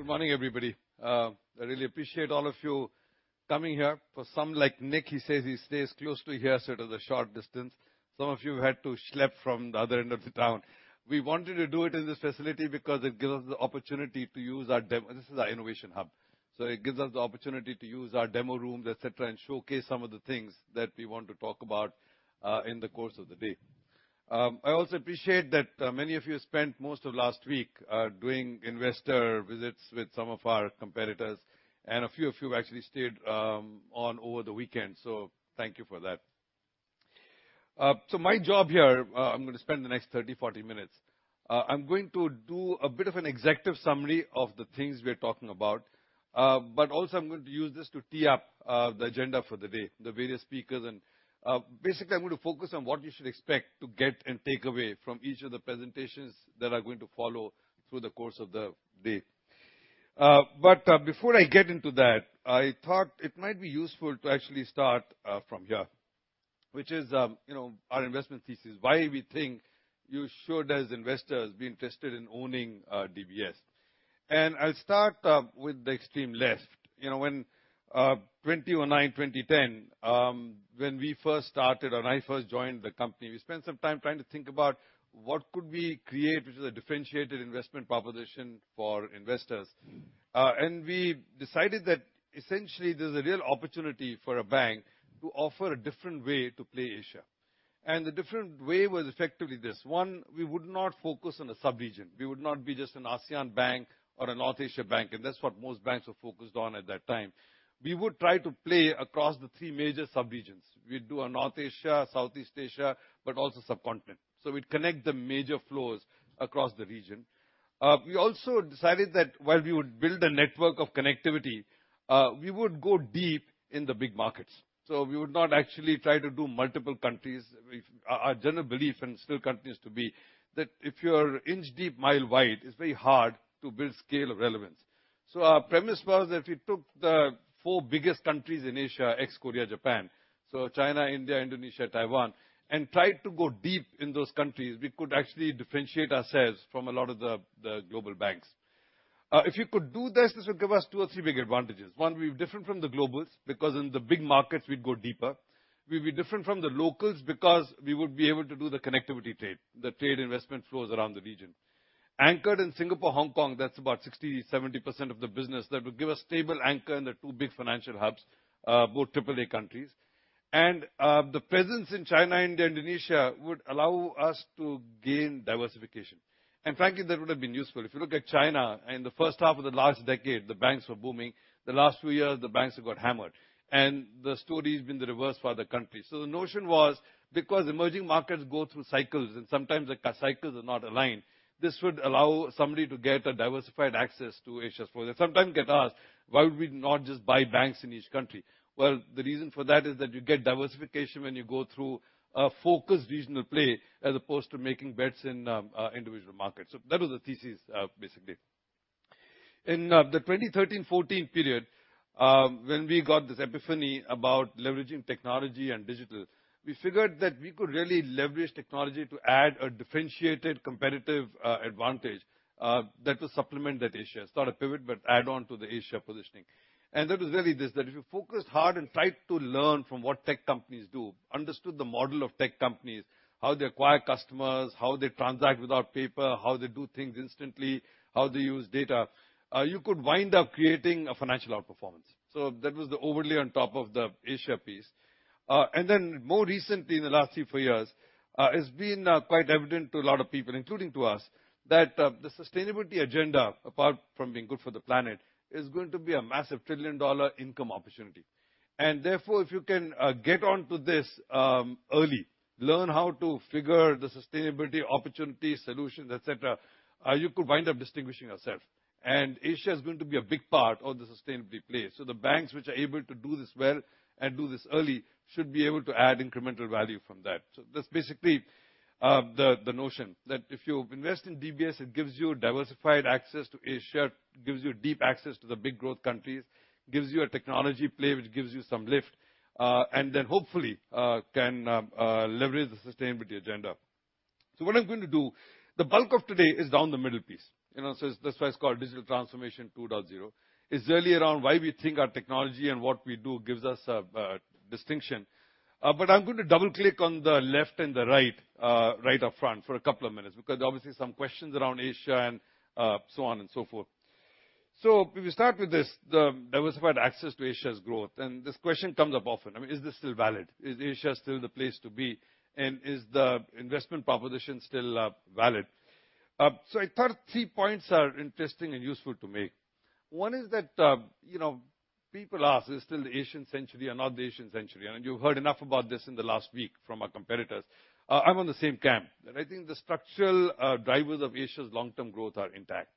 Good morning, everybody. I really appreciate all of you coming here. For some, like Nick, he says he stays close to here, so it is a short distance. Some of you had to schlep from the other end of the town. We wanted to do it in this facility because it gives us the opportunity to use ours. This is our innovation hub. So, it gives us the opportunity to use our demo rooms, et cetera, and showcase some of the things that we want to talk about in the course of the day. I also appreciate that many of you spent most of last week doing investor visits with some of our competitors, and a few of you actually stayed on over the weekend. So, thank you for that. So my job here, I'm gonna spend the next 30, 40 minutes. I'm going to do a bit of an executive summary of the things we're talking about. But also I'm going to use this to tee up the agenda for the day, the various speakers. And basically, I'm going to focus on what you should expect to get and take away from each of the presentations that are going to follow through the course of the day. But before I get into that, I thought it might be useful to actually start from here, which is, you know, our investment thesis. Why we think you should, as investors, be interested in owning DBS. And I'll start with the extreme left. You know, when 2009, 2010, when we first started, or I first joined the company, we spent some time trying to think about what could we create, which is a differentiated investment proposition for investors. And we decided that essentially, there's a real opportunity for a bank to offer a different way to play Asia. And the different way was effectively this: One, we would not focus on a subregion. We would not be just an ASEAN bank or a North Asia bank, and that's what most banks were focused on at that time. We would try to play across the three major subregions. We'd do a North Asia, Southeast Asia, but also subcontinent. So we'd connect the major flows across the region. We also decided that while we would build a network of connectivity, we would go deep in the big markets, so we would not actually try to do multiple countries. Our general belief, and still continues to be, that if you're inch deep, mile wide, it's very hard to build scale or relevance. So, our premise was that we took the four biggest countries in Asia, ex-Korea, Japan, so China, India, Indonesia, Taiwan, and tried to go deep in those countries. We could actually differentiate ourselves from a lot of the global banks. If you could do this, this would give us two or three big advantages. One, we're different from the globals, because in the big markets, we'd go deeper. We'd be different from the locals because we would be able to do the connectivity trade, the trade investment flows around the region. Anchored in Singapore, Hong Kong, that's about 60%-70% of the business. That would give a stable anchor in the two big financial hubs, both triple A countries. And the presence in China, India, Indonesia would allow us to gain diversification. And frankly, that would have been useful. If you look at China, in the first half of the last decade, the banks were booming. The last 2 years, the banks have got hammered, and the story's been the reverse for other countries. So, the notion was, because emerging markets go through cycles, and sometimes the cycles are not aligned, this would allow somebody to get a diversified access to Asia. So, I sometimes get asked, "Why would we not just buy banks in each country?" Well, the reason for that is that you get diversification when you go through a focused regional play, as opposed to making bets in individual markets. So that was the thesis, basically. In the 2013, 2014 period, when we got this epiphany about leveraging technology and digital, we figured that we could really leverage technology to add a differentiated, competitive advantage that will supplement that, Asia. It's not a pivot but add on to the Asia positioning. And that was really this, that if you focus hard and try to learn from what tech companies do, understood the model of tech companies, how they acquire customers, how they transact without paper, how they do things instantly, how they use data, you could wind up creating a financial outperformance. So that was the overlay on top of the Asia piece. And then more recently, in the last three, four years, it's been quite evident to a lot of people, including to us, that the sustainability agenda, apart from being good for the planet, is going to be a massive trillion-dollar income opportunity. And therefore, if you can get onto this early, learn how to figure the sustainability opportunities, solutions, et cetera, you could wind up distinguishing yourself. And Asia is going to be a big part of the sustainability play. So the banks which are able to do this well and do this early should be able to add incremental value from that. So that's basically the notion that if you invest in DBS, it gives you diversified access to Asia, it gives you deep access to the big growth countries, gives you a technology play, which gives you some lift, and then hopefully can leverage the sustainability agenda. So what I'm going to do, the bulk of today is down the middle piece. You know, so that's why it's called Digital Transformation 2.0. It's really around why we think our technology and what we do gives us a distinction. But I'm going to double-click on the left and the right, right up front for a couple of minutes, because obviously some questions around Asia and, so on and so forth. So, if we start with this, the diversified access to Asia's growth, and this question comes up often, I mean, is this still valid? Is Asia still the place to be, and is the investment proposition still, valid? So, I thought three points are interesting and useful to make. One is that, you know, people ask, "Is still the Asian century or not the Asian century?" And you've heard enough about this in the last week from our competitors. I'm on the same camp, that I think the structural, drivers of Asia's long-term growth are intact.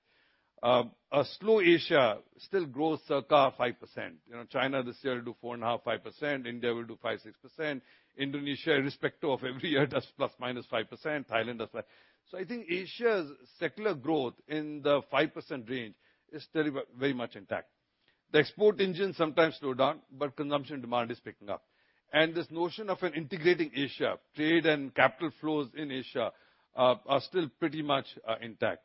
A slow Asia still grows circa 5%. You know, China this year will do 4.5%-5%. India will do 5%-6%. Indonesia, irrespective of every year, does ±5%. Thailand, does 5%. So I think Asia's secular growth in the 5% range is still very, very much intact. The export engine sometimes slow down, but consumption demand is picking up. And this notion of an integrating Asia, trade and capital flows in Asia, are still pretty much intact.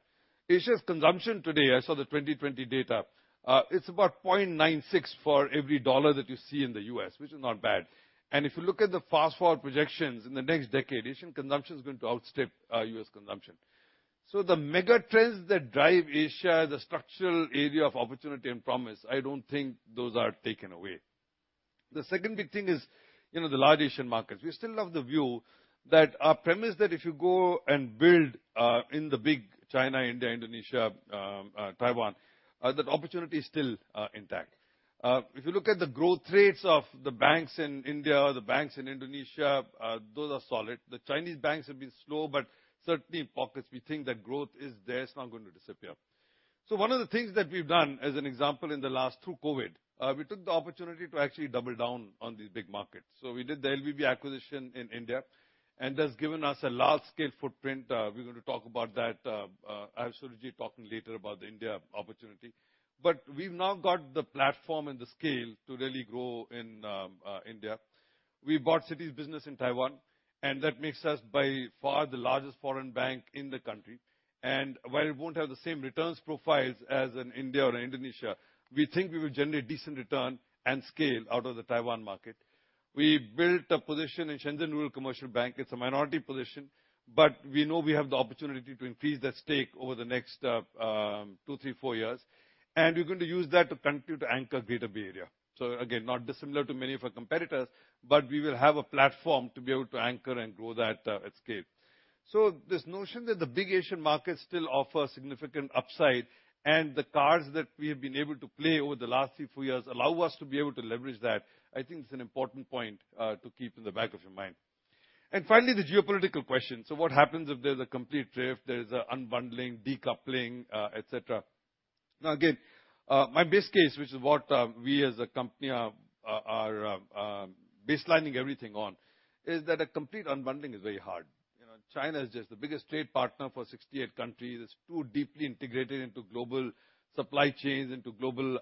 Asia's consumption today, I saw the 2020 data, it's about 0.96 for every $1 that you see in the US, which is not bad. And if you look at the fast-forward projections, in the next decade, Asian consumption is going to outstrip US consumption. So the mega trends that drive Asia as a structural area of opportunity and promise, I don't think those are taken away. The second big thing is, you know, the large Asian markets. We still love the view that our premise that if you go and build, in the big China, India, Indonesia, Taiwan, that opportunity is still, intact. If you look at the growth rates of the banks in India, or the banks in Indonesia, those are solid. The Chinese banks have been slow, but certainly in pockets, we think that growth is there, it's not going to disappear. So, one of the things that we've done, as an example, through COVID, we took the opportunity to actually double down on these big markets. So, we did the LVB acquisition in India, and that's given us a large-scale footprint. We're going to talk about that. I have Surojit talking later about the India opportunity. But we've now got the platform and the scale to really grow in India. We bought Citi's business in Taiwan, and that makes us by far the largest foreign bank in the country. And while it won't have the same returns profiles as in India or Indonesia, we think we will generate decent return and scale out of the Taiwan market. We built a position in Shenzhen Rural Commercial Bank. It's a minority position, but we know we have the opportunity to increase that stake over the next two, three, four years, and we're going to use that to continue to anchor Greater Bay Area. So again, not dissimilar to many of our competitors, but we will have a platform to be able to anchor and grow that at scale. So, this notion that the big Asian markets still offer significant upside, and the cards that we have been able to play over the last three, four years allow us to be able to leverage that, I think is an important point to keep in the back of your mind. And finally, the geopolitical question. So, what happens if there's a complete drift, there's an unbundling, decoupling, et cetera? Now, again, my base case, which is what we as a company are baselining everything on, is that a complete unbundling is very hard. You know, China is just the biggest trade partner for 68 countries. It's too deeply integrated into global supply chains, into global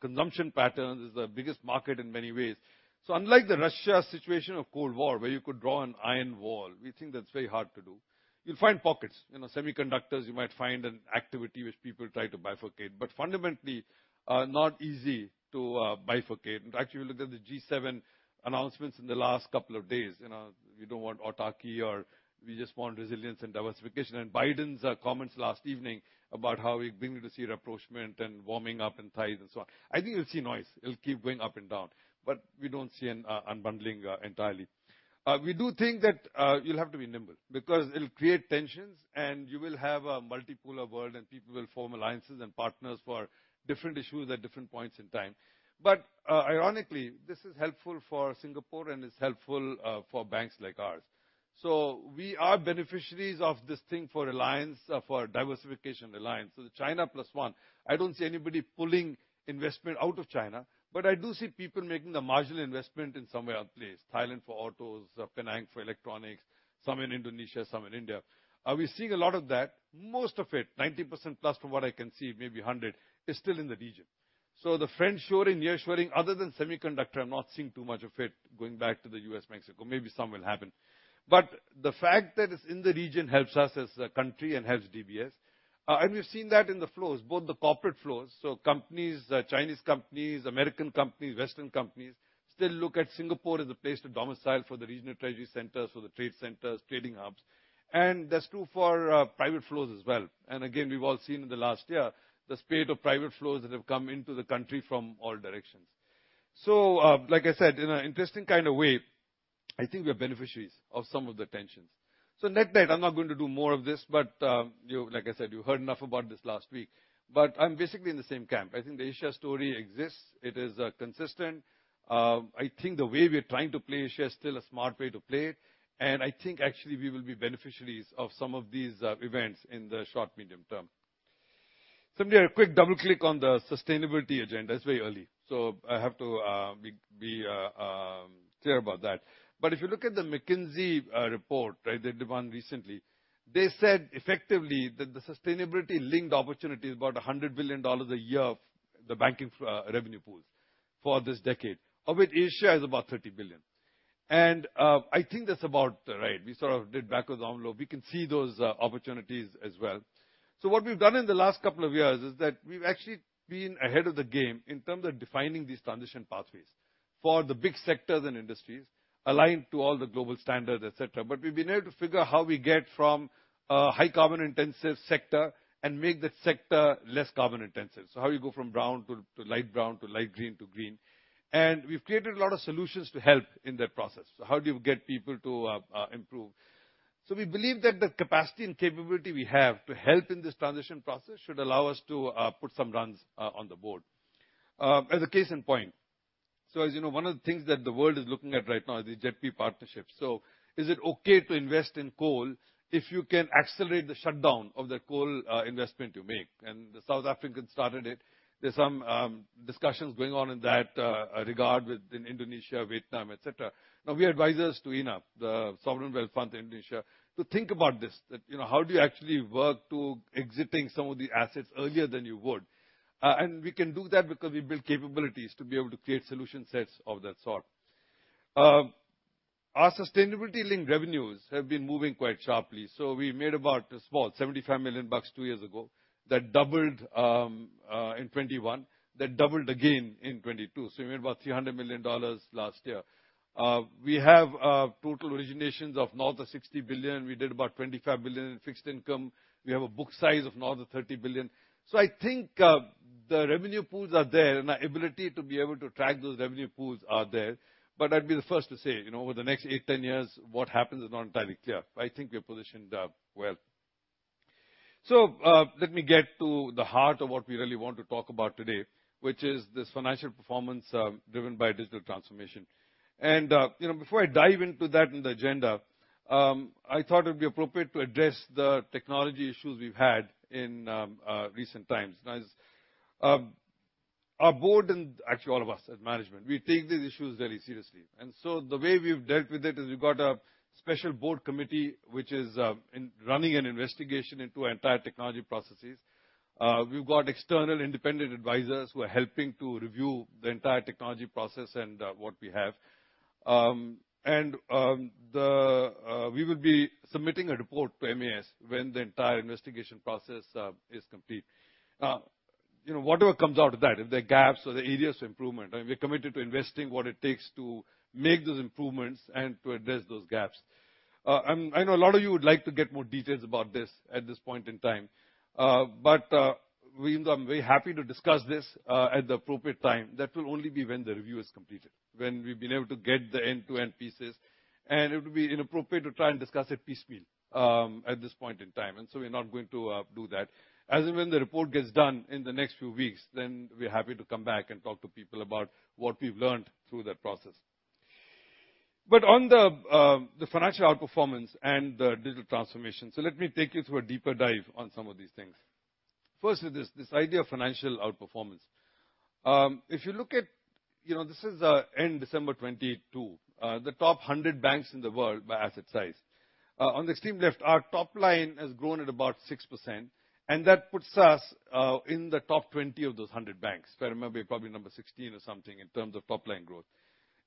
consumption patterns. It's the biggest market in many ways. So, unlike the Russia situation of Cold War, where you could draw an Iron Wall, we think that's very hard to do. You'll find pockets, you know, semiconductors, you might find an activity which people try to bifurcate, but fundamentally not easy to bifurcate. And actually, we looked at the G7 announcements in the last couple of days. You know, we don't want autarky or we just want resilience and diversification. And Biden's comments last evening about how he's willing to see rapprochement and warming up in ties and so on. I think you'll see noise. It'll keep going up and down, but we don't see an unbundling entirely. We do think that you'll have to be nimble because it'll create tensions, and you will have a multipolar world, and people will form alliances and partners for different issues at different points in time. But ironically, this is helpful for Singapore, and it's helpful for banks like ours. So, we are beneficiaries of this thing for alliance for diversification alliance. So, the China Plus One, I don't see anybody pulling investment out of China, but I do see people making a marginal investment in somewhere else place, Thailand for autos, Penang for electronics, some in Indonesia, some in India. We're seeing a lot of that. Most of it, 90% plus, from what I can see, maybe 100, is still in the region. So, the friendshoring, nearshoring, other than semiconductor, I'm not seeing too much of it going back to the U.S., Mexico. Maybe some will happen. But the fact that it's in the region helps us as a country and helps DBS. And we've seen that in the flows, both the corporate flows, so companies, Chinese companies, American companies, Western companies, still look at Singapore as a place to domicile for the regional treasury centers, for the trade centers, trading hubs. And that's true for private flows as well. And again, we've all seen in the last year the spate of private flows that have come into the country from all directions. So, like I said, in an interesting kind of way, I think we are beneficiaries of some of the tensions. So net-net, I'm not going to do more of this, but, like I said, you heard enough about this last week, but I'm basically in the same camp. I think the Asia story exists. It is consistent. I think the way we are trying to play Asia is still a smart way to play it, and I think actually we will be beneficiaries of some of these events in the short, medium term. Someone, a quick double-click on the sustainability agenda. It's very early, so I have to be clear about that. But if you look at the McKinsey report, right, they did one recently, they said effectively that the sustainability-linked opportunity is about $100 billion a year of the banking revenue pools for this decade, of it, Asia is about $30 billion. And, I think that's about right. We sort of did back of the envelope. We can see those, opportunities as well. So what we've done in the last couple of years is that we've actually been ahead of the game in terms of defining these transition pathways for the big sectors and industries aligned to all the global standards, et cetera. But we've been able to figure out how we get from a high carbon-intensive sector and make that sector less carbon-intensive. So how you go from brown to light brown, to light green, to green. And we've created a lot of solutions to help in that process. So how do you get people to improve? So we believe that the capacity and capability we have to help in this transition process should allow us to put some runs on the board. As a case in point, so as you know, one of the things that the world is looking at right now is the JETP partnerships. So, is it okay to invest in coal if you can accelerate the shutdown of the coal, investment you make? And the South Africans started it. There's some discussions going on in that regard within Indonesia, Vietnam, et cetera. Now, we are advisors to INA, the Sovereign Wealth Fund in Indonesia, to think about this. That, you know, how do you actually work to exiting some of the assets earlier than you would? And we can do that because we build capabilities to be able to create solution sets of that sort. Our sustainability-linked revenues have been moving quite sharply. So, we made about a small $75 million two years ago. That doubled in 2021. That doubled again in 2022, so we made about $300 million last year. We have total originations of north of $60 billion. We did about $25 billion in fixed income. We have a book size of north of $30 billion. So I think the revenue pools are there, and our ability to be able to track those revenue pools are there. But I'd be the first to say, you know, over the next eight, ten years, what happens is not entirely clear. I think we're positioned well. So let me get to the heart of what we really want to talk about today, which is this financial performance driven by digital transformation. You know, before I dive into that in the agenda, I thought it would be appropriate to address the technology issues we've had in recent times. Our board and actually all of us as management, we take these issues very seriously. And so the way we've dealt with it is we've got a special board committee which is running an investigation into entire technology processes. We've got external independent advisors who are helping to review the entire technology process and what we have. And we will be submitting a report to MAS when the entire investigation process is complete. You know, whatever comes out of that, if there are gaps or there are areas of improvement, I mean, we're committed to investing what it takes to make those improvements and to address those gaps. I know a lot of you would like to get more details about this at this point in time, but we, I'm very happy to discuss this at the appropriate time. That will only be when the review is completed, when we've been able to get the end-to-end pieces, and it would be inappropriate to try and discuss it piecemeal at this point in time, and so we're not going to do that. As and when the report gets done in the next few weeks, then we're happy to come back and talk to people about what we've learned through that process. But on the financial outperformance and the digital transformation, so let me take you through a deeper dive on some of these things. First is this, this idea of financial outperformance. If you look at, you know, this is end December 2022, the top 100 banks in the world by asset size. On the extreme left, our top line has grown at about 6%, and that puts us in the top 20 of those 100 banks. If I remember, we're probably number 16 or something in terms of top line growth.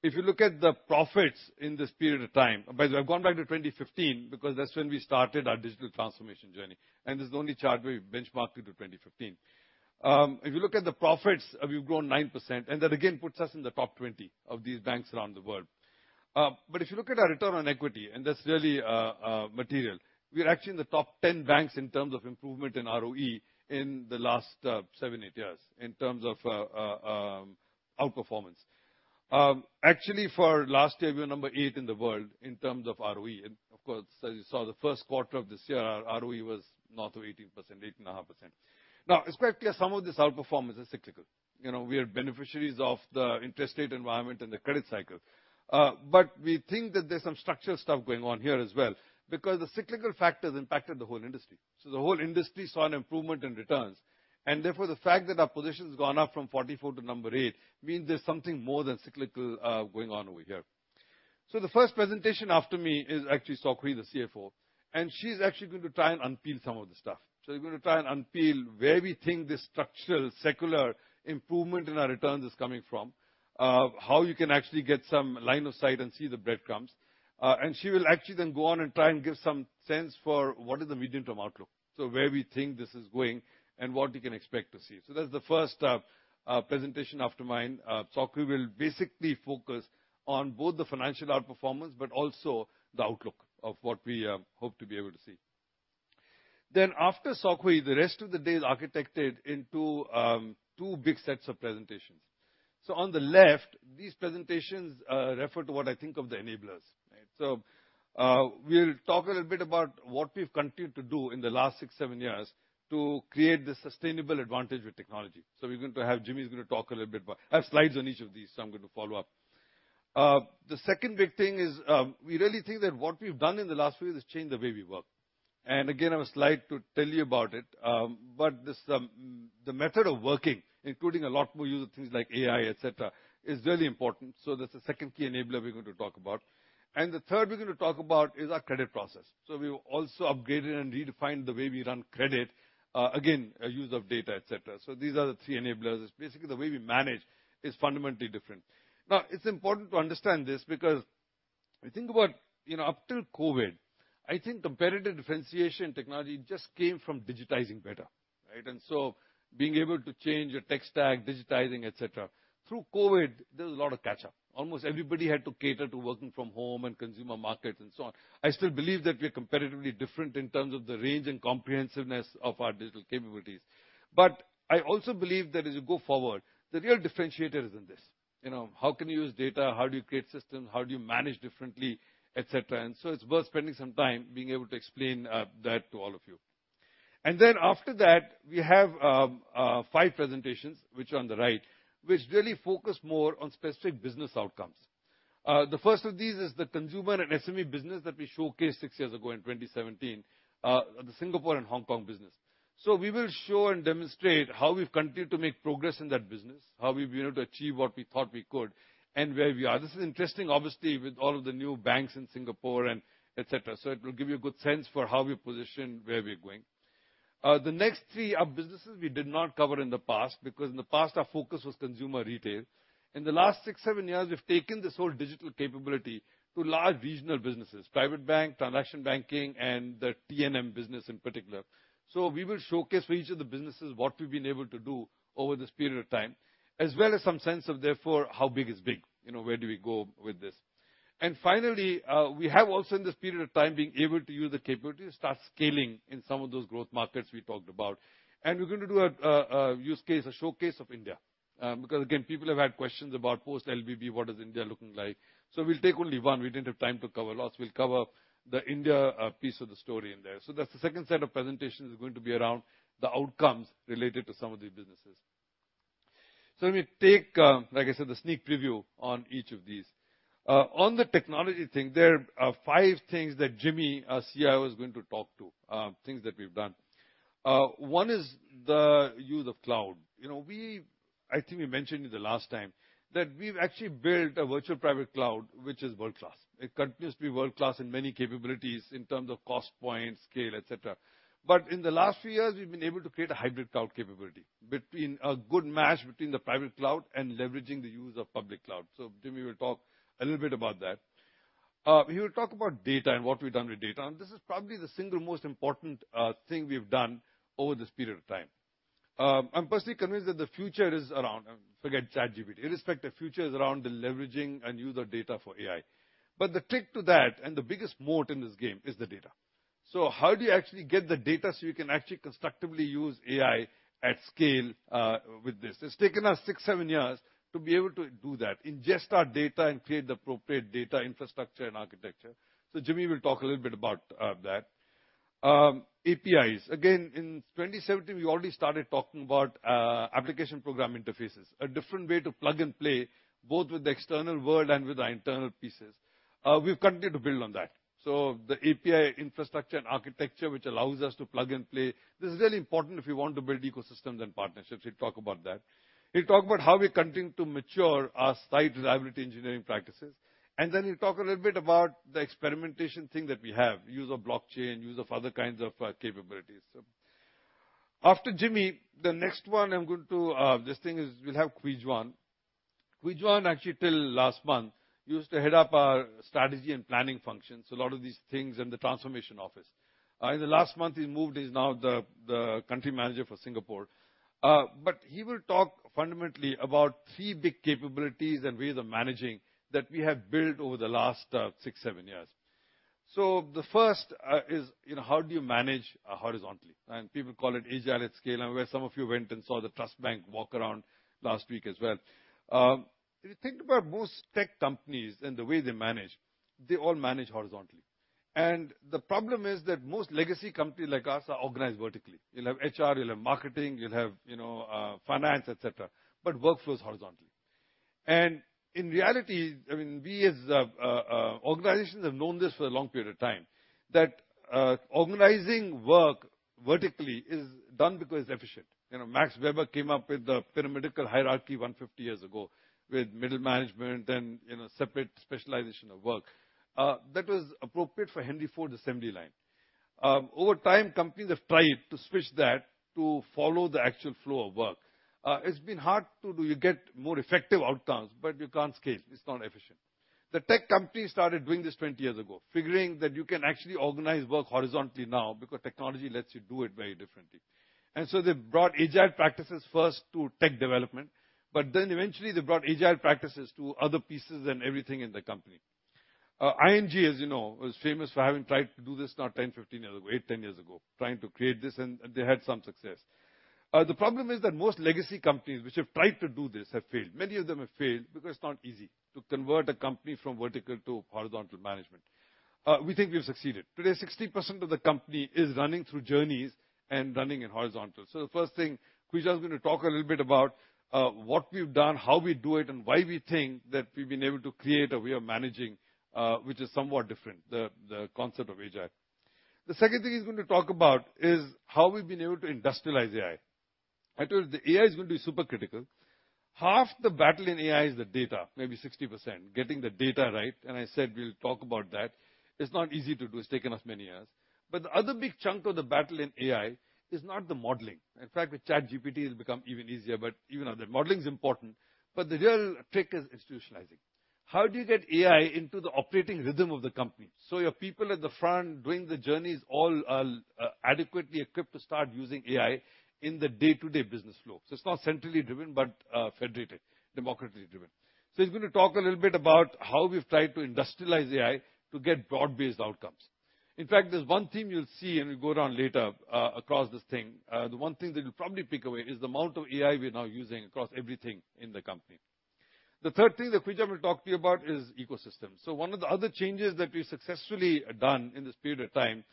If you look at the profits in this period of time, by the way, I've gone back to 2015, because that's when we started our digital transformation journey, and this is the only chart where we've benchmarked it to 2015. If you look at the profits, we've grown 9%, and that again puts us in the top 20 of these banks around the world. But if you look at our return on equity, and that's really, material, we're actually in the top 10 banks in terms of improvement in ROE in the last, seven, eight years, in terms of, outperformance. Actually, for last year, we were number eight in the world in terms of ROE, and of course, as you saw, the first quarter of this year, our ROE was north of 18%, 18.5%. Now, it's quite clear some of this outperformance is cyclical. You know, we are beneficiaries of the interest rate environment and the credit cycle. But we think that there's some structural stuff going on here as well, because the cyclical factors impacted the whole industry. So the whole industry saw an improvement in returns, and therefore, the fact that our position has gone up from 44 to number 8 means there's something more than cyclical going on over here. So the first presentation after me is actually Sok Hui, the CFO, and she's actually going to try and unpeel some of the stuff. So we're going to try and unpeel where we think this structural, secular improvement in our returns is coming from, how you can actually get some line of sight and see the breadcrumbs. And she will actually then go on and try and give some sense for what is the medium-term outlook, so where we think this is going and what we can expect to see. So that's the first presentation after mine. Sok Hui will basically focus on both the financial outperformance but also the outlook of what we hope to be able to see. Then after Sok Hui, the rest of the day is architected into two big sets of presentations. So on the left, these presentations refer to what I think of the enablers, right? So we'll talk a little bit about what we've continued to do in the last 6, 7 years to create this sustainable advantage with technology. So we're going to have... Jimmy's going to talk a little bit about- I have slides on each of these, so I'm going to follow up. The second big thing is, we really think that what we've done in the last few years has changed the way we work. Again, I have a slide to tell you about it, but this, the method of working, including a lot more use of things like AI, et cetera, is really important. So that's the second key enabler we're going to talk about. And the third we're going to talk about is our credit process. So we've also upgraded and redefined the way we run credit, again, a use of data, et cetera. So these are the three enablers. Basically, the way we manage is fundamentally different. Now, it's important to understand this because I think about, you know, up till COVID, I think competitive differentiation technology just came from digitizing better, right? And so being able to change your tech stack, digitizing, et cetera. Through COVID, there was a lot of catch-up. Almost everybody had to cater to working from home and consumer markets and so on. I still believe that we're competitively different in terms of the range and comprehensiveness of our digital capabilities. But I also believe that as you go forward, the real differentiator is in this. You know, how can you use data? How do you create systems? How do you manage differently, et cetera? And so, it's worth spending some time being able to explain that to all of you. And then after that, we have 5 presentations, which are on the right, which really focus more on specific business outcomes. The first of these is the consumer and SME business that we showcased 6 years ago in 2017, the Singapore and Hong Kong business. So, we will show and demonstrate how we've continued to make progress in that business, how we've been able to achieve what we thought we could, and where we are. This is interesting, obviously, with all of the new banks in Singapore and et cetera, so it will give you a good sense for how we're positioned, where we're going... The next three are businesses we did not cover in the past, because in the past, our focus was consumer retail. In the last 6-7 years, we've taken this whole digital capability to large regional businesses, private bank, transaction banking, and the T&M business in particular. So we will showcase for each of the businesses, what we've been able to do over this period of time, as well as some sense of, therefore, how big is big? You know, where do we go with this? And finally, we have also, in this period of time, been able to use the capability to start scaling in some of those growth markets we talked about. We're going to do a use case, a showcase of India, because, again, people have had questions about post-LVB, what is India looking like? We'll take only one. We didn't have time to cover lots. We'll cover the India piece of the story in there. That's the second set of presentations is going to be around the outcomes related to some of the businesses. Let me take, like I said, the sneak preview on each of these. On the technology thing, there are five things that Jimmy, our CIO, is going to talk to, things that we've done. One is the use of cloud. You know, I think we mentioned it the last time, that we've actually built a virtual private cloud, which is world-class. It continues to be world-class in many capabilities in terms of cost, point, scale, et cetera. But in the last few years, we've been able to create a hybrid cloud capability between a good match between the private cloud and leveraging the use of public cloud. So Jimmy will talk a little bit about that. He will talk about data and what we've done with data, and this is probably the single most important thing we've done over this period of time. I'm personally convinced that the future is around, forget ChatGPT, irrespective, future is around the leveraging and user data for AI. But the trick to that, and the biggest moat in this game, is the data. So how do you actually get the data so you can actually constructively use AI at scale, with this? It's taken us 6-7 years to be able to do that, ingest our data and create the appropriate data infrastructure and architecture. So Jimmy will talk a little bit about that. APIs. Again, in 2017, we already started talking about application programming interfaces, a different way to plug and play, both with the external world and with our internal pieces. We've continued to build on that. So the API infrastructure and architecture, which allows us to plug and play, this is really important if you want to build ecosystems and partnerships. He'll talk about that. He'll talk about how we continue to mature our Site Reliability Engineering practices, and then he'll talk a little bit about the experimentation thing that we have, use of blockchain, use of other kinds of capabilities. So after Jimmy, the next one I'm going to, we'll have Kwee Juan. Kwee Juan, actually, till last month, used to head up our strategy and planning functions, a lot of these things in the transformation office. In the last month, he moved. He's now the, the country manager for Singapore. But he will talk fundamentally about three big capabilities and ways of managing that we have built over the last six, seven years. So, the first is, you know, how do you manage horizontally? And people call it agile at scale, and where some of you went and saw the Trust Bank walk around last week as well. If you think about most tech companies and the way they manage, they all manage horizontally. And the problem is that most legacy companies like us are organized vertically. You'll have HR, you'll have marketing, you'll have, you know, finance, et cetera, but workflows horizontally. In reality, I mean, we, as organizations, have known this for a long period of time, that organizing work vertically is done because it's efficient. You know, Max Weber came up with the pyramidal hierarchy 150 years ago, with middle management and, you know, separate specialization of work. That was appropriate for Henry Ford assembly line. Over time, companies have tried to switch that to follow the actual flow of work. It's been hard to do. You get more effective outcomes, but you can't scale. It's not efficient. The tech companies started doing this 20 years ago, figuring that you can actually organize work horizontally now because technology lets you do it very differently. And so they brought agile practices first to tech development, but then eventually, they brought agile practices to other pieces and everything in the company. ING, as you know, was famous for having tried to do this now 10, 15 years ago, 8, 10 years ago, trying to create this, and they had some success. The problem is that most legacy companies which have tried to do this have failed. Many of them have failed because it's not easy to convert a company from vertical to horizontal management. We think we've succeeded. Today, 60% of the company is running through journeys and running it horizontal. So, the first thing, Kwee Juan is gonna talk a little bit about what we've done, how we do it, and why we think that we've been able to create a way of managing, which is somewhat different, the concept of agile. The second thing he's going to talk about is how we've been able to industrialize AI. I told you, the AI is going to be super critical. Half the battle in AI is the data, maybe 60%, getting the data right, and I said, we'll talk about that. It's not easy to do. It's taken us many years. But the other big chunk of the battle in AI is not the modeling. In fact, with ChatGPT, it's become even easier. But even though the modeling is important, but the real trick is institutionalizing. How do you get AI into the operating rhythm of the company, so your people at the front doing the journeys all, adequately equipped to start using AI in the day-to-day business flow? So it's not centrally driven, but, federated, democratically driven. So he's going to talk a little bit about how we've tried to industrialize AI to get broad-based outcomes. In fact, there's one theme you'll see, and we'll go down later, across this thing. The one thing that you'll probably pick away is the amount of AI we're now using across everything in the company. The third thing that Kuijuan will talk to you about is ecosystems. So one of the other changes that we've successfully done in this period of time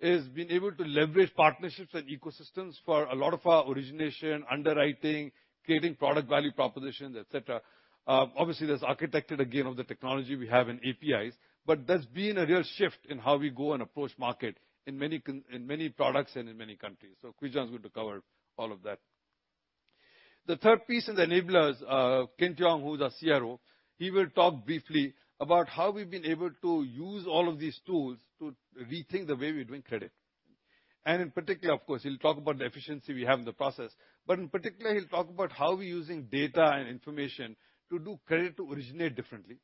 is being able to leverage partnerships and ecosystems for a lot of our origination, underwriting, creating product value propositions, et cetera. Obviously, there's architected, again, of the technology we have in APIs, but there's been a real shift in how we go and approach market in many in many products and in many countries. So Han Kwee Juan is going to cover all of that.... The third piece in the enablers, Tan Teck Long, who's our CRO, he will talk briefly about how we've been able to use all of these tools to rethink the way we're doing credit. And in particular, of course, he'll talk about the efficiency we have in the process, but in particular, he'll talk about how we're using data and information to do credit to originate differently.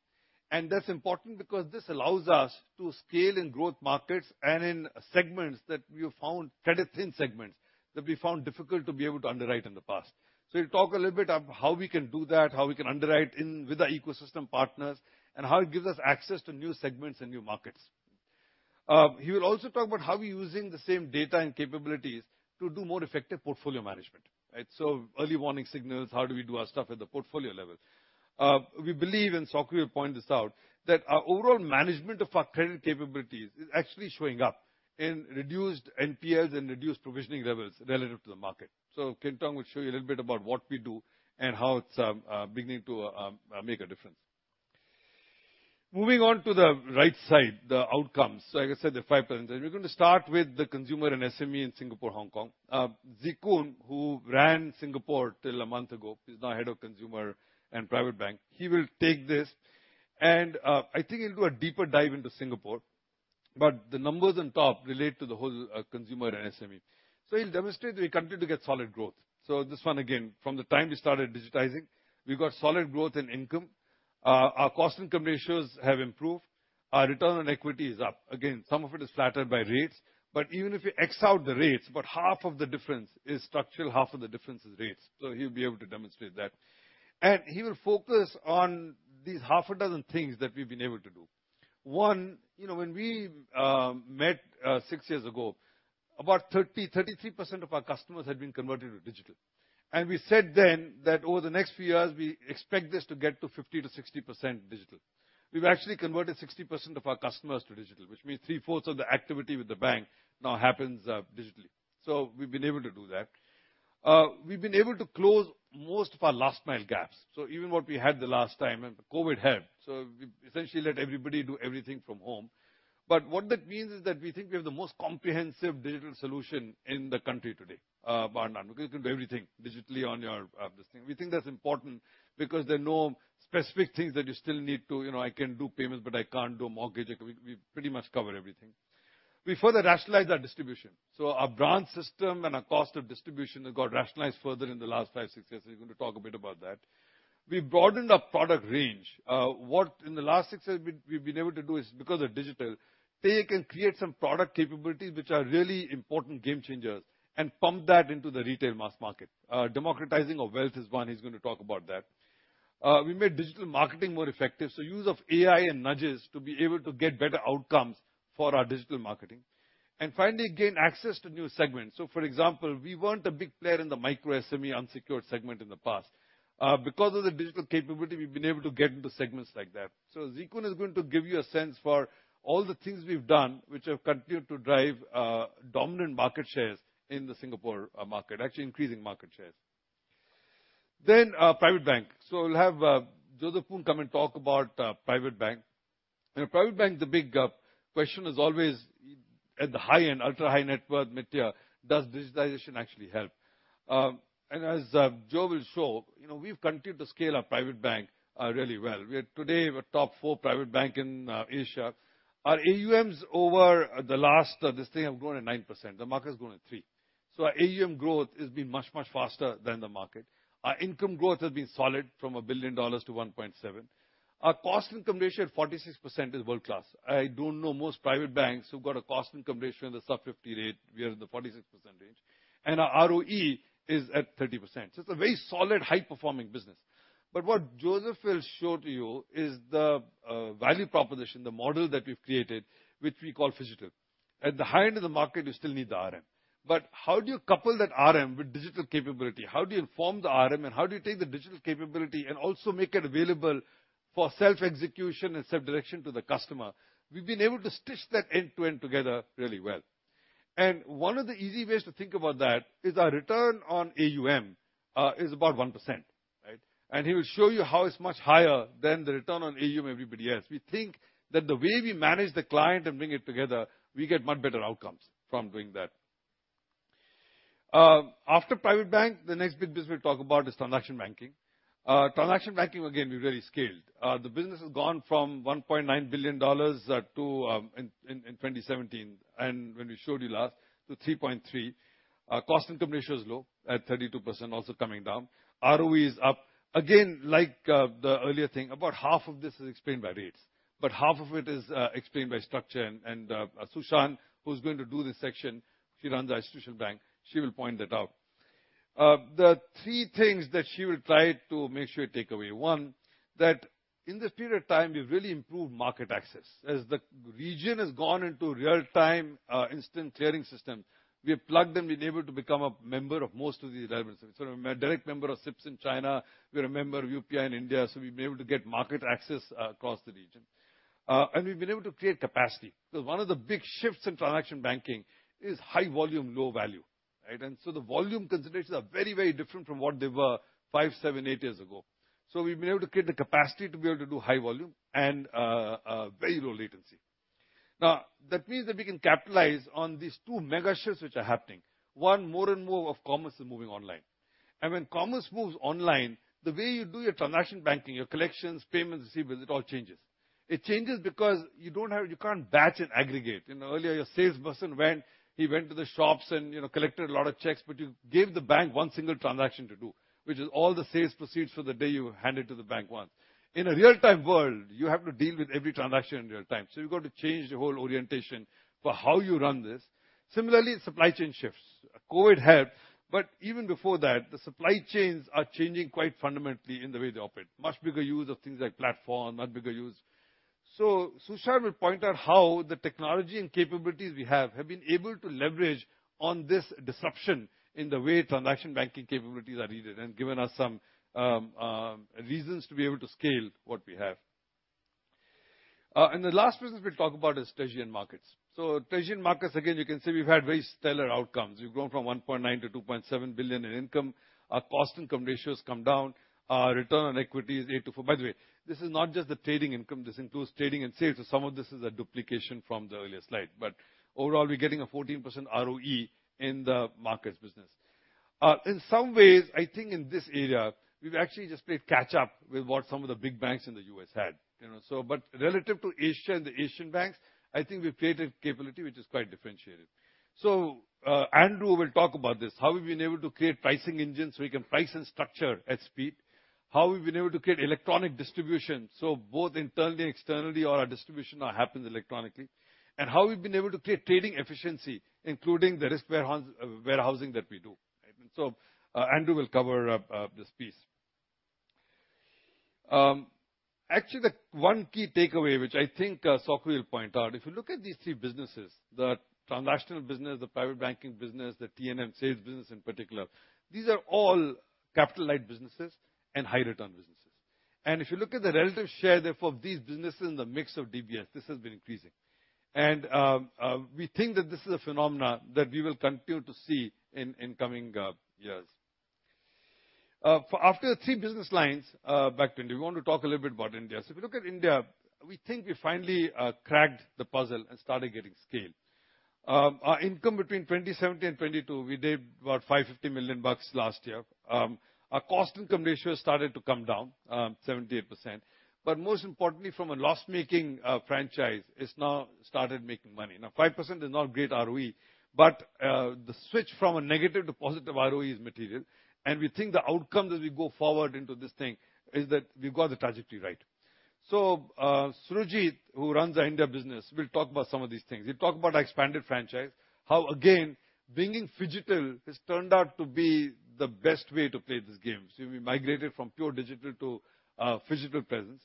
And that's important because this allows us to scale in growth markets and in segments that we have found, credit thin segments, that we found difficult to be able to underwrite in the past. So he'll talk a little bit about how we can do that, how we can underwrite in with our ecosystem partners, and how it gives us access to new segments and new markets. He will also talk about how we're using the same data and capabilities to do more effective portfolio management, right? So early warning signals, how do we do our stuff at the portfolio level? We believe, and Sok Hui will point this out, that our overall management of our credit capabilities is actually showing up in reduced NPLs and reduced provisioning levels relative to the market. So Tan Teck Long will show you a little bit about what we do and how it's beginning to make a difference. Moving on to the right side, the outcomes. So like I said, the five pillars, and we're going to start with the consumer and SME in Singapore, Hong Kong. Tse Koon, who ran Singapore till a month ago, he's now Head of Consumer and Private Bank. He will take this, and, I think he'll do a deeper dive into Singapore, but the numbers on top relate to the whole, consumer and SME. So, he'll demonstrate that we continue to get solid growth. So, this one, again, from the time we started digitizing, we've got solid growth in income. Our cost income ratios have improved. Our return on equity is up. Again, some of it is flattered by rates, but even if you X out the rates, about half of the difference is structural, half of the difference is rates. So, he'll be able to demonstrate that. He will focus on these half a dozen things that we've been able to do. One, you know, when we met 6 years ago, about 33% of our customers had been converted to digital. And we said then that over the next few years, we expect this to get to 50%-60% digital. We've actually converted 60% of our customers to digital, which means three-fourths of the activity with the bank now happens digitally. So, we've been able to do that. We've been able to close most of our last mile gaps, so even what we had the last time, and COVID helped. So, we essentially let everybody do everything from home. But what that means is that we think we have the most comprehensive digital solution in the country today, bar none, because you can do everything digitally on your, this thing. We think that's important because there are no specific things that you still need to, you know, I can do payments, but I can't do a mortgage. We, we pretty much cover everything. We further rationalized our distribution, so our branch system and our cost of distribution have got rationalized further in the last 5-6 years. He's going to talk a bit about that. We've broadened our product range. What in the last 6 years we've, we've been able to do is, because of digital, take and create some product capabilities which are really important game changers and pump that into the retail mass market. Democratizing of wealth is one. He's going to talk about that. We made digital marketing more effective, so use of AI and nudges to be able to get better outcomes for our digital marketing. And finally, gain access to new segments. So for example, we weren't a big player in the micro-SME unsecured segment in the past. Because of the digital capability, we've been able to get into segments like Shee Tse Koon is going to give you a sense for all the things we've done, which have continued to drive dominant market shares in the Singapore market, actually increasing market shares. Then, private bank. So we'll have Joseph Poon come and talk about private bank. In a private bank, the big question is always at the high end, ultra-high net worth material, does digitization actually help? As Joe will show, you know, we've continued to scale our private bank really well. We are today we're top four private bank in Asia. Our AUMs over the last this thing have grown at 9%. The market has grown at 3%. So our AUM growth has been much, much faster than the market. Our income growth has been solid from $1 billion to $1.7 billion. Our cost income ratio at 46% is world-class. I don't know most private banks who've got a cost income ratio in the sub-50% rate, we are in the 46% range, and our ROE is at 30%. So it's a very solid, high-performing business. But what Joseph will show to you is the value proposition, the model that we've created, which we call Phygital. At the high end of the market, you still need the RM. But how do you couple that RM with digital capability? How do you inform the RM, and how do you take the digital capability and also make it available for self-execution and self-direction to the customer? We've been able to stitch that end-to-end together really well. And one of the easy ways to think about that is our return on AUM is about 1%, right? And he will show you how it's much higher than the return on AUM, everybody else. We think that the way we manage the client and bring it together, we get much better outcomes from doing that. After private bank, the next big business we'll talk about is transaction banking. Transaction banking, again, we've really scaled. The business has gone from $1.9 billion to in 2017, and when we showed you last, to $3.3 billion. Cost income ratio is low, at 32%, also coming down. ROE is up. Again, like, the earlier thing, about half of this is explained by rates, but half of it is explained by structure. And Su Shan, who's going to do this section, she runs our institutional bank, she will point that out. The three things that she will try to make sure you take away: one, that in this period of time, we've really improved market access. As the region has gone into real-time instant clearing system, we have plugged and been able to become a member of most of these environments. So we're a direct member of CIPS in China, we're a member of UPI in India, so we've been able to get market access across the region. And we've been able to create capacity, because one of the big shifts in transaction banking is high volume, low value, right? And so the volume considerations are very, very different from what they were 5, 7, 8 years ago. So we've been able to create the capacity to be able to do high volume and very low latency. Now, that means that we can capitalize on these two mega shifts which are happening. One, more and more of commerce is moving online. And when commerce moves online, the way you do your transaction banking, your collections, payments, receivables, it all changes. It changes because you don't have—you can't batch and aggregate. You know, earlier, your salesperson went, he went to the shops and, you know, collected a lot of checks, but you gave the bank one single transaction to do, which is all the sales proceeds for the day, you hand it to the bank once. In a real-time world, you have to deal with every transaction in real time, so you've got to change the whole orientation for how you run this. Similarly, supply chain shifts. COVID helped, but even before that, the supply chains are changing quite fundamentally in the way they operate. Much bigger use of things like platform, much bigger use. So, Su Shan will point out how the technology and capabilities we have been able to leverage on this disruption in the way transaction banking capabilities are needed and given us some reasons to be able to scale what we have. And the last business we'll talk about is treasury and markets. Treasury and markets, again, you can see we've had very stellar outcomes. We've grown from 1.9 billion to 2.7 billion in income. Our cost income ratio has come down. Our return on equity is 8 to 4. By the way, this is not just the trading income. This includes trading and sales, so some of this is a duplication from the earlier slide, but overall, we're getting a 14% ROE in the markets business. In some ways, I think in this area, we've actually just played catch up with what some of the big banks in the US had. You know, so but relative to Asia and the Asian banks, I think we've created capability which is quite differentiated. So, Andrew will talk about this, how we've been able to create pricing engines so we can price and structure at speed, how we've been able to create electronic distribution, so both internally, externally, all our distribution now happens electronically, and how we've been able to create trading efficiency, including the risk warehousing that we do. So, Andrew will cover up, this piece. Actually, the one key takeaway, which I think, Sok Hui will point out, if you look at these three businesses, the transactional business, the private banking business, the T&M sales business in particular, these are all capital-light businesses and high-return businesses. And if you look at the relative share, therefore, of these businesses in the mix of DBS, this has been increasing. We think that this is a phenomenon that we will continue to see in coming years. Following the three business lines, back to India, we want to talk a little bit about India. If you look at India, we think we finally cracked the puzzle and started getting scale. Our income between 2017 and 2022, we did about $550 million last year. Our cost income ratio has started to come down, 78%. But most importantly, from a loss-making franchise, it's now started making money. Now, 5% is not great ROE, but the switch from a negative to positive ROE is material, and we think the outcome as we go forward into this thing is that we've got the trajectory right. So, Surojit, who runs our India business, will talk about some of these things. He'll talk about expanded franchise, how, again, bringing phygital has turned out to be the best way to play this game. So we migrated from pure digital to, phygital presence.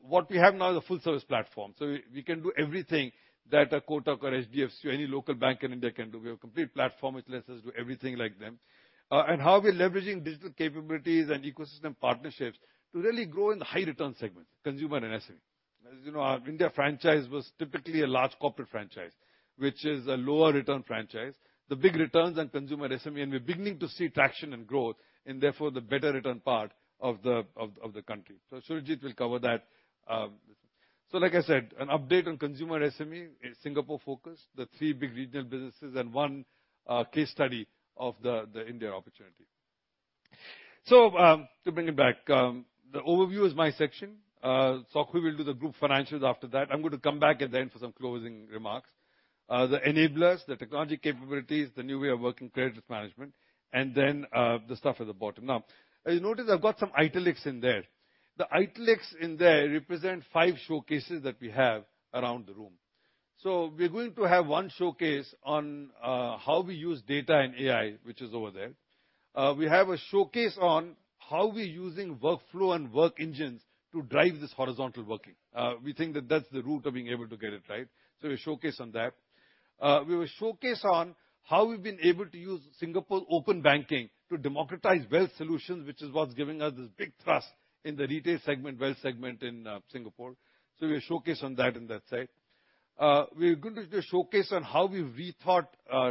What we have now is a full service platform, so we, we can do everything that a Kotak or HDFC or any local bank in India can do. We have a complete platform, which lets us do everything like them. And how we're leveraging digital capabilities and ecosystem partnerships to really grow in the high return segment, consumer and SME. As you know, our India franchise was typically a large corporate franchise, which is a lower return franchise. The big returns on consumer and SME, and we're beginning to see traction and growth, and therefore, the better return part of the country. So Surojit will cover that. So like I said, an update on consumer SME, Singapore-focused, the three big regional businesses and one, case study of the India opportunity. So, to bring it back, the overview is my section. Sok Hui will do the group financials after that. I'm going to come back at the end for some closing remarks. The enablers, the technology capabilities, the new way of working, credit risk management, and then, the stuff at the bottom. Now, as you notice, I've got some italics in there. The italics in there represent five showcases that we have around the room. So we're going to have one showcase on how we use data and AI, which is over there. We have a showcase on how we're using workflow and work engines to drive this horizontal working. We think that that's the route of being able to get it right, so we'll showcase on that. We will showcase on how we've been able to use Singapore open banking to democratize wealth solutions, which is what's giving us this big thrust in the retail segment, wealth segment in Singapore. So we'll showcase on that on that side. We're going to do a showcase on how we've rethought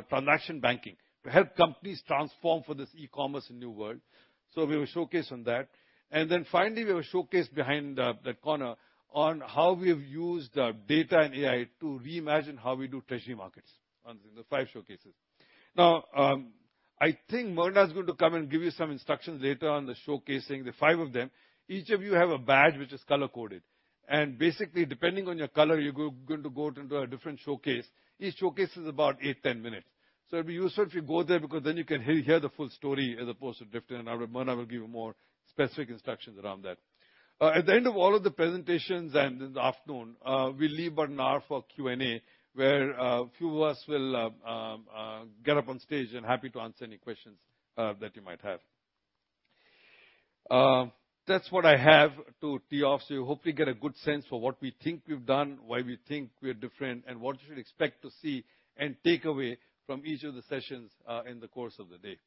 transaction banking to help companies transform for this e-commerce and new world. So we will showcase on that. Then finally, we will showcase behind the, that corner on how we have used data and AI to reimagine how we do treasury markets, on the five showcases. Now, I think Mona's going to come and give you some instructions later on the showcasing, the five of them. Each of you have a badge which is color-coded, and basically, depending on your color, you're going to go into a different showcase. Each showcase is about 8-10 minutes. So, it'd be useful if you go there, because then you can hear the full story as opposed to different. Mona will give you more specific instructions around that. At the end of all of the presentations and in the afternoon, we'll leave about an hour for Q&A, where a few of us will get up on stage and happy to answer any questions that you might have. That's what I have to tee off, so you hopefully get a good sense for what we think we've done, why we think we're different, and what you should expect to see and take away from each of the sessions in the course of the day.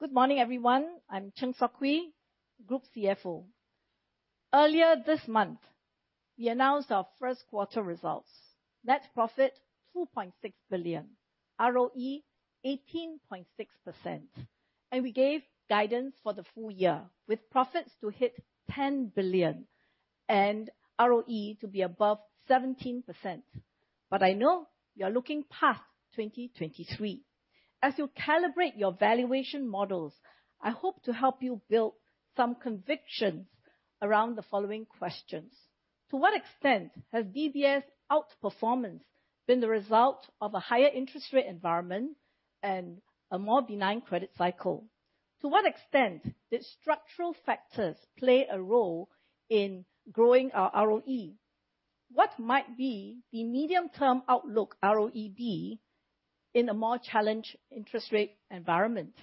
Good morning, everyone. I'm Chng Sok Hui, Group CFO. Earlier this month, we announced our first quarter results. Net profit, 2.6 billion, ROE 18.6%, and we gave guidance for the full year, with profits to hit 10 billion and ROE to be above 17%. But I know you are looking past 2023. As you calibrate your valuation models, I hope to help you build some convictions around the following questions: To what extent has DBS outperformance been the result of a higher interest rate environment and a more benign credit cycle? To what extent did structural factors play a role in growing our ROE? What might be the medium-term outlook ROE be in a more challenged interest rate environment?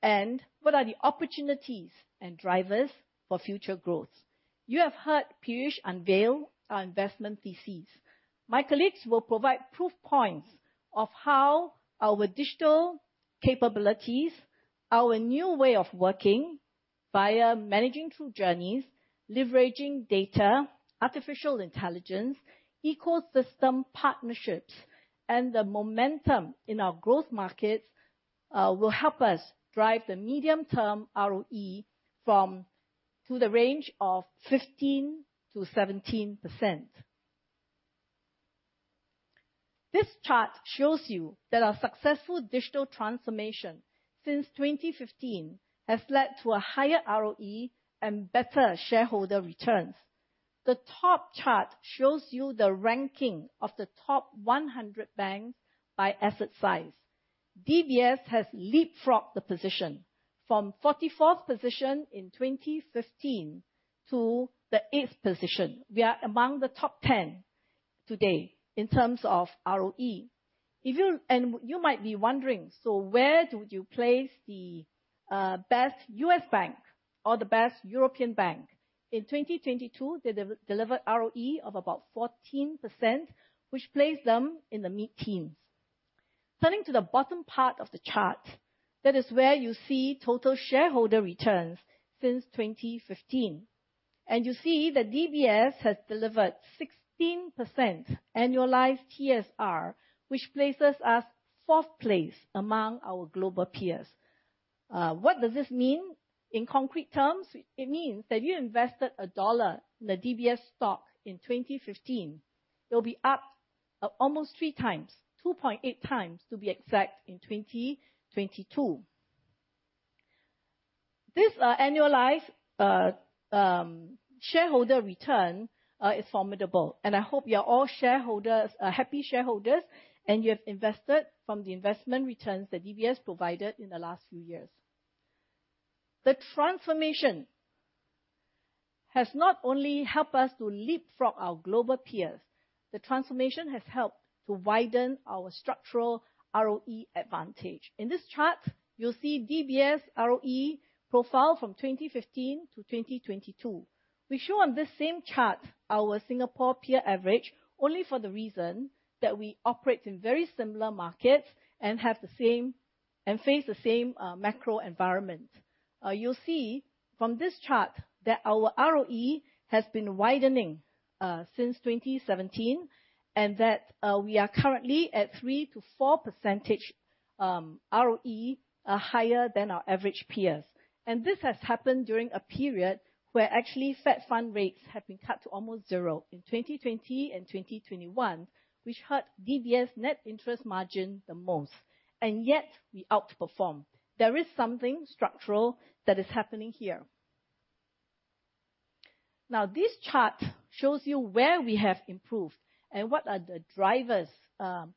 And what are the opportunities and drivers for future growth? You have heard Piyush unveil our investment thesis. My colleagues will provide proof points of how our digital capabilities, our new way of Managing Through Journeys, leveraging data, artificial intelligence, ecosystem partnerships, and the momentum in our growth markets, will help us drive the medium-term ROE from to the range of 15%-17%. This chart shows you that our successful digital transformation since 2015 has led to a higher ROE and better shareholder returns. The top chart shows you the ranking of the top 100 banks by asset size. DBS has leapfrogged the position from 44th position in 2015 to the 8th position. We are among the top 10 today in terms of ROE. And you might be wondering, "So where would you place the best U.S. bank or the best European bank?" In 2022, they delivered ROE of about 14%, which placed them in the mid-teens. Turning to the bottom part of the chart, that is where you see total shareholder returns since 2015, and you see that DBS has delivered 16% annualized TSR, which places us fourth place among our global peers. What does this mean in concrete terms? It means that you invested a dollar in the DBS stock in 2015, you'll be up almost three times, 2.8 times, to be exact, in 2022. This annualized shareholder return is formidable, and I hope you are all shareholders, happy shareholders, and you have invested from the investment returns that DBS provided in the last few years. The transformation has not only helped us to leapfrog our global peers, the transformation has helped to widen our structural ROE advantage. In this chart, you'll see DBS ROE profile from 2015 to 2022. We show on this same chart our Singapore peer average, only for the reason that we operate in very similar markets and have the same and face the same macro environment. You'll see from this chart that our ROE has been widening since 2017, and that we are currently at 3%-4% ROE higher than our average peers. This has happened during a period where actually Fed fund rates have been cut to almost zero in 2020 and 2021, which hurt DBS net interest margin the most, and yet we outperformed. There is something structural that is happening here. Now, this chart shows you where we have improved and what are the drivers for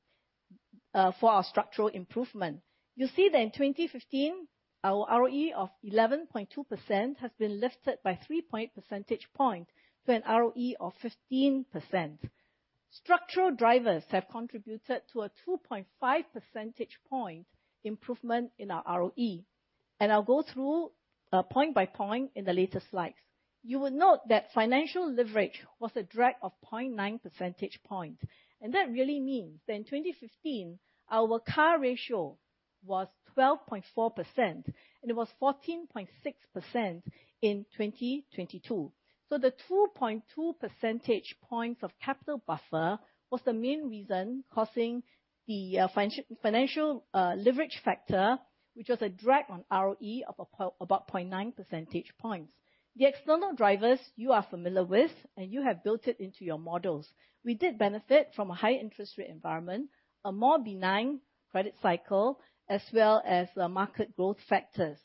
our structural improvement. You'll see that in 2015, our ROE of 11.2% has been lifted by 3 percentage points to an ROE of 15%. Structural drivers have contributed to a 2.5 percentage point improvement in our ROE, and I'll go through point by point in the later slides. You will note that financial leverage was a drag of 0.9 percentage point, and that really means that in 2015, our CAR ratio was 12.4%, and it was 14.6% in 2022. So, the 2.2 percentage points of capital buffer was the main reason causing the financial leverage factor, which was a drag on ROE of about 0.9 percentage points. The external drivers you are familiar with, and you have built it into your models. We did benefit from a high-interest rate environment, a more benign credit cycle, as well as the market growth factors.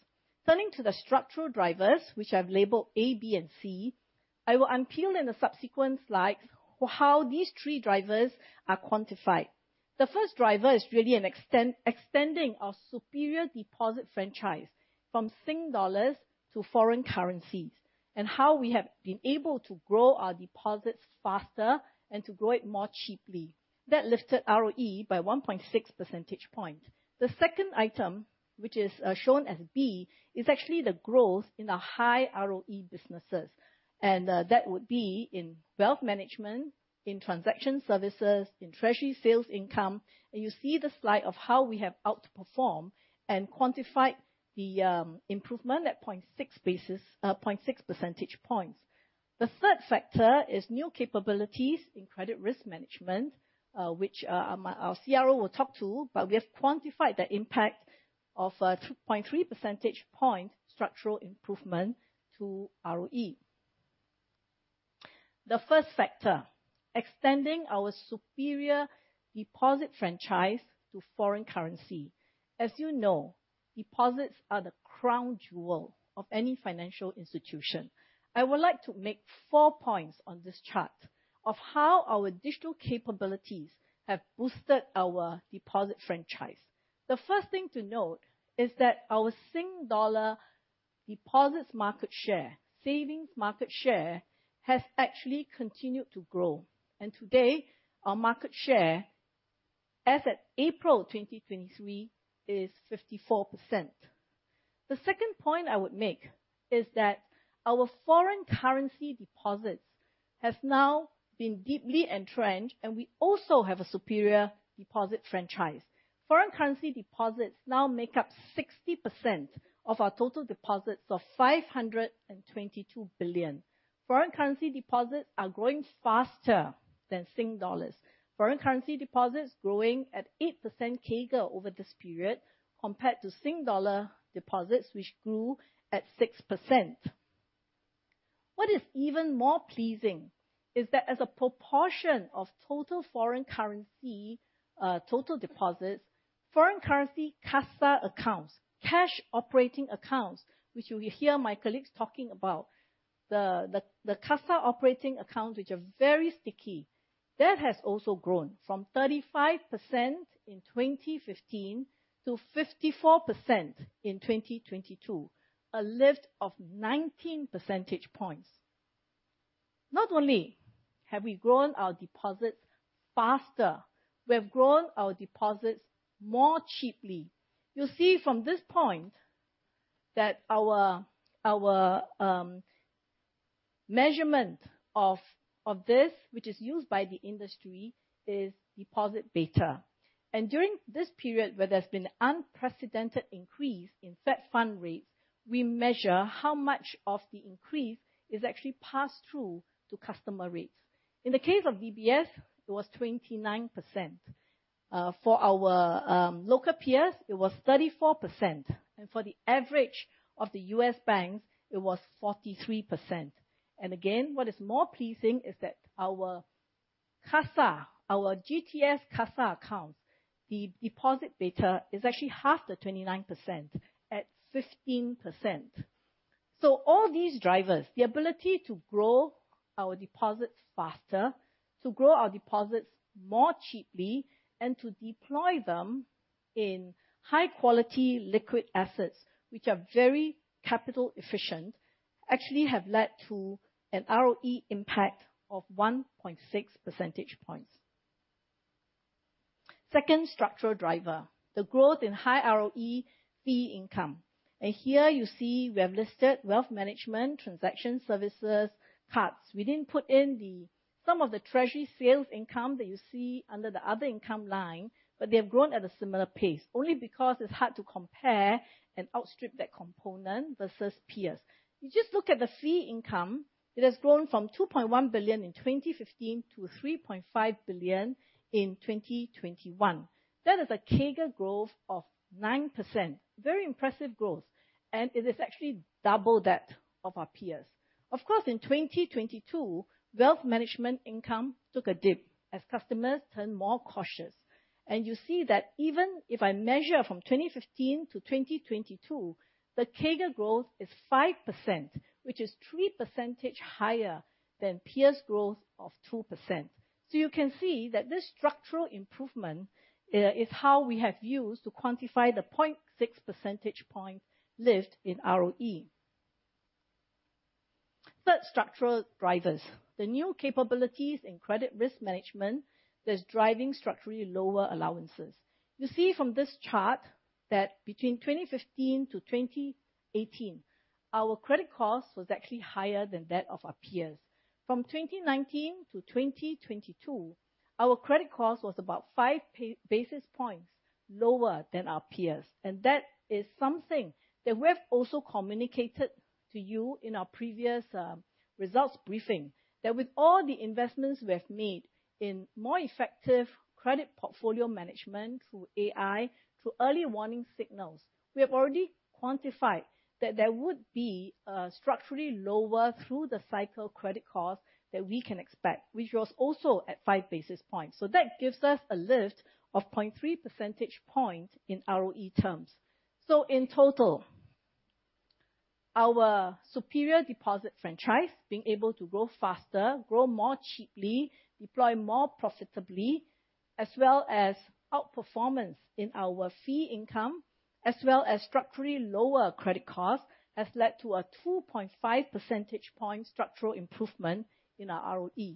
Turning to the structural drivers, which I've labeled A, B, and C, I will unveil in the subsequent slides how these three drivers are quantified. The first driver is really extending our superior deposit franchise from Singapore dollars to foreign currencies, and how we have been able to grow our deposits faster and to grow it more cheaply. That lifted ROE by 1.6 percentage point. The second item, which is shown as B, is actually the growth in our high ROE businesses, and that would be in wealth management, in transaction services, in treasury sales income. And you see the slide of how we have outperformed and quantified the improvement at 0.6 percentage points. The third factor is new capabilities in credit risk management, which our CRO will talk to, but we have quantified the impact of 2.3 percentage point structural improvement to ROE. The first factor, extending our superior deposit franchise to foreign currency. As you know, deposits are the crown jewel of any financial institution. I would like to make four points on this chart of how our digital capabilities have boosted our deposit franchise. The first thing to note is that our Sing Dollar deposits market share, savings market share, has actually continued to grow, and today, our market share, as at April 2023, is 54%. The second point I would make is that our foreign currency deposits have now been deeply entrenched, and we also have a superior deposit franchise. Foreign currency deposits now make up 60% of our total deposits of 522 billion. Foreign currency deposits are growing faster than Sing Dollars. Foreign currency deposits growing at 8% CAGR over this period, compared to Sing Dollar deposits, which grew at 6%. What is even more pleasing is that as a proportion of total foreign currency total deposits, foreign currency CASA accounts, cash operating accounts, which you will hear my colleagues talking about, the CASA operating accounts, which are very sticky, that has also grown from 35% in 2015 to 54% in 2022, a lift of 19 percentage points. Not only have we grown our deposits faster, we have grown our deposits more cheaply. You'll see from this point that our measurement of this, which is used by the industry, is deposit beta. And during this period, where there's been unprecedented increase in Fed Fund Rates, we measure how much of the increase is actually passed through to customer rates. In the case of DBS, it was 29%. For our local peers, it was 34%, and for the average of the US banks, it was 43%. And again, what is more pleasing is that our CASA, our GTS CASA accounts, the deposit beta is actually half the 29% at 15%. So all these drivers, the ability to grow our deposits faster, to grow our deposits more cheaply, and to deploy them in high quality liquid assets, which are very capital efficient, actually have led to an ROE impact of 1.6 percentage points. Second structural driver, the growth in high ROE fee income. And here you see we have listed wealth management, transaction services, cards. We didn't put in some of the treasury sales income that you see under the other income line, but they have grown at a similar pace, only because it's hard to compare and outstrip that component versus peers. You just look at the fee income, it has grown from 2.1 billion in 2015 to 3.5 billion in 2021. That is a CAGR growth of 9%. Very impressive growth, and it is actually double that of our peers. Of course, in 2022, wealth management income took a dip as customers turned more cautious. You see that even if I measure from 2015 to 2022, the CAGR growth is 5%, which is three percentage higher than peers' growth of 2%. You can see that this structural improvement is how we have used to quantify the 0.6 percentage point lift in ROE. Third structural drivers, the new capabilities in credit risk management that's driving structurally lower allowances. You see from this chart that between 2015 to 2018, our credit cost was actually higher than that of our peers. From 2019 to 2022, our credit cost was about five basis points lower than our peers. And that is something that we have also communicated to you in our previous results briefing, that with all the investments we have made in more effective credit portfolio management, through AI, through early warning signals, we have already quantified that there would be a structurally lower through the cycle credit cost that we can expect, which was also at five basis points. So that gives us a lift of 0.3 percentage point in ROE terms. So in total, our superior deposit franchise, being able to grow faster, grow more cheaply, deploy more profitably, as well as outperformance in our fee income, as well as structurally lower credit cost, has led to a 2.5 percentage point structural improvement in our ROE.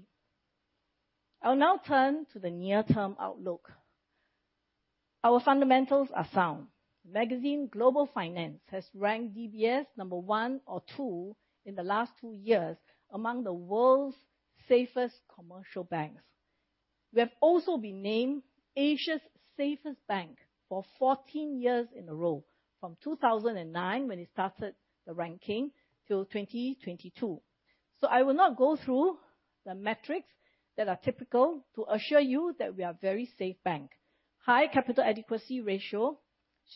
I'll now turn to the near-term outlook. Our fundamentals are sound. Global Finance magazine has ranked DBS number 1 or 2 in the last 2 years, among the world's safest commercial banks. We have also been named Asia's Safest Bank for 14 years in a row, from 2009, when we started the ranking, till 2022. So I will not go through the metrics that are typical to assure you that we are a very safe bank. High capital adequacy ratio,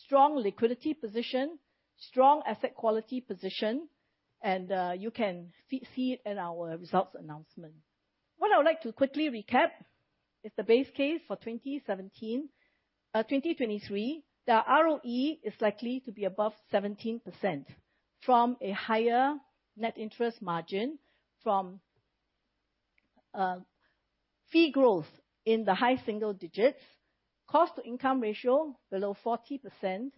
strong liquidity position, strong asset quality position, and you can see it in our results announcement. What I would like to quickly recap is the base case for 2017, 2023, the ROE is likely to be above 17% from a higher net interest margin, from fee growth in the high single digits, cost-to-income ratio below 40%,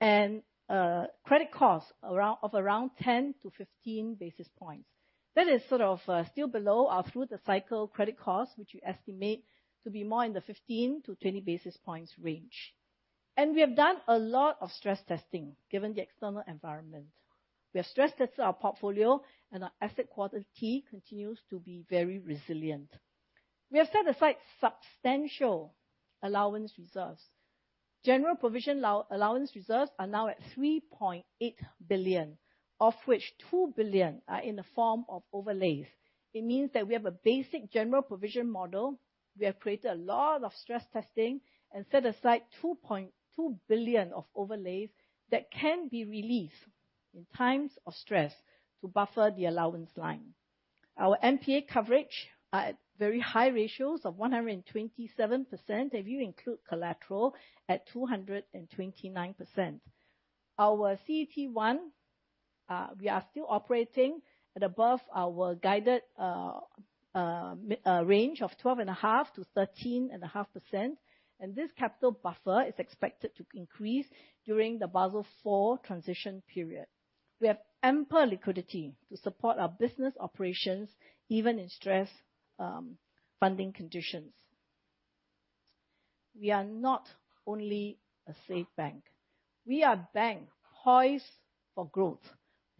and credit costs of around 10-15 basis points. That is sort of still below our through the cycle credit costs, which we estimate to be more in the 15-20 basis points range. And we have done a lot of stress testing, given the external environment. We have stress tested our portfolio, and our asset quality continues to be very resilient. We have set aside substantial allowance reserves. General provision allowance reserves are now at 3.8 billion, of which 2 billion are in the form of overlays. It means that we have a basic general provision model, we have created a lot of stress testing and set aside 2.2 billion of overlays that can be released in times of stress to buffer the allowance line. Our NPA coverage are at very high ratios of 127%, if you include collateral, at 229%. Our CET1, we are still operating at above our guided, range of 12.5%-13.5%, and this capital buffer is expected to increase during the Basel IV transition period. We have ample liquidity to support our business operations, even in stress, funding conditions. We are not only a safe bank, we are a bank poised for growth,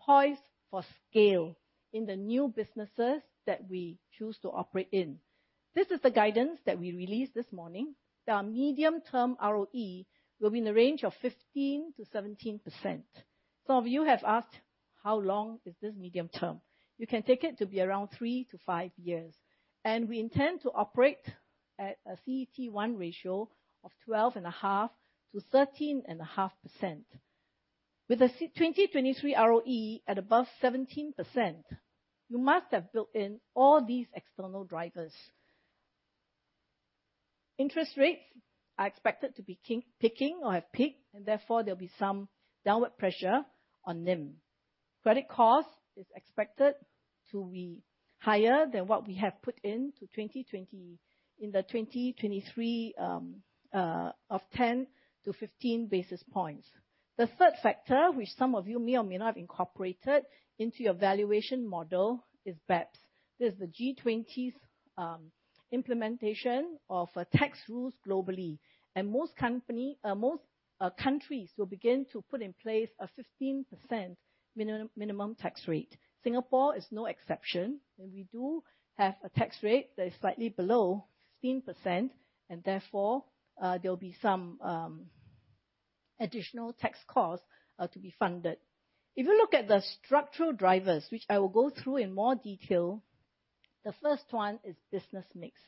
poised for scale in the new businesses that we choose to operate in. This is the guidance that we released this morning. Our medium-term ROE will be in the range of 15%-17%. Some of you have asked, "How long is this medium term?" You can take it to be around 3-5 years, and we intend to operate at a CET1 ratio of 12.5%-13.5%. With a 2023 ROE at above 17%, you must have built in all these external drivers. Interest rates are expected to be peaking or have peaked, and therefore there'll be some downward pressure on NIM. Credit cost is expected to be higher than what we have put in to 2020... In 2023, of 10-15 basis points. The third factor, which some of you may or may not have incorporated into your valuation model, is BEPS. This is the G20's implementation of tax rules globally. And most countries will begin to put in place a 15% minimum tax rate. Singapore is no exception, and we do have a tax rate that is slightly below 15%, and therefore, there will be some additional tax costs to be funded. If you look at the structural drivers, which I will go through in more detail, the first one is business mix,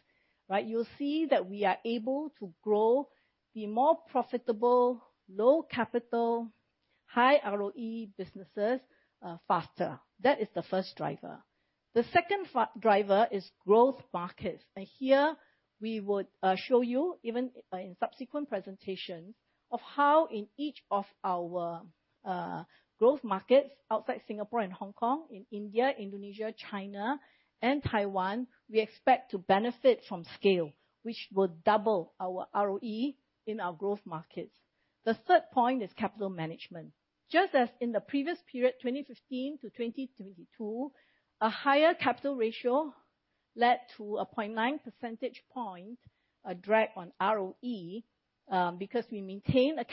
right? You'll see that we are able to grow, be more profitable, low capital, high ROE businesses faster. That is the first driver. The second driver is growth markets, and here we would show you, even, in subsequent presentations, of how in each of our growth markets outside Singapore and Hong Kong, in India, Indonesia, China, and Taiwan, we expect to benefit from scale, which will double our ROE in our growth markets. The third point is capital management. Just as in the previous period, 2015-2022, a higher capital ratio led to a 0.9 percentage point drag on ROE, because we maintained a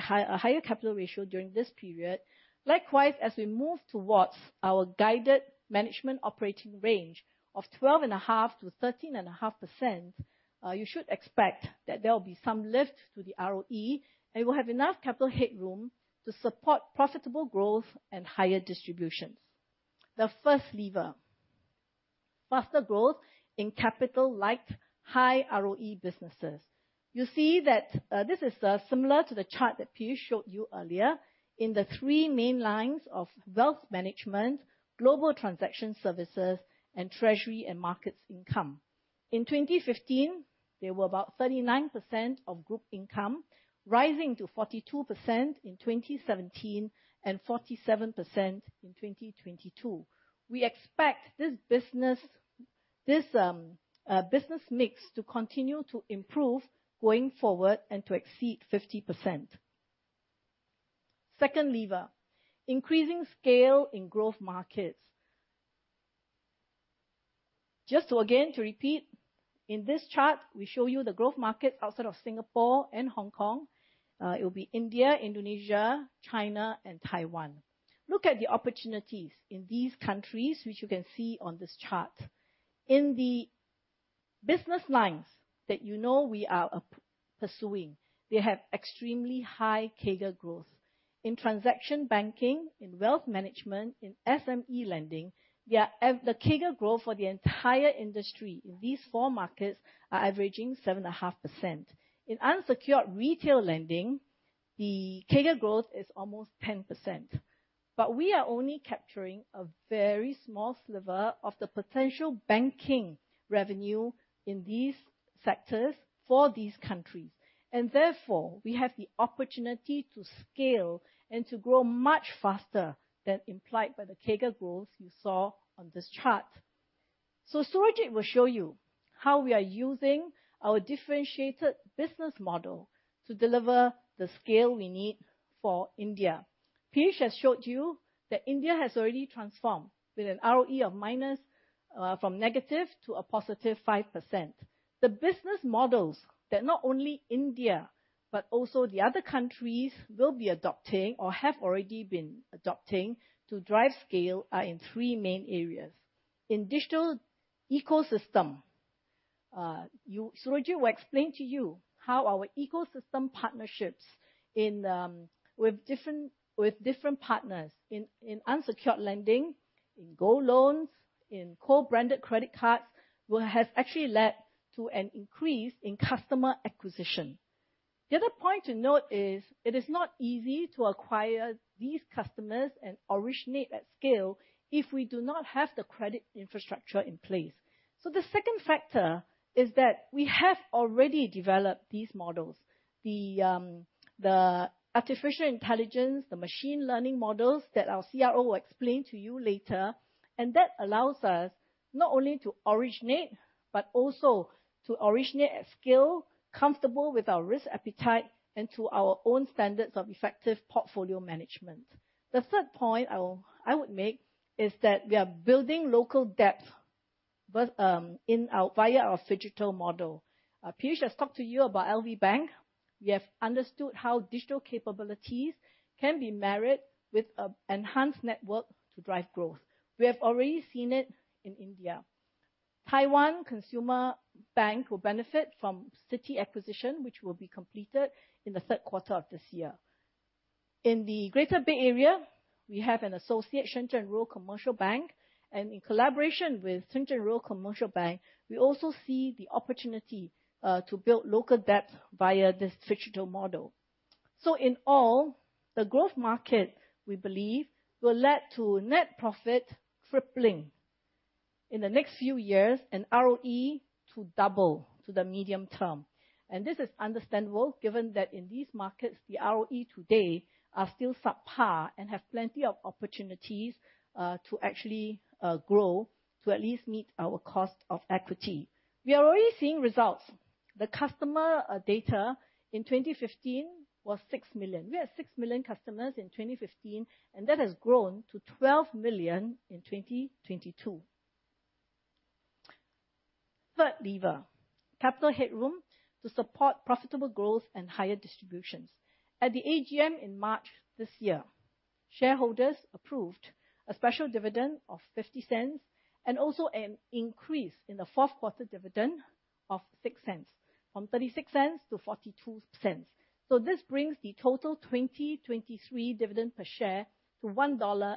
higher capital ratio during this period. Likewise, as we move towards our guided management operating range of 12.5%-13.5%, you should expect that there will be some lift to the ROE, and we'll have enough capital headroom to support profitable growth and higher distributions. The first lever, faster growth in capital light, high ROE businesses. You'll see that this is similar to the chart that Piyush showed you earlier, in the three main lines of wealth management, global transaction services, and treasury and markets income. In 2015, they were about 39% of group income, rising to 42% in 2017, and 47% in 2022. We expect this business, business mix to continue to improve going forward and to exceed 50%. Second lever, increasing scale in growth markets.... Just so again, to repeat, in this chart, we show you the growth market outside of Singapore and Hong Kong. It will be India, Indonesia, China, and Taiwan. Look at the opportunities in these countries, which you can see on this chart. In the business lines that you know we are pursuing, they have extremely high CAGR growth. In transaction banking, in wealth management, in SME lending, the CAGR growth for the entire industry in these four markets are averaging 7.5%. In unsecured retail lending, the CAGR growth is almost 10%, but we are only capturing a very small sliver of the potential banking revenue in these sectors for these countries, and therefore, we have the opportunity to scale and to grow much faster than implied by the CAGR growth you saw on this chart. So Surojit will show you how we are using our differentiated business model to deliver the scale we need for India. Piyush has showed you that India has already transformed with an ROE of minus, from negative to a positive 5%. The business models that not only India, but also the other countries will be adopting or have already been adopting to drive scale, are in three main areas. In digital ecosystem, Surojit will explain to you how our ecosystem partnerships in, with different, with different partners in, in unsecured lending, in gold loans, in co-branded credit cards, will have actually led to an increase in customer acquisition. The other point to note is, it is not easy to acquire these customers and originate at scale if we do not have the credit infrastructure in place. So the second factor is that we have already developed these models, the Artificial Intelligence, the machine learning models, that our CRO will explain to you later, and that allows us not only to originate, but also to originate at scale, comfortable with our risk appetite and to our own standards of effective portfolio management. The third point I would make is that we are building local depth, but via our phygital model. Piyush has talked to you about LVB. We have understood how digital capabilities can be married with an enhanced network to drive growth. We have already seen it in India. Taiwan Consumer Bank will benefit from Citi acquisition, which will be completed in the third quarter of this year. In the Greater Bay Area, we have an associate, Shenzhen Rural Commercial Bank, and in collaboration with Shenzhen Rural Commercial Bank, we also see the opportunity to build local depth via this phygital model. So in all, the growth market, we believe, will lead to net profit tripling in the next few years and ROE to double to the medium term. And this is understandable, given that in these markets, the ROE today are still subpar and have plenty of opportunities to actually grow to at least meet our cost of equity. We are already seeing results. The customer data in 2015 was 6 million. We had 6 million customers in 2015, and that has grown to 12 million in 2022. Third lever, capital headroom to support profitable growth and higher distributions. At the AGM in March this year, shareholders approved a special dividend of 0.50 and also an increase in the fourth quarter dividend of 0.06, from 0.36 to 0.42. This brings the total 2023 dividend per share to 1.68 dollar.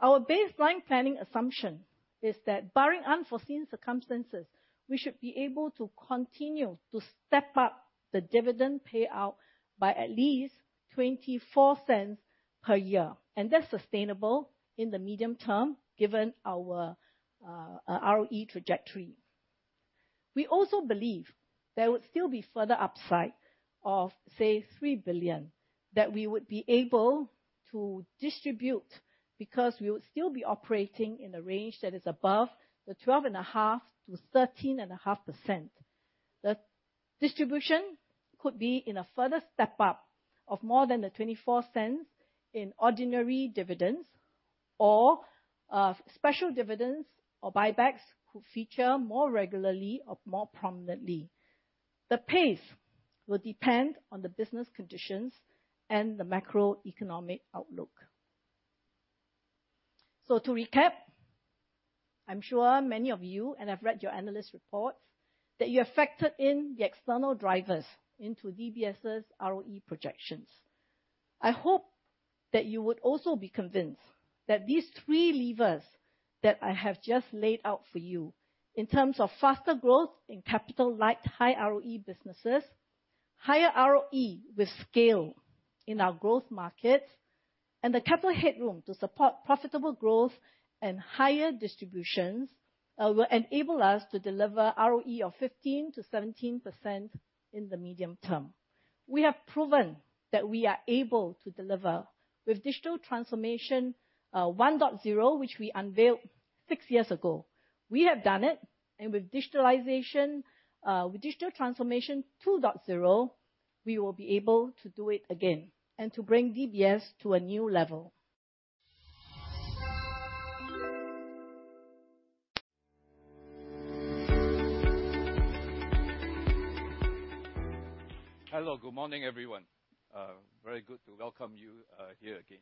Our baseline planning assumption is that, barring unforeseen circumstances, we should be able to continue to step up the dividend payout by at least 0.24 per year, and that's sustainable in the medium term, given our ROE trajectory. We also believe there would still be further upside of, say, 3 billion, that we would be able to distribute because we would still be operating in a range that is above the 12.5%-13.5%. The distribution could be in a further step up of more than 0.24 in ordinary dividends or, special dividends or buybacks could feature more regularly or more prominently. The pace will depend on the business conditions and the macroeconomic outlook. So to recap, I'm sure many of you, and I've read your analyst reports, that you have factored in the external drivers into DBS's ROE projections. I hope that you would also be convinced that these three levers that I have just laid out for you in terms of faster growth in capital light, high ROE businesses, higher ROE with scale in our growth markets, and the capital headroom to support profitable growth and higher distributions, will enable us to deliver ROE of 15%-17% in the medium term. We have proven that we are able to deliver with digital transformation 1.0, which we unveiled six years ago. We have done it, and with digital transformation 2.0 we will be able to do it again, and to bring DBS to a new level. Hello, good morning, everyone. Very good to welcome you here again.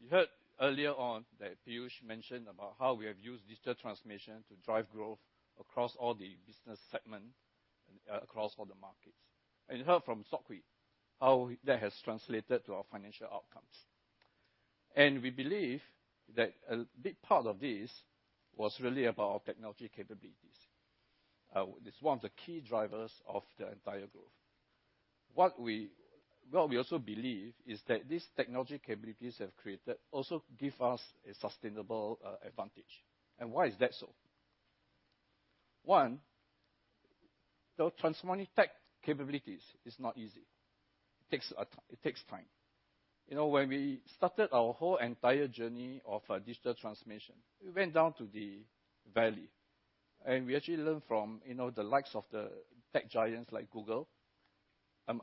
You heard earlier on that Piyush mentioned about how we have used digital transformation to drive growth across all the business segments and across all the markets. And you heard from Sok Hui, how that has translated to our financial outcomes. And we believe that a big part of this was really about technology capabilities. It's one of the key drivers of the entire growth. What we also believe is that these technology capabilities have created, also give us a sustainable advantage. And why is that so? One, the transforming tech capabilities is not easy. It takes time. You know, when we started our whole entire journey of digital transformation, we went down to the valley, and we actually learned from, you know, the likes of the tech giants, like Google,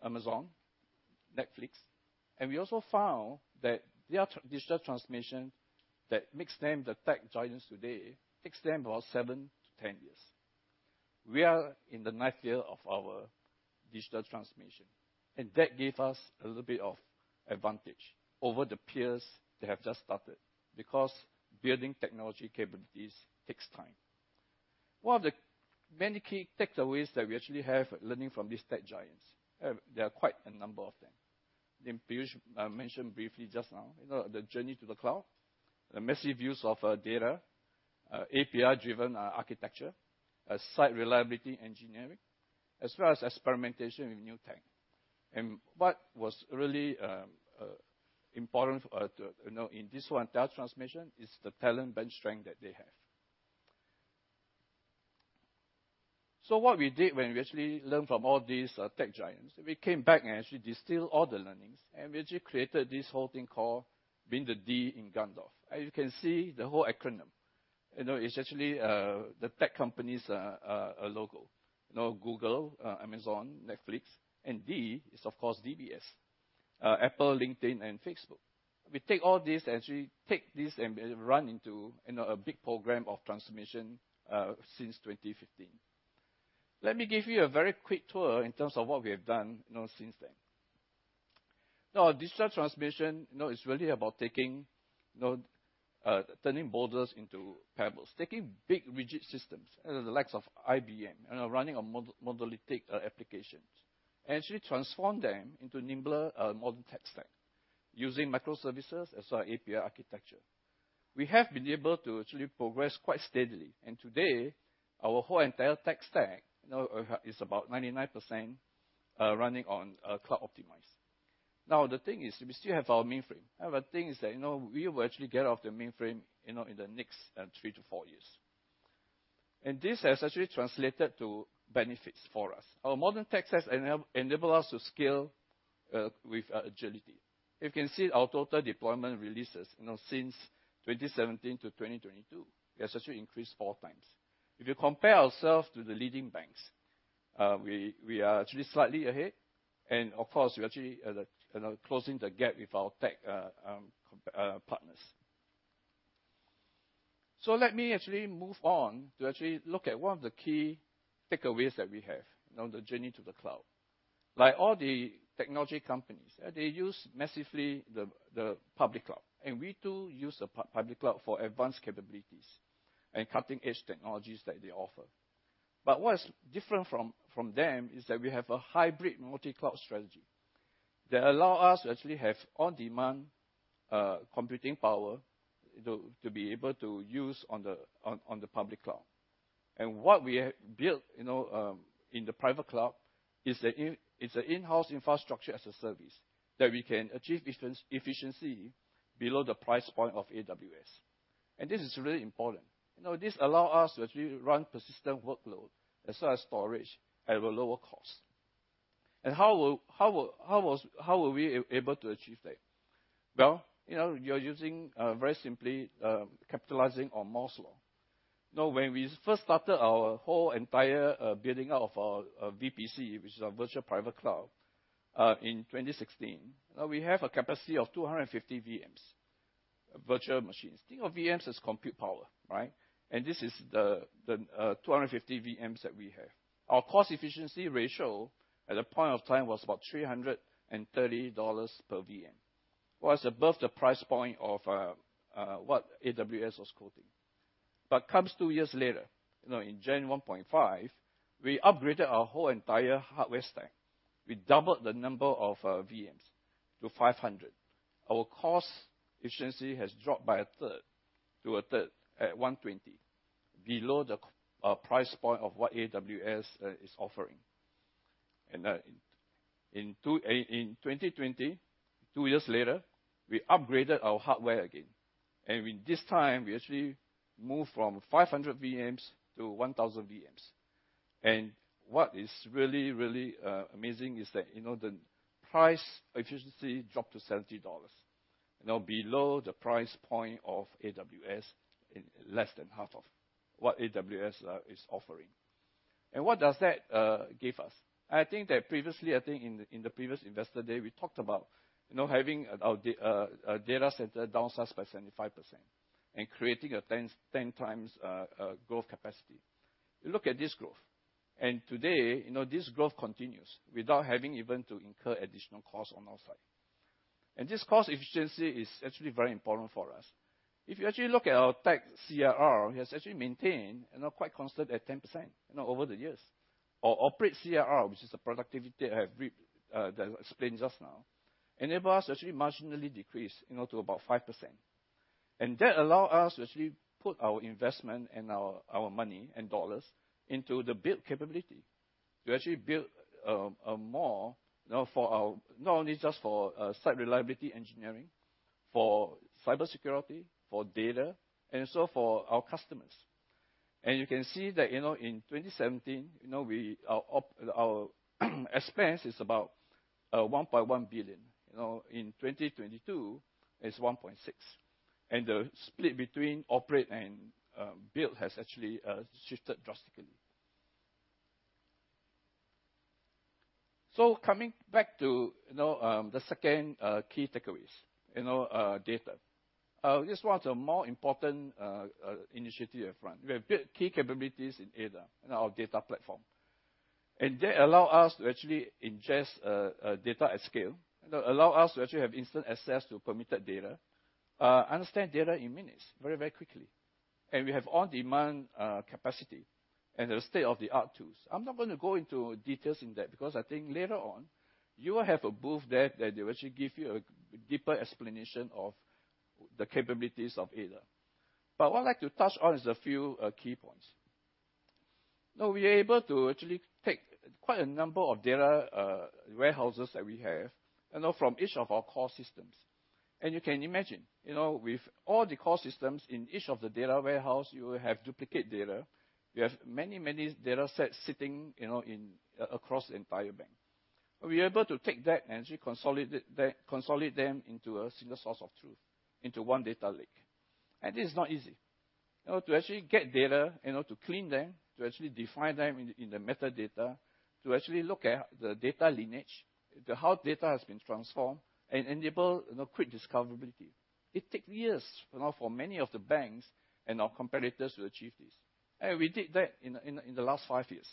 Amazon, Netflix. And we also found that their digital transformation that makes them the tech giants today takes them about 7-10 years. We are in the 9th year of our digital transformation, and that gave us a little bit of advantage over the peers that have just started, because building technology capabilities takes time. One of the many key takeaways that we actually have learning from these tech giants; there are quite a number of them. And Piyush mentioned briefly just now, you know, the journey to the cloud, the massive use of data, API-driven architecture, Site Reliability Engineering, as well as experimentation with new tech. And what was really important for to, you know, in this one data transformation, is the talent bench strength that they have. So what we did when we actually learned from all these tech giants, we came back and actually distilled all the learnings, and we actually created this whole thing called Being the D in GANDALF. As you can see, the whole acronym, you know, it's actually the tech companies logo. You know, Google, Amazon, Netflix, and D is, of course, DBS, Apple, LinkedIn, and Facebook. We take all this, actually take this and run into, you know, a big program of transformation since 2015. Let me give you a very quick tour in terms of what we have done, you know, since then. Now, digital transformation, you know, is really about taking, you know, turning boulders into pebbles. Taking big, rigid systems, you know, the likes of IBM and running on monolithic applications, and actually transform them into nimbler modern tech stack using microservices as well as API architecture. We have been able to actually progress quite steadily, and today, our whole entire tech stack, you know, is about 99%, running on cloud optimized. Now, the thing is, we still have our mainframe. Now, the thing is that, you know, we will actually get off the mainframe, you know, in the next 3-4 years, and this has actually translated to benefits for us. Our modern tech has enabled us to scale with agility. You can see our total deployment releases, you know, since 2017 to 2022, has actually increased four times. If you compare ourselves to the leading banks, we are actually slightly ahead, and of course, we actually, you know, closing the gap with our tech company partners. So let me actually move on to actually look at one of the key takeaways that we have on the journey to the cloud. Like all the technology companies, they use massively the public cloud, and we too use the public cloud for advanced capabilities and cutting-edge technologies that they offer. But what is different from them is that we have a hybrid multi-cloud strategy, that allow us to actually have on-demand computing power to be able to use on the public cloud. What we have built, you know, in the private cloud is an in-house infrastructure as a service, that we can achieve efficiency below the price point of AWS. This is really important. You know, this allows us to actually run persistent workload as well as storage at a lower cost. How were we able to achieve that? Well, you know, you're using very simply, capitalizing on Moore's Law. You know, when we first started our whole entire building out of our VPC, which is our virtual private cloud, in 2016, we have a capacity of 250 VMs, virtual machines. Think of VMs as compute power, right? This is the 250 VMs that we have. Our cost efficiency ratio, at the point of time, was about $330 per VM. Was above the price point of what AWS was quoting. But comes two years later, you know, in January 2015, we upgraded our whole entire hardware stack. We doubled the number of VMs to 500. Our cost efficiency has dropped by a third, to a third at $120, below the price point of what AWS is offering. And in 2020, two years later, we upgraded our hardware again, and we this time we actually moved from 500 VMs to 1,000 VMs. And what is really, really amazing is that, you know, the price efficiency dropped to $70. Now, below the price point of AWS, in less than half of what AWS is offering. And what does that give us? I think that previously, I think in the previous Investor Day, we talked about, you know, having our data center downsized by 75% and creating a 10, 10 times growth capacity. You look at this growth, and today, you know, this growth continues without having even to incur additional costs on our side. And this cost efficiency is actually very important for us. If you actually look at our tech CRR, it has actually maintained, you know, quite constant at 10%, you know, over the years. Our operate CRR, which is the productivity I have read that explained just now, enable us actually marginally decrease, you know, to about 5%. That allow us to actually put our investment and our money and dollars into the build capability, to actually build more, you know, for our—not only just for Site Reliability Engineering, for cybersecurity, for data, and so for our customers. And you can see that, you know, in 2017, you know, we—our OpEx is about 1.1 billion. You know, in 2022, it's 1.6 billion. And the split between operate and build has actually shifted drastically. So coming back to, you know, the second key takeaways, you know, data. This one's a more important initiative we have run. We have built key capabilities in ADA, in our data platform, and they allow us to actually ingest data at scale, and allow us to actually have instant access to permitted data, understand data in minutes, very, very quickly. And we have on-demand capacity and the state-of-the-art tools. I'm not going to go into details in that, because I think later on, you will have a booth there that they will actually give you a deeper explanation of the capabilities of ADA. But what I'd like to touch on is a few key points. Now, we are able to actually take quite a number of data warehouses that we have, you know, from each of our core systems. And you can imagine, you know, with all the core systems in each of the data warehouse, you will have duplicate data. You have many, many data sets sitting, you know, in across the entire bank. We are able to take that and actually consolidate them into a single source of truth, into one data lake. And this is not easy. You know, to actually get data, you know, to clean them, to actually define them in the metadata, to actually look at the data lineage, to how data has been transformed and enable, you know, quick discoverability. It takes years, you know, for many of the banks and our competitors to achieve this. And we did that in the last five years.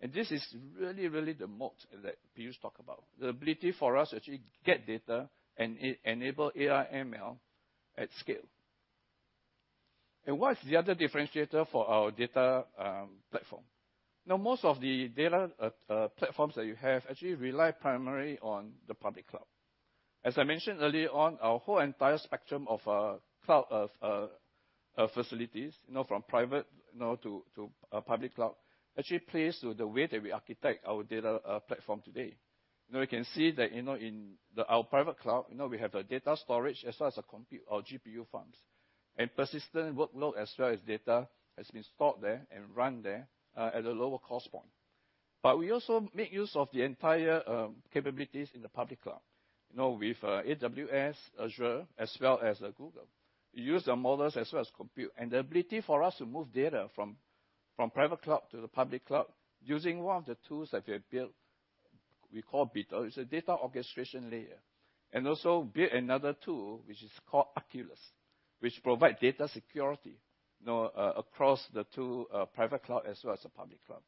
And this is really, really the moat that people talk about, the ability for us to actually get data and enable AI, ML at scale. And what's the other differentiator for our data platform? Now, most of the data platforms that you have actually rely primarily on the public cloud. As I mentioned earlier on, our whole entire spectrum of cloud facilities, you know, from private, you know, to public cloud, actually plays with the way that we architect our data platform today. Now, we can see that, you know, in our private cloud, you know, we have a data storage as well as a compute, our GPU farms. And persistent workload as well as data has been stored there and run there at a lower cost point. But we also make use of the entire capabilities in the public cloud, you know, with AWS, Azure, as well as Google. We use their models as well as compute. The ability for us to move data from private cloud to the public cloud using one of the tools that we have built, we call Beetle. It's a data orchestration layer. Also build another tool, which is called Oculus, which provide data security, you know, across the two, private cloud as well as the public cloud.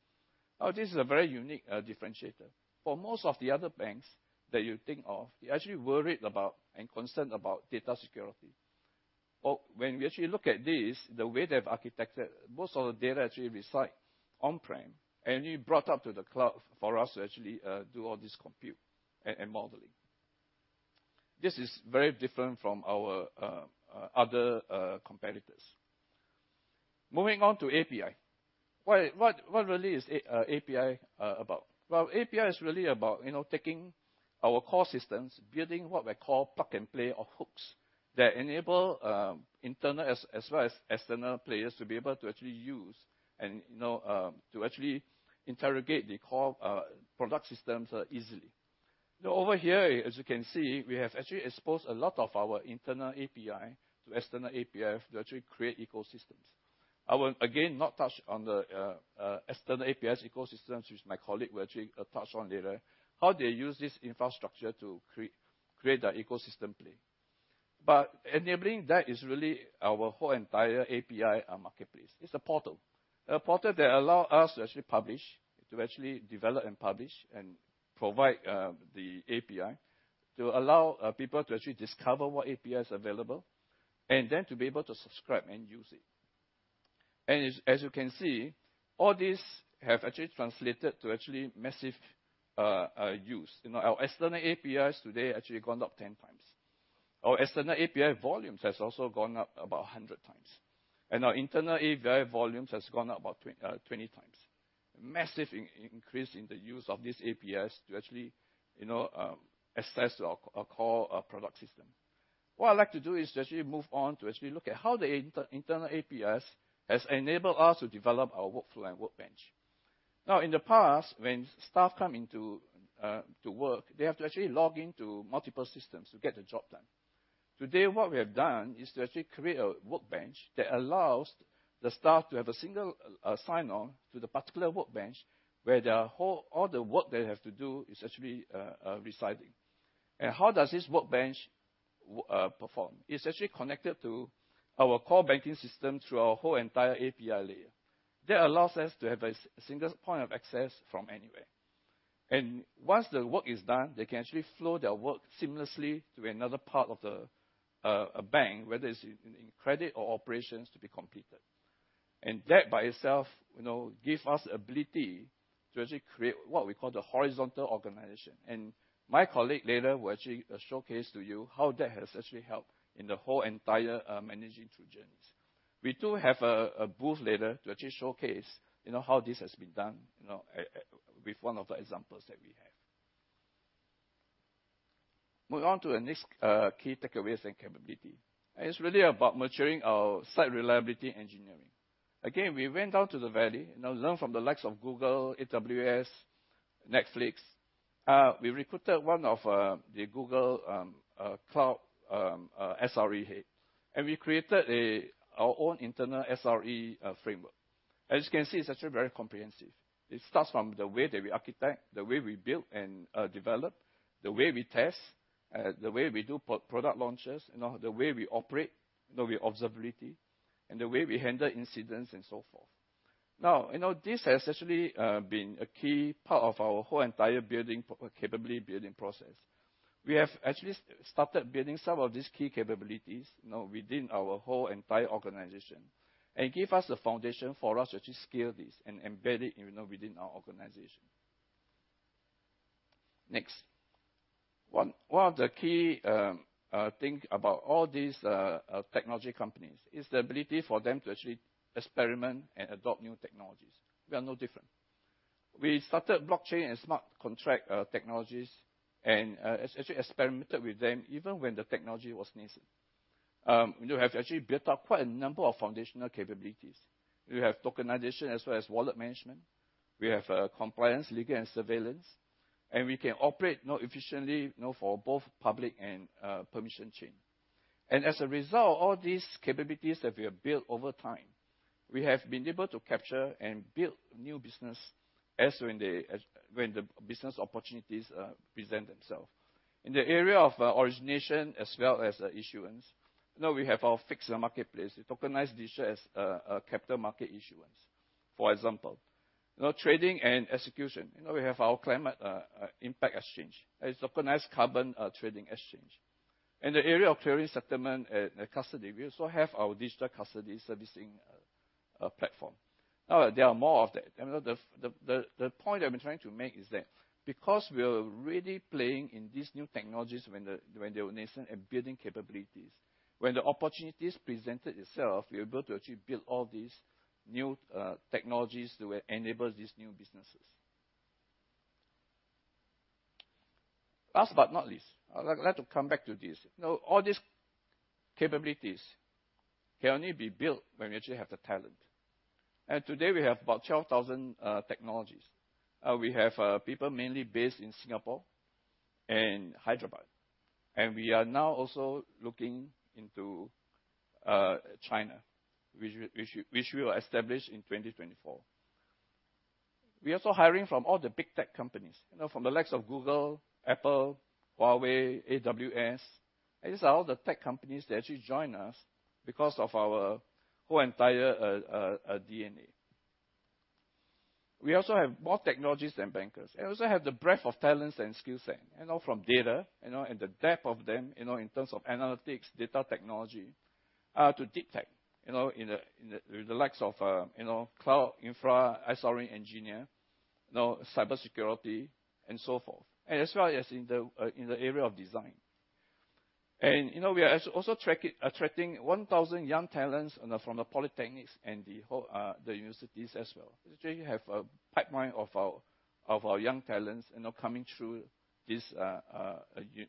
Now, this is a very unique differentiator. For most of the other banks that you think of, they're actually worried about and concerned about data security. But when we actually look at this, the way they've architected, most of the data actually reside on-prem, and it brought up to the cloud for us to actually do all this compute and modeling. This is very different from our other competitors. Moving on to API. What really is API about? Well, API is really about, you know, taking our core systems, building what we call plug-and-play or hooks, that enable internal as well as external players to be able to actually use and, you know, to actually interrogate the core product systems easily. Now, over here, as you can see, we have actually exposed a lot of our internal API to external API to actually create ecosystems. I will again not touch on the external APIs ecosystems, which my colleague will actually touch on later, how they use this infrastructure to create the ecosystem play. But enabling that is really our whole entire API marketplace. It's a portal, a portal that allow us to actually publish, to actually develop and publish and provide the API, to allow people to actually discover what API is available, and then to be able to subscribe and use it. And as you can see, all these have actually translated to actually massive use. You know, our external APIs today actually gone up 10 times. Our external API volumes has also gone up about 100 times, and our internal API volumes has gone up about 20 times. Massive increase in the use of these APIs to actually, you know, access our core product system. What I'd like to do is just actually move on to actually look at how the internal APIs has enabled us to develop our workflow and workbench. Now, in the past, when staff come into to work, they have to actually log into multiple systems to get the job done. Today, what we have done is to actually create a workbench that allows the staff to have a single sign-on to the particular workbench, where their whole-- all the work they have to do is actually residing. And how does this workbench perform? It's actually connected to our core banking system through our whole entire API layer. That allows us to have a single point of access from anywhere. And once the work is done, they can actually flow their work seamlessly to another part of a bank, whether it's in credit or operations to be completed. And that, by itself, you know, gives us ability to actually create what we call the horizontal organization. And my colleague later will actually showcase to you how that has actually helped in the whole entire Managing Through Journeys. We do have a booth later to actually showcase, you know, how this has been done, you know, with one of the examples that we have. Moving on to the next key takeaways and capability. And it's really about maturing our Site Reliability Engineering. Again, we went down to the valley and now learn from the likes of Google, AWS, Netflix. We recruited one of the Google Cloud SRE head, and we created our own internal SRE framework. As you can see, it's actually very comprehensive. It starts from the way that we architect, the way we build and develop, the way we test, the way we do product launches, you know, the way we operate, you know, with observability, and the way we handle incidents, and so forth. Now, you know, this has actually been a key part of our whole entire building capability building process. We have actually started building some of these key capabilities, you know, within our whole entire organization, and give us the foundation for us to actually scale this and embed it, you know, within our organization. Next. One of the key things about all these technology companies is the ability for them to actually experiment and adopt new technologies. We are no different. We started blockchain and smart contract technologies and actually experimented with them even when the technology was nascent. We have actually built up quite a number of foundational capabilities. We have tokenization as well as wallet management, we have compliance, legal, and surveillance, and we can operate now efficiently, you know, for both public and permissioned chain. And as a result, all these capabilities that we have built over time, we have been able to capture and build new business as and when the business opportunities present themselves. In the area of origination as well as issuance, now we have our FIX Marketplace, a tokenized digital asset capital market issuance. For example, now, trading and execution, you know, we have our Climate Impact Exchange. It's tokenized carbon trading exchange. In the area of clearing, settlement, and custody, we also have our digital custody servicing platform. Now, there are more of that. And the point I've been trying to make is that because we are already playing in these new technologies when they were nascent and building capabilities, when the opportunities presented itself, we were able to actually build all these new technologies that will enable these new businesses. Last but not least, I'd like to come back to this. Now, all these capabilities can only be built when we actually have the talent, and today we have about 12,000 technologies. We have people mainly based in Singapore and Hyderabad, and we are now also looking into China, which we will establish in 2024. We are also hiring from all the big tech companies, you know, from the likes of Google, Apple, Huawei, AWS. These are all the tech companies that actually join us because of our whole entire DNA. We also have more technologists than bankers, and also have the breadth of talents and skill set, you know, from data, you know, and the depth of them, you know, in terms of analytics, data technology, to deep tech, you know, in the likes of cloud infra, SRE engineer, you know, cybersecurity, and so forth, and as well as in the area of design. You know, we are actually also attracting 1000 young talents from the polytechnics and the whole, the universities as well. We have a pipeline of our young talents, you know, coming through these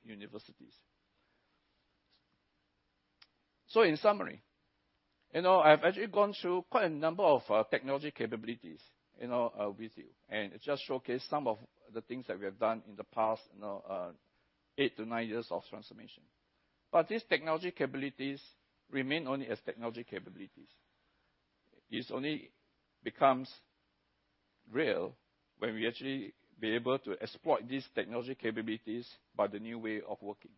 universities. So in summary, you know, I've actually gone through quite a number of technology capabilities, you know, with you, and it just showcase some of the things that we have done in the past 8-9 years of transformation. But these technology capabilities remain only as technology capabilities. It only becomes real when we actually be able to exploit these technology capabilities by the new way of working.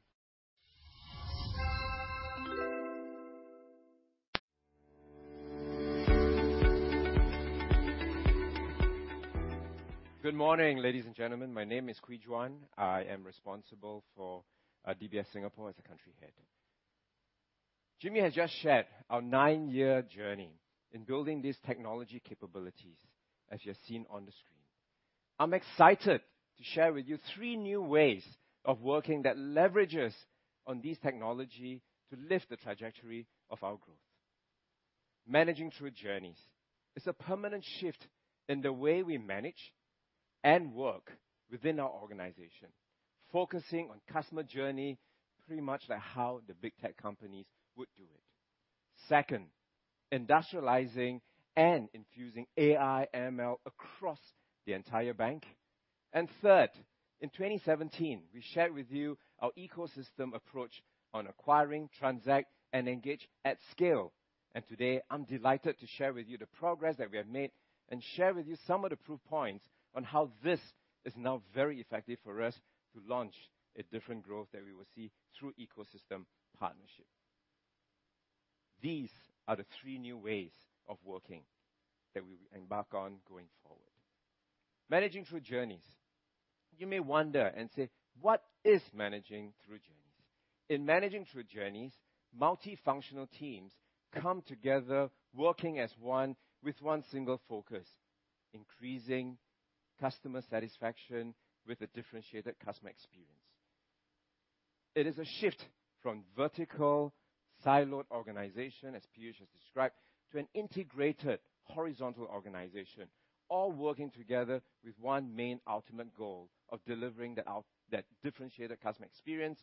Good morning, ladies and gentlemen. My name is Han Kwee Juan. I am responsible for DBS Singapore as a country head. Jimmy has just shared our nine-year journey in building these technology capabilities, as you have seen on the screen. I'm excited to share with you three new ways of working that leverages on this technology to lift the trajectory of our growth. Managing Through Journeys is a permanent shift in the way we manage and work within our organization, focusing on customer journey, pretty much like how the big tech companies would do it.... Second, industrializing and infusing AI, ML across the entire bank. And third, in 2017, we shared with you our ecosystem approach on acquiring, transact, and engage at scale. Today, I'm delighted to share with you the progress that we have made and share with you some of the proof points on how this is now very effective for us to launch a different growth that we will see through ecosystem partnership. These are the three new ways of working that we will embark on going forward. Managing Through Journeys. You may wonder and say: What is Managing Through Journeys? In Managing Through Journeys, multifunctional teams come together, working as one with one single focus, increasing customer satisfaction with a differentiated customer experience. It is a shift from vertical, siloed organization, as Piyush has described, to an integrated horizontal organization, all working together with one main ultimate goal of delivering the outcome that differentiated customer experience.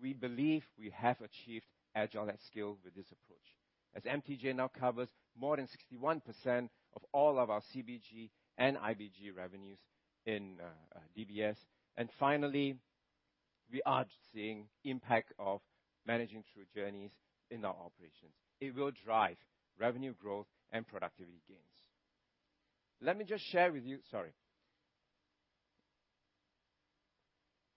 We believe we have achieved agile at scale with this approach, as MTJ now covers more than 61% of all of our CBG and IBG revenues in DBS. And finally, we are seeing impact of Managing Through Journeys in our operations. It will drive revenue growth and productivity gains. Let me just share with you... Sorry.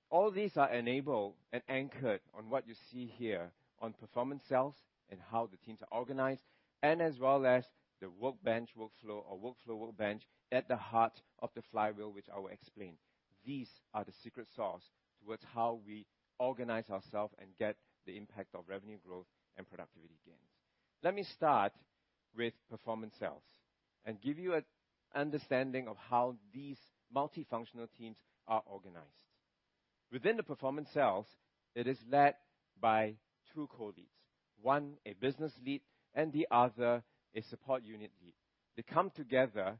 All these are enabled and anchored on what you see here on Performance Cells and how the teams are organized, and as well as the workbench workflow or Workflow Workbench at the heart of the Flywheel, which I will explain. These are the secret sauce towards how we organize ourselves and get the impact of revenue growth and productivity gains. Let me start with Performance Cells and give you an understanding of how these multifunctional teams are organized. Within the Performance Cells, it is led by two co-leads, one, a business lead and the other, a support unit lead. They come together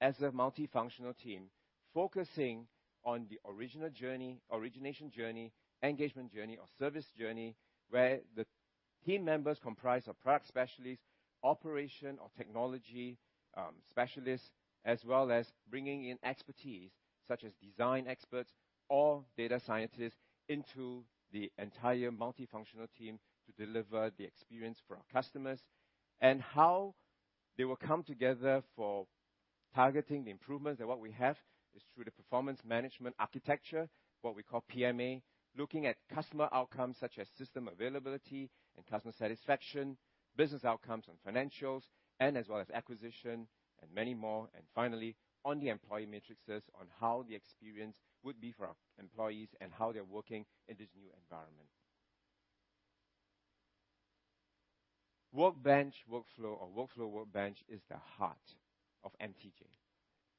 as a multifunctional team, focusing on the original journey, origination journey, engagement journey, or service journey, where the team members comprise of product specialists, operation or technology, specialists, as well as bringing in expertise such as design experts or data scientists into the entire multifunctional team to deliver the experience for our customers. How they will come together for targeting the improvements and what we have is through the performance management architecture, what we call PMA, looking at customer outcomes such as system availability and customer satisfaction, business outcomes and financials, as well as acquisition and many more, and finally, on the employee metrics on how the experience would be for our employees and how they're working in this new environment. Workbench workflow or Workflow Workbench is the heart of MTJ.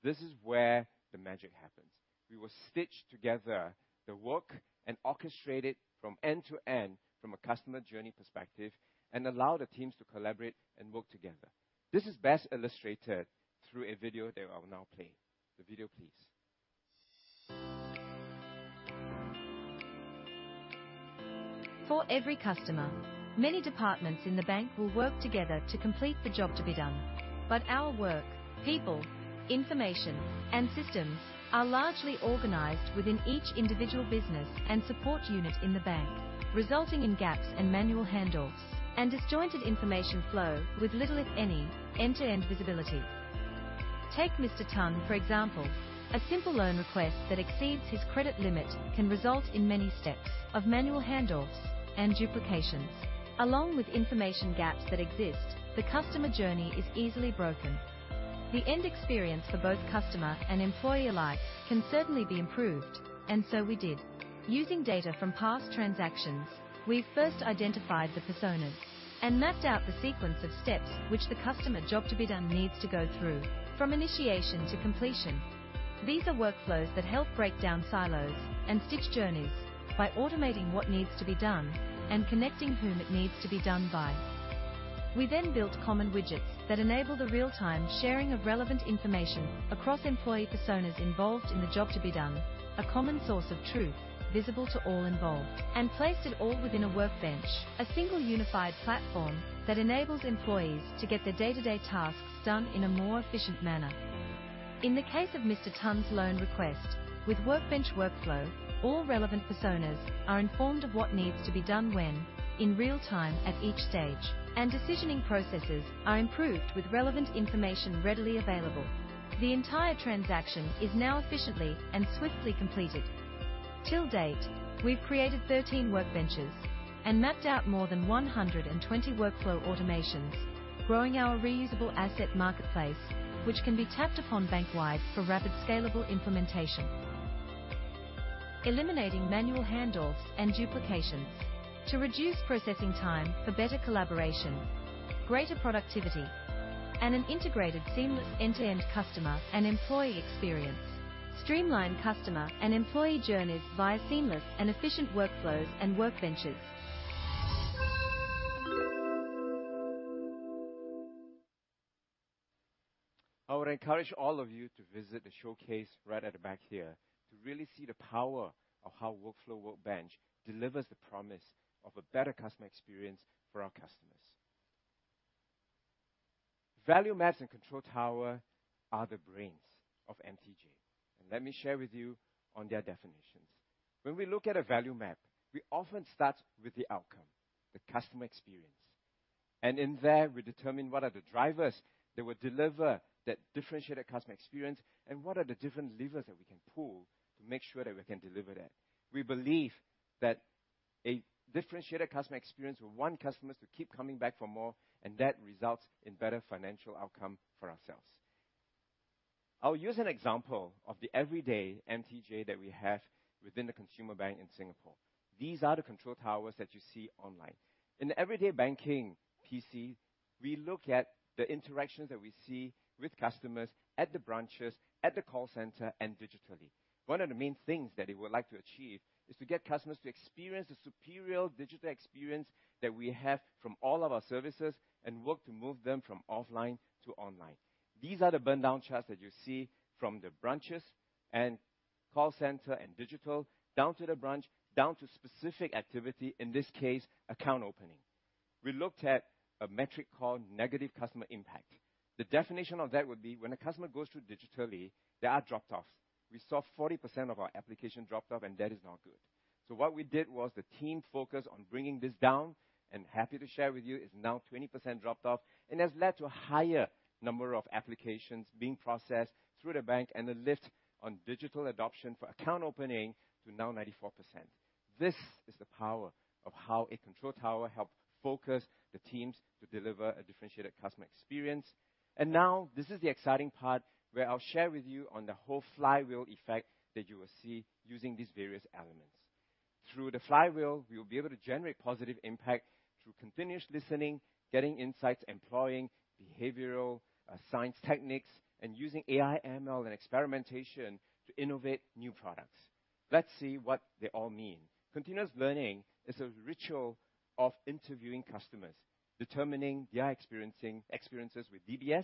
This is where the magic happens. We will stitch together the work and orchestrate it from end to end from a customer journey perspective and allow the teams to collaborate and work together. This is best illustrated through a video that I will now play. The video, please. For every customer, many departments in the bank will work together to complete the job to be done. But our work, people, information, and systems are largely organized within each individual business and support unit in the bank, resulting in gaps and manual handoffs and disjointed information flow with little, if any, end-to-end visibility. Take Mr. Tan, for example. A simple loan request that exceeds his credit limit can result in many steps of manual handoffs and duplications. Along with information gaps that exist, the customer journey is easily broken. The end experience for both customer and employee alike can certainly be improved, and so we did. Using data from past transactions, we've first identified the personas and mapped out the sequence of steps which the customer job to be done needs to go through, from initiation to completion. These are workflows that help break down silos and stitch journeys by automating what needs to be done and connecting whom it needs to be done by. We then built common widgets that enable the real-time sharing of relevant information across employee personas involved in the job to be done, a common source of truth, visible to all involved, and placed it all within a workbench, a single unified platform that enables employees to get their day-to-day tasks done in a more efficient manner. In the case of Mr. Tan's loan request, with workbench workflow, all relevant personas are informed of what needs to be done when, in real time, at each stage, and decisioning processes are improved with relevant information readily available. The entire transaction is now efficiently and swiftly completed. To date, we've created 13 workbenches and mapped out more than 120 workflow automations, growing our reusable asset marketplace, which can be tapped upon bank-wide for rapid, scalable implementation. Eliminating manual handoffs and duplications to reduce processing time for better collaboration, greater productivity, and an integrated, seamless, end-to-end customer and employee experience. Streamline customer and employee journeys via seamless and efficient workflows and workbenches.... I would encourage all of you to visit the showcase right at the back here, to really see the power of how Workflow Workbench delivers the promise of a better customer experience for our customers. Value Maps and Control Tower are the brains of MTJ and let me share with you on their definitions. When we look at a value map, we often start with the outcome, the customer experience, and in there we determine what are the drivers that will deliver that differentiated customer experience, and what are the different levers that we can pull to make sure that we can deliver that. We believe that a differentiated customer experience will want customers to keep coming back for more, and that results in better financial outcome for ourselves. I'll use an example of the everyday MTJ that we have within the consumer bank in Singapore. These are the Control Towers that you see online. In the everyday banking PC, we look at the interactions that we see with customers at the branches, at the call center, and digitally. One of the main things that we would like to achieve is to get customers to experience the superior digital experience that we have from all of our services, and work to move them from offline to online. These are the burndown charts that you see from the branches and call center and digital, down to the branch, down to specific activity, in this case, account opening. We looked at a metric called negative customer impact. The definition of that would be, when a customer goes through digitally, there are drop-offs. We saw 40% of our application dropped off, and that is not good. So what we did was the team focused on bringing this down, and happy to share with you, it's now 20% dropped off and has led to a higher number of applications being processed through the bank and a lift on digital adoption for account opening to now 94%. This is the power of how a Control Tower help focus the teams to deliver a differentiated customer experience. And now, this is the exciting part where I'll share with you on the whole Flywheel effect that you will see using these various elements. Through the Flywheel, we will be able to generate positive impact through continuous listening, getting insights, employing behavioral science techniques, and using AI, ML, and experimentation to innovate new products. Let's see what they all mean. Continuous learning is a ritual of interviewing customers, determining their experiences with DBS.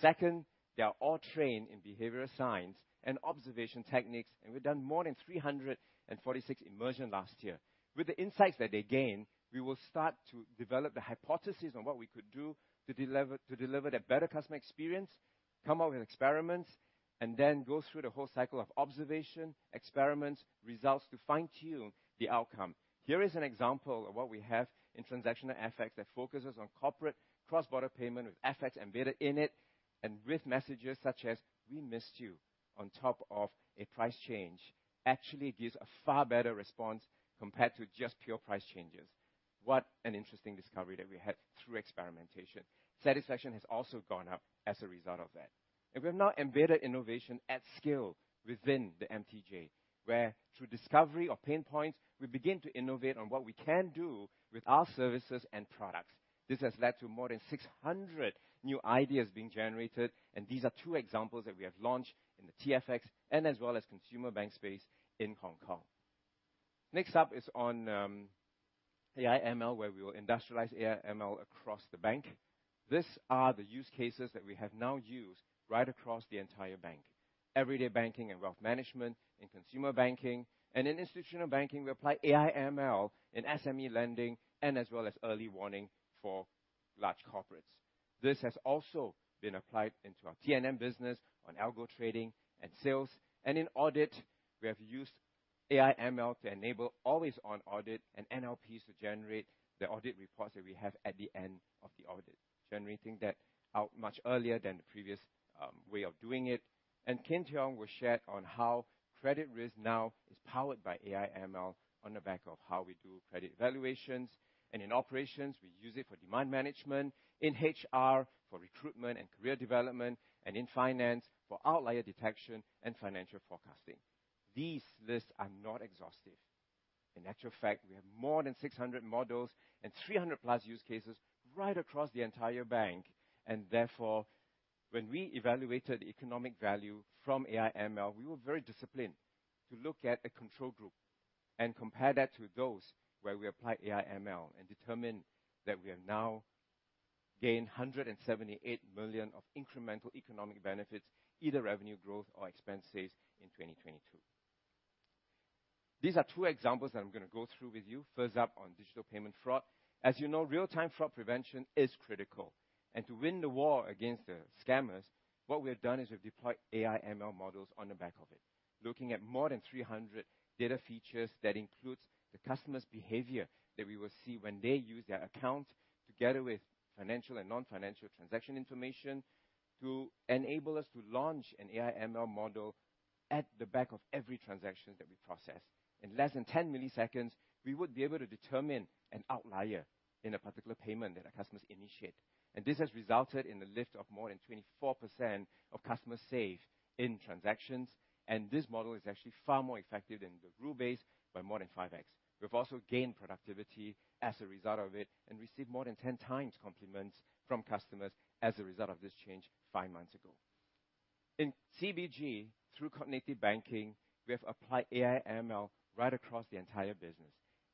Second, they are all trained in behavioral science and observation techniques, and we've done more than 346 immersions last year. With the insights that they gain, we will start to develop the hypothesis on what we could do to deliver, to deliver that better customer experience, come up with experiments, and then go through the whole cycle of observation, experiments, results, to fine-tune the outcome. Here is an example of what we have in transactional FX that focuses on corporate cross-border payment, with FX embedded in it, and with messages such as, "We missed you," on top of a price change. Actually, gives a far better response compared to just pure price changes. What an interesting discovery that we had through experimentation! Satisfaction has also gone up as a result of that. We have now embedded innovation at scale within the MTJ, where through discovery or pain points, we begin to innovate on what we can do with our services and products. This has led to more than 600 new ideas being generated, and these are two examples that we have launched in the TFX and as well as consumer bank space in Hong Kong. Next up is on AI, ML, where we will industrialize AI, ML across the bank. These are the use cases that we have now used right across the entire bank. Everyday banking and wealth management, in consumer banking, and in institutional banking, we apply AI, ML in SME lending and as well as early warning for large corporates. This has also been applied into our T&M business, on algo trading and sales, and in audit, we have used AI, ML to enable always-on audit and NLPs to generate the audit reports that we have at the end of the audit, generating that out much earlier than the previous way of doing it. Kian Tiong will share on how credit risk now is powered by AI, ML on the back of how we do credit evaluations. In operations, we use it for demand management, in HR, for recruitment and career development, and in finance, for outlier detection and financial forecasting. These lists are not exhaustive. In actual fact, we have more than 600 models and 300+ use cases right across the entire bank, and therefore, when we evaluated economic value from AI, ML, we were very disciplined to look at a control group and compare that to those where we applied AI, ML, and determined that we have now gained 178 million of incremental economic benefits, either revenue growth or expense saves in 2022. These are two examples that I'm gonna go through with you. First up, on digital payment fraud. As you know, real-time fraud prevention is critical, and to win the war against the scammers, what we have done is we've deployed AI, ML models on the back of it. Looking at more than 300 data features that includes the customer's behavior, that we will see when they use their account, together with financial and non-financial transaction information, to enable us to launch an AI, ML model at the back of every transaction that we process. In less than 10 milliseconds, we would be able to determine an outlier in a particular payment that our customers initiate. And this has resulted in the lift of more than 24% of customers saved in transactions, and this model is actually far more effective than the rule base by more than 5x. We've also gained productivity as a result of it and received more than 10 times compliments from customers as a result of this change five months ago. In CBG, through cognitive banking, we have applied AI/ML right across the entire business.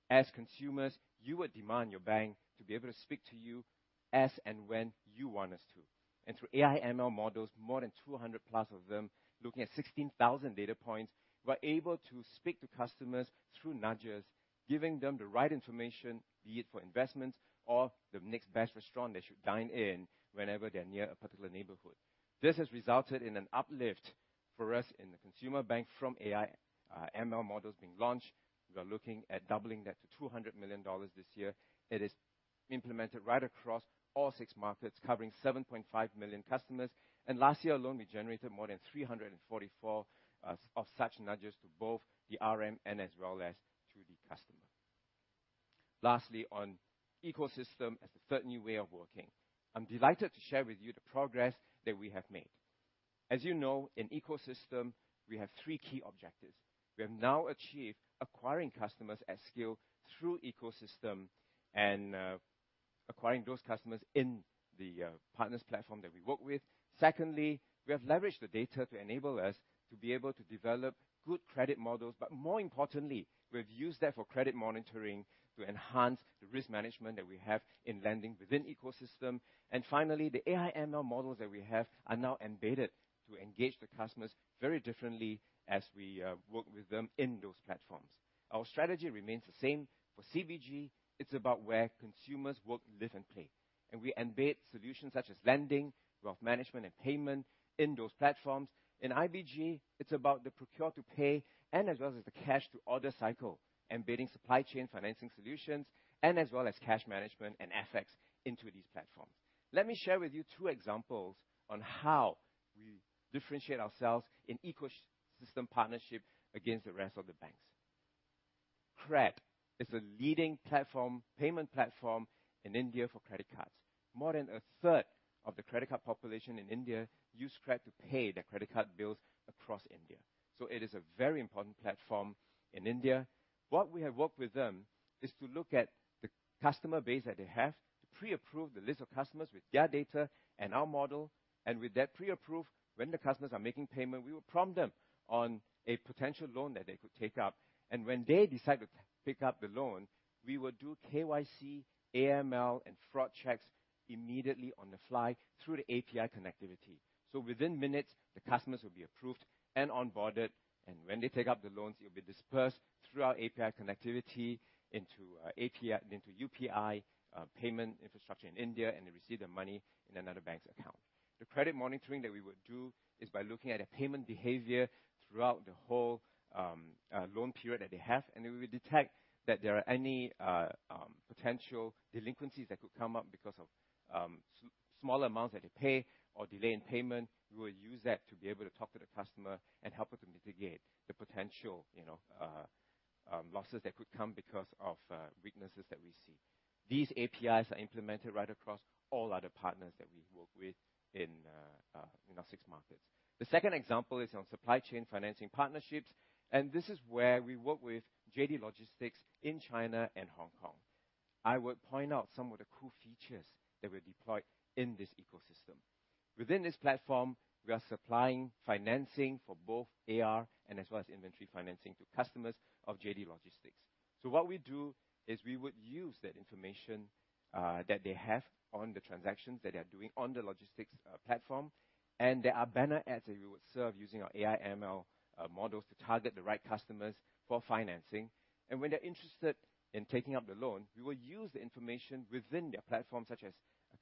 As consumers, you would demand your bank to be able to speak to you as and when you want us to. Through AI/ML models, more than 200 plus of them, looking at 16,000 data points, we're able to speak to customers through nudges, giving them the right information, be it for investments or the next best restaurant they should dine in whenever they're near a particular neighborhood. This has resulted in an uplift for us in the consumer bank from AI, ML models being launched. We are looking at doubling that to $200 million this year. It is implemented right across all six markets, covering 7.5 million customers, and last year alone, we generated more than 344 of such nudges to both the RM and as well as to the customer. Lastly, on ecosystem as the third new way of working. I'm delighted to share with you the progress that we have made. As you know, in ecosystem, we have three key objectives. We have now achieved acquiring customers at scale through ecosystem and acquiring those customers in the partners platform that we work with. Secondly, we have leveraged the data to enable us to be able to develop good credit models, but more importantly, we've used that for credit monitoring to enhance the risk management that we have in lending within ecosystem. And finally, the AI/ML models that we have are now embedded to engage the customers very differently as we work with them in those platforms. Our strategy remains the same. For CBG, it's about where consumers work, live, and play, and we embed solutions such as lending, wealth management, and payment in those platforms. In IBG, it's about the procure-to-pay and as well as the cash to order cycle, embedding supply chain financing solutions, and as well as cash management and FX into these platforms. Let me share with you two examples on how we differentiate ourselves in ecosystem partnership against the rest of the banks. CRED is a leading payment platform in India for credit cards. More than a third of the credit card population in India use CRED to pay their credit card bills across India. So it is a very important platform in India. What we have worked with them is to look at the customer base that they have, to pre-approve the list of customers with their data and our model, and with that pre-approved, when the customers are making payment, we will prompt them on a potential loan that they could take up. And when they decide to pick up the loan, we will do KYC, AML, and fraud checks immediately on the fly through the API connectivity. So within minutes, the customers will be approved and onboarded, and when they take up the loans, it'll be dispersed through our API connectivity into UPI payment infrastructure in India, and they receive their money in another bank's account. The credit monitoring that we would do is by looking at a payment behavior throughout the whole loan period that they have, and we will detect that there are any potential delinquencies that could come up because of smaller amounts that they pay or delay in payment. We will use that to be able to talk to the customer and help her to mitigate the potential, you know, losses that could come because of weaknesses that we see. These APIs are implemented right across all other partners that we work with in our six markets. The second example is on supply chain financing partnerships, and this is where we work with JD Logistics in China and Hong Kong. I would point out some of the cool features that were deployed in this ecosystem. Within this platform, we are supplying financing for both AR and as well as inventory financing to customers of JD Logistics. What we do is we would use that information, that they have on the transactions that they are doing on the logistics platform, and there are banner ads that we would serve using our AI/ML models to target the right customers for financing. When they're interested in taking up the loan, we will use the information within their platform, such as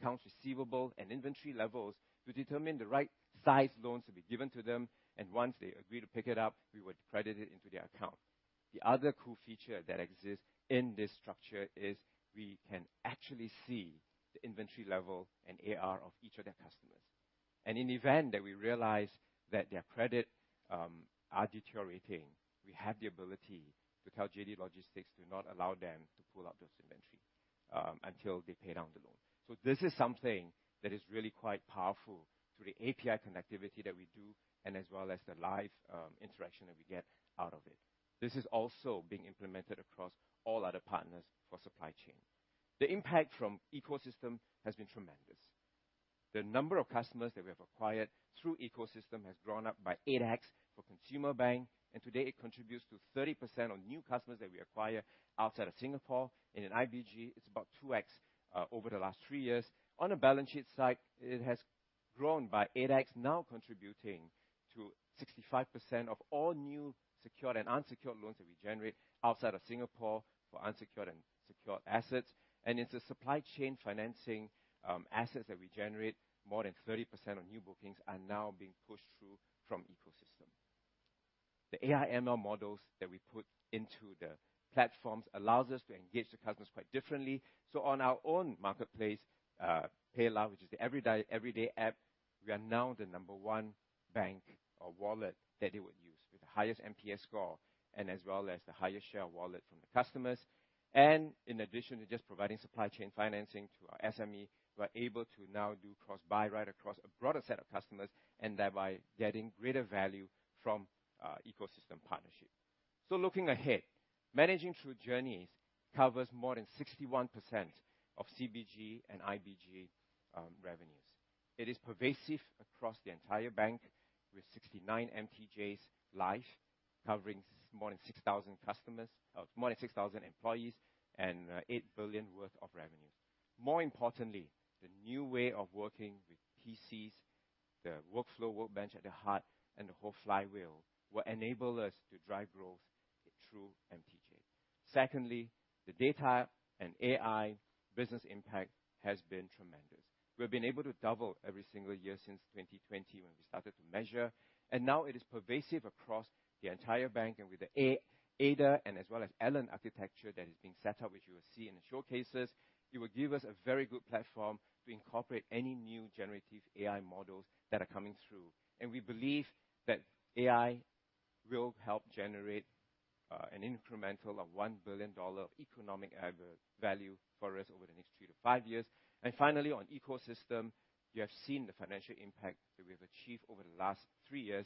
accounts receivable and inventory levels, to determine the right size loans to be given to them, and once they agree to pick it up, we would credit it into their account. The other cool feature that exists in this structure is we can actually see the inventory level and AR of each of their customers. In event that we realize that their credit are deteriorating, we have the ability to tell JD Logistics to not allow them to pull out those inventory until they pay down the loan. So this is something that is really quite powerful through the API connectivity that we do and as well as the live interaction that we get out of it. This is also being implemented across all other partners for supply chain. The impact from ecosystem has been tremendous. The number of customers that we have acquired through ecosystem has grown up by 8x for consumer bank, and today it contributes to 30% of new customers that we acquire outside of Singapore. In IBG, it's about 2x over the last three years. On the balance sheet side, it has grown by 8x, now contributing to 65% of all new secured and unsecured loans that we generate outside of Singapore for unsecured and secured assets. It's a supply chain financing assets that we generate, more than 30% of new bookings are now being pushed through from ecosystem. The AI/ML models that we put into the platforms allows us to engage the customers quite differently. So, on our own marketplace, PayLah!, which is the everyday app, we are now the number one bank or wallet that they would use with the highest NPS score and as well as the highest share of wallet from the customers. In addition to just providing supply chain financing to our SME, we're able to now do cross-buy right across a broader set of customers and thereby getting greater value from ecosystem partnership. Looking ahead, Managing Through Journeys covers more than 61% of CBG and IBG revenues. It is pervasive across the entire bank, with 69 MTJs live, covering more than 6,000 customers, more than 6,000 employees, and 8 billion worth of revenues. More importantly, the new way of working with PCs, the Workflow Workbench at the heart, and the whole Flywheel, will enable us to drive growth through MTJ. Secondly, the data and AI business impact has been tremendous. We've been able to double every single year since 2020, when we started to measure, and now it is pervasive across the entire bank, and with the ADA and as well as ALAN architecture that is being set up, which you will see in the showcases. It will give us a very good platform to incorporate any new generative AI models that are coming through. We believe that AI will help generate an incremental 1 billion dollar of economic added value for us over the next 3-5 years. Finally, on ecosystem, you have seen the financial impact that we have achieved over the last three years,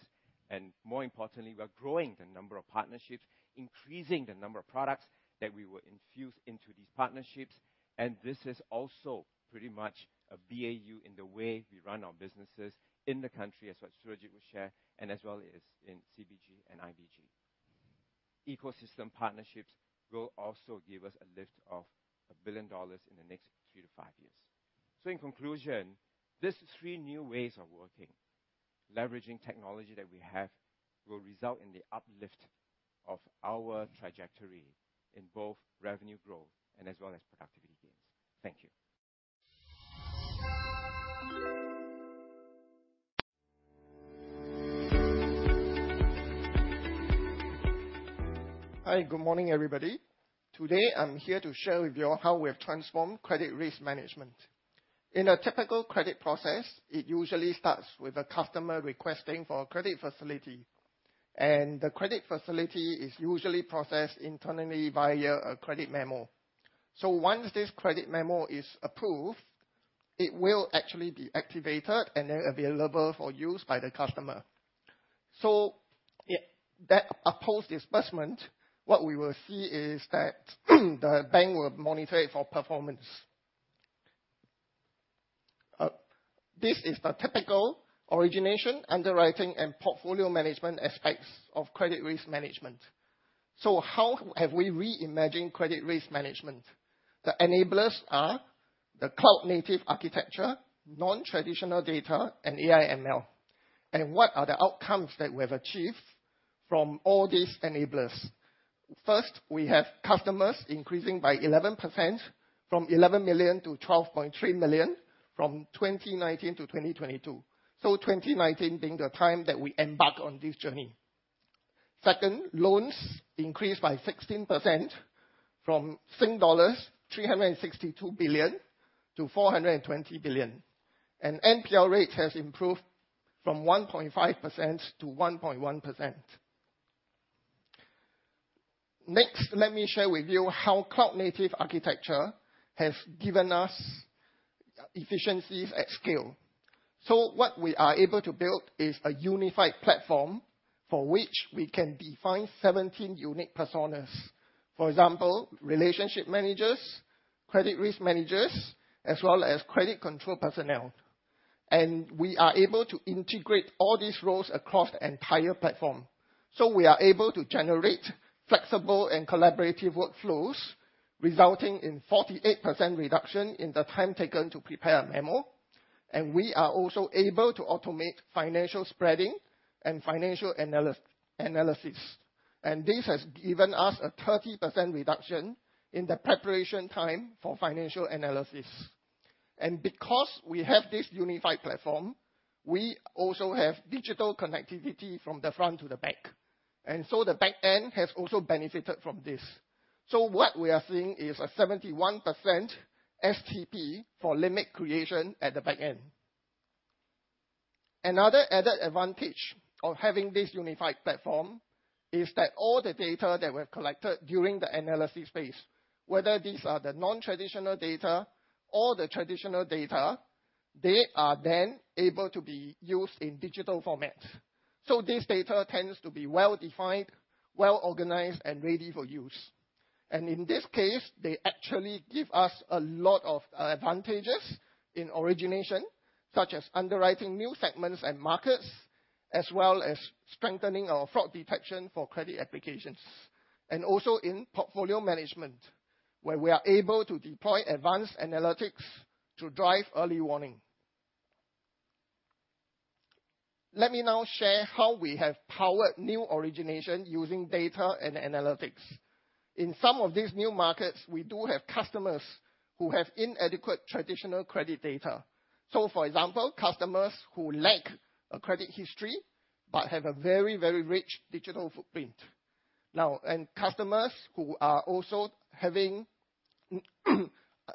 and more importantly, we are growing the number of partnerships, increasing the number of products that we will infuse into these partnerships, and this is also pretty much a BAU in the way we run our businesses in the country, as what Surojit will share, and as well as in CBG and IBG. Ecosystem partnerships will also give us a lift of $1 billion in the next three to five years. In conclusion, these three new ways of working, leveraging technology that we have, will result in the uplift of our trajectory in both revenue growth and as well as productivity gains. Thank you. Hi, good morning, everybody. Today, I'm here to share with you how we have transformed credit risk management. In a typical credit process, it usually starts with a customer requesting for a credit facility, and the credit facility is usually processed internally via a credit memo. So, once this credit memo is approved, it will actually be activated and then available for use by the customer. So yeah, post disbursement, what we will see is that the bank will monitor it for performance. This is the typical origination, underwriting, and portfolio management aspects of credit risk management. So how have we reimagined credit risk management? The enablers are the cloud-native architecture, nontraditional data, and AI/ML. And what are the outcomes that we have achieved from all these enablers? First, we have customers increasing by 11%, from 11 million to 12.3 million, from 2019 to 2022. So 2019 being the time that we embark on this journey. Second, loans increased by 16% from 362 billion-420 billion Sing dollars. NPL rate has improved from 1.5% to 1.1%. Next, let me share with you how cloud-native architecture has given us efficiencies at scale. So what we are able to build is a unified platform for which we can define 17 unique personas. For example, relationship managers, credit risk managers, as well as credit control personnel, and we are able to integrate all these roles across the entire platform. So we are able to generate flexible and collaborative workflows, resulting in 48% reduction in the time taken to prepare a memo. And we are also able to automate financial spreading and financial analysis, and this has given us a 30% reduction in the preparation time for financial analysis. And because we have this unified platform, we also have digital connectivity from the front to the back, and so the back end has also benefited from this. So what we are seeing is a 71% STP for limit creation at the back end. Another added advantage of having this unified platform is that all the data that we have collected during the analysis phase, whether these are the nontraditional data or the traditional data, they are then able to be used in digital formats. So this data tends to be well-defined, well-organized, and ready for use. In this case, they actually give us a lot of advantages in origination, such as underwriting new segments and markets, as well as strengthening our fraud detection for credit applications. Also in portfolio management, where we are able to deploy advanced analytics to drive early warning. Let me now share how we have powered new origination using data and analytics. In some of these new markets, we do have customers who have inadequate traditional credit data. So for example, customers who lack a credit history, but have a very, very rich digital footprint. Now, and customers who are also having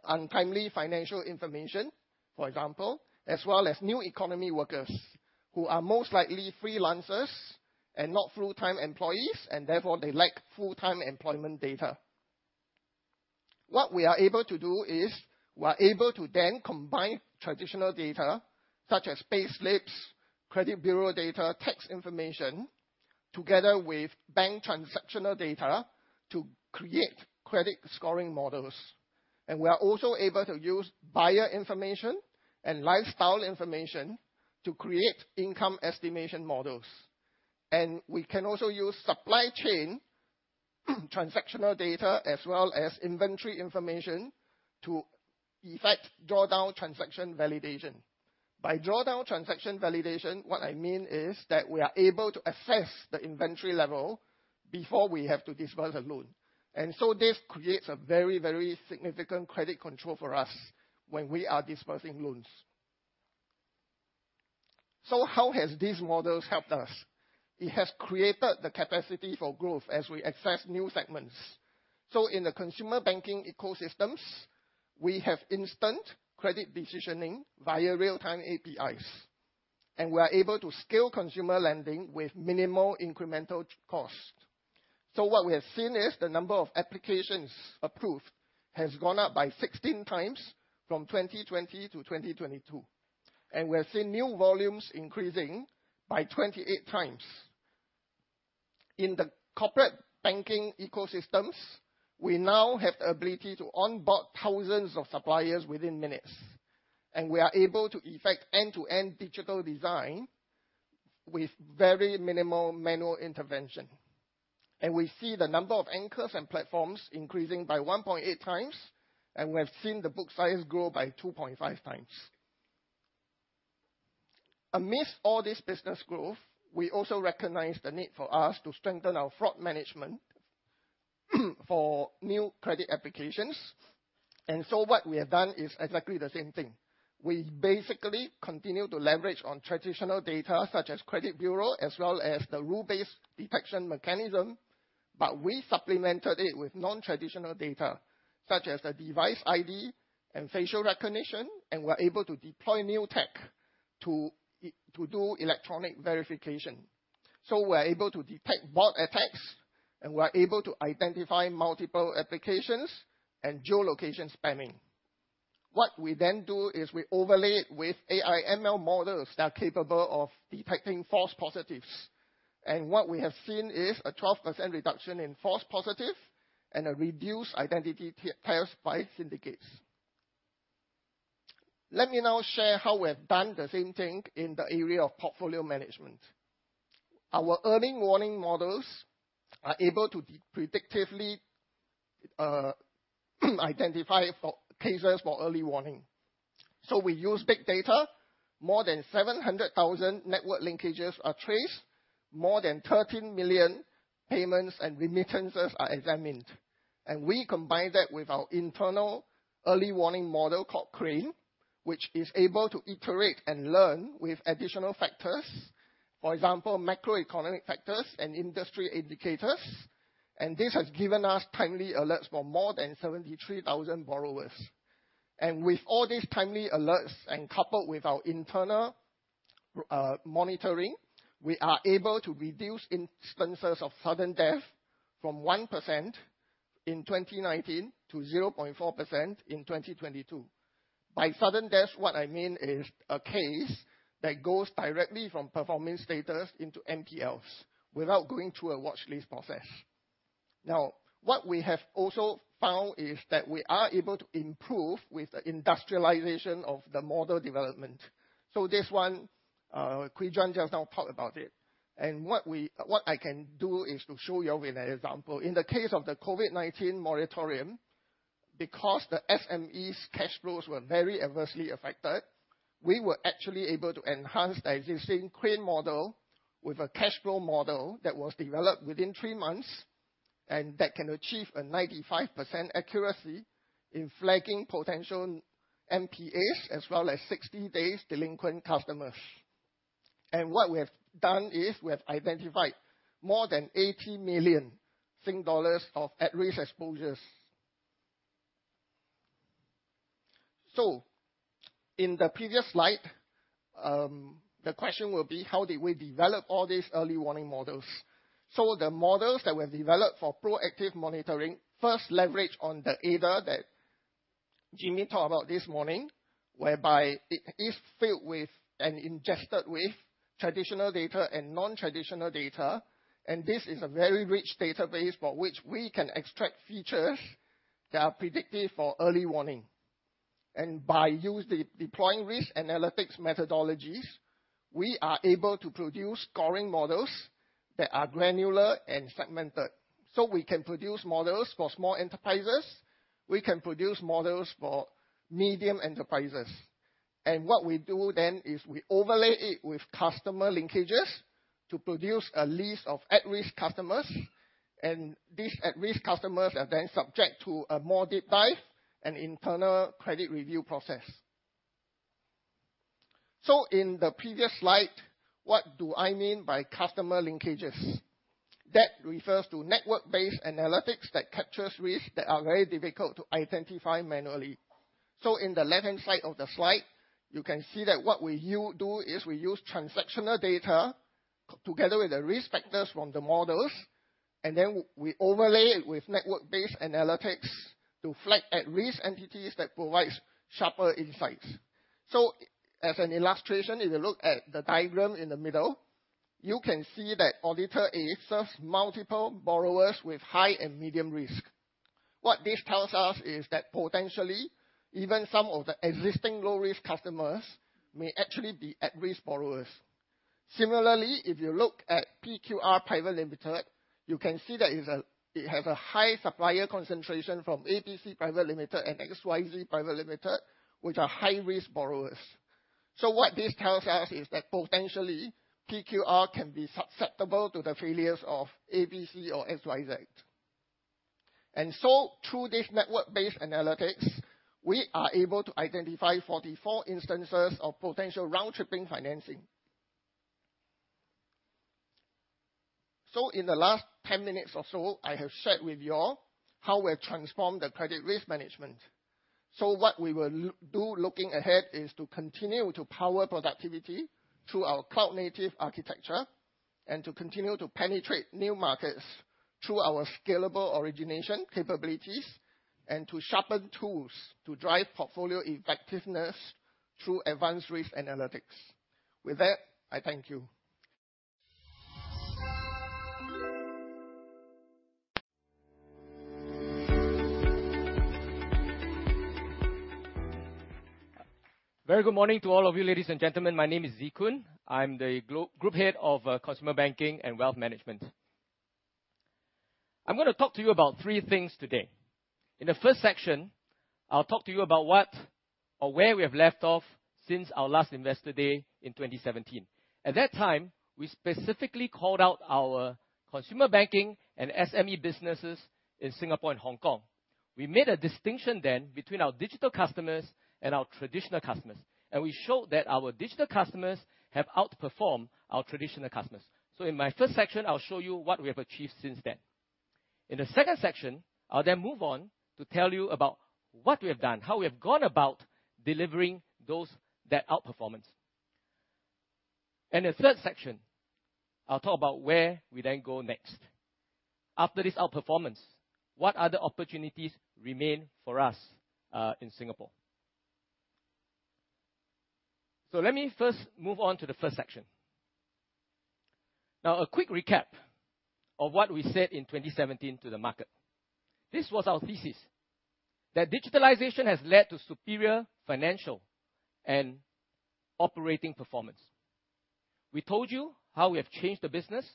untimely financial information, for example, as well as new economy workers, who are most likely freelancers and not full-time employees, and therefore they lack full-time employment data... What we are able to do is, we are able to then combine traditional data, such as payslips, credit bureau data, tax information, together with bank transactional data to create credit scoring models. We are also able to use buyer information and lifestyle information to create income estimation models. We can also use supply chain, transactional data, as well as inventory information, to effect drawdown transaction validation. By drawdown transaction validation, what I mean is that we are able to assess the inventory level before we have to disburse a loan. This creates a very, very significant credit control for us when we are disbursing loans. So how have these models helped us? It has created the capacity for growth as we access new segments. So in the consumer banking ecosystems, we have instant credit decisioning via real-time APIs, and we are able to scale consumer lending with minimal incremental cost. So what we have seen is the number of applications approved has gone up by 16 times from 2020 to 2022, and we have seen new volumes increasing by 28 times. In the corporate banking ecosystems, we now have the ability to onboard thousands of suppliers within minutes, and we are able to effect end-to-end digital design with very minimal manual intervention. And we see the number of anchors and platforms increasing by 1.8 times, and we have seen the book size grow by 2.5 times. Amidst all this business growth, we also recognize the need for us to strengthen our fraud management, for new credit applications. And so what we have done is exactly the same thing. We basically continue to leverage on traditional data, such as credit bureau, as well as the rule-based detection mechanism, but we supplemented it with non-traditional data, such as the device ID and facial recognition, and we're able to deploy new tech to do electronic verification. So we're able to detect bot attacks, and we're able to identify multiple applications and geolocation spamming. What we then do is we overlay it with AI ML models that are capable of detecting false positives. And what we have seen is a 12% reduction in false positives and a reduced identity theft by syndicates. Let me now share how we have done the same thing in the area of portfolio management. Our early warning models are able to predictively identify for cases for early warning. So we use big data. More than 700,000 network linkages are traced. More than 13 million payments and remittances are examined. We combine that with our internal early warning model called CRANE, which is able to iterate and learn with additional factors. For example, macroeconomic factors and industry indicators, and this has given us timely alerts for more than 73,000 borrowers. With all these timely alerts, and coupled with our internal monitoring, we are able to reduce instances of sudden death from 1% in 2019 to 0.4% in 2022. By sudden death, what I mean is a case that goes directly from performance status into NPLs without going through a watchlist process. Now, what we have also found is that we are able to improve with the industrialization of the model development. So this one, Kwee Juan just now talked about it. And what I can do is to show you with an example. In the case of the COVID-19 moratorium, because the SME's cash flows were very adversely affected, we were actually able to enhance the existing CRANE model with a cash flow model that was developed within three months, and that can achieve a 95% accuracy in flagging potential MPAs, as well as 60 days delinquent customers. And what we have done is, we have identified more than 80 million Sing dollars of at-risk exposures. So in the previous slide, the question will be, how did we develop all these early warning models? So the models that were developed for proactive monitoring first leverage on the ADA that Jimmy talked about this morning, whereby it is filled with and ingested with traditional data and non-traditional data, and this is a very rich database for which we can extract features that are predictive for early warning. By deploying risk analytics methodologies, we are able to produce scoring models that are granular and segmented. So we can produce models for small enterprises, we can produce models for medium enterprises. And what we do then is we overlay it with customer linkages to produce a list of at-risk customers, and these at-risk customers are then subject to a more deep dive and internal credit review process. So in the previous slide, what do I mean by customer linkages? That refers to network-based analytics that captures risks that are very difficult to identify manually. So in the left-hand side of the slide, you can see that what we do is we use transactional data together with the risk factors from the models, and then we overlay it with network-based analytics to flag at-risk entities that provides sharper insights. So as an illustration, if you look at the diagram in the middle, you can see that Auditor A serves multiple borrowers with high and medium risk. What this tells us is that potentially, even some of the existing low-risk customers may actually be at-risk borrowers. Similarly, if you look at PQR Private Limited, you can see that it has a high supplier concentration from ABC Private Limited and XYZ Private Limited, which are high-risk borrowers. So what this tells us is that potentially PQR can be susceptible to the failures of ABC or XYZ. And so through this network-based analytics, we are able to identify 44 instances of potential roundtripping financing. In the last 10 minutes or so, I have shared with you all how we have transformed the credit risk management. What we will do looking ahead is to continue to power productivity through our cloud-native architecture, and to continue to penetrate new markets through our scalable origination capabilities, and to sharpen tools to drive portfolio effectiveness through advanced risk analytics. With that, I thank you. Very good morning to all of you, ladies and gentlemen. My name is Shee Tse Koon. I'm the Group Head of Consumer Banking and Wealth Management. I'm gonna talk to you about three things today. In the first section, I'll talk to you about what or where we have left off since our last Investor Day in 2017. At that time, we specifically called out our consumer banking and SME businesses in Singapore and Hong Kong. We made a distinction then between our digital customers and our traditional customers, and we showed that our digital customers have outperformed our traditional customers. So in my first section, I'll show you what we have achieved since then. In the second section, I'll then move on to tell you about what we have done, how we have gone about delivering those, that outperformance. The third section, I'll talk about where we then go next. After this outperformance, what other opportunities remain for us in Singapore? Let me first move on to the first section. Now, a quick recap of what we said in 2017 to the market. This was our thesis, that digitalization has led to superior financial and operating performance. We told you how we have changed the business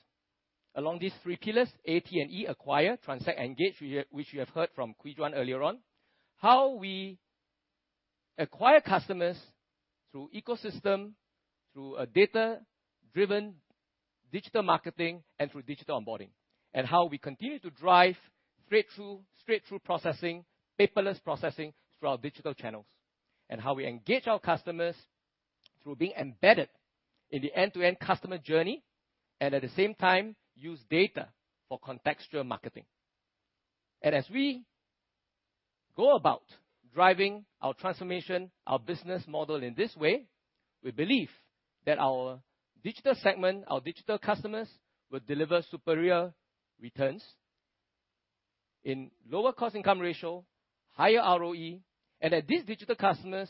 along these three pillars, A, T, and E: acquire, transact, engage, which you have heard from Kwee Juan earlier on. How we acquire customers through ecosystem, through a data-driven digital marketing, and through digital onboarding, and how we continue to drive straight through, straight through processing, paperless processing through our digital channels. And how we engage our customers through being embedded in the end-to-end customer journey, and at the same time, use data for contextual marketing. And as we go about driving our transformation, our business model, in this way, we believe that our digital segment, our digital customers, will deliver superior returns in lower cost-income ratio, higher ROE, and that these digital customers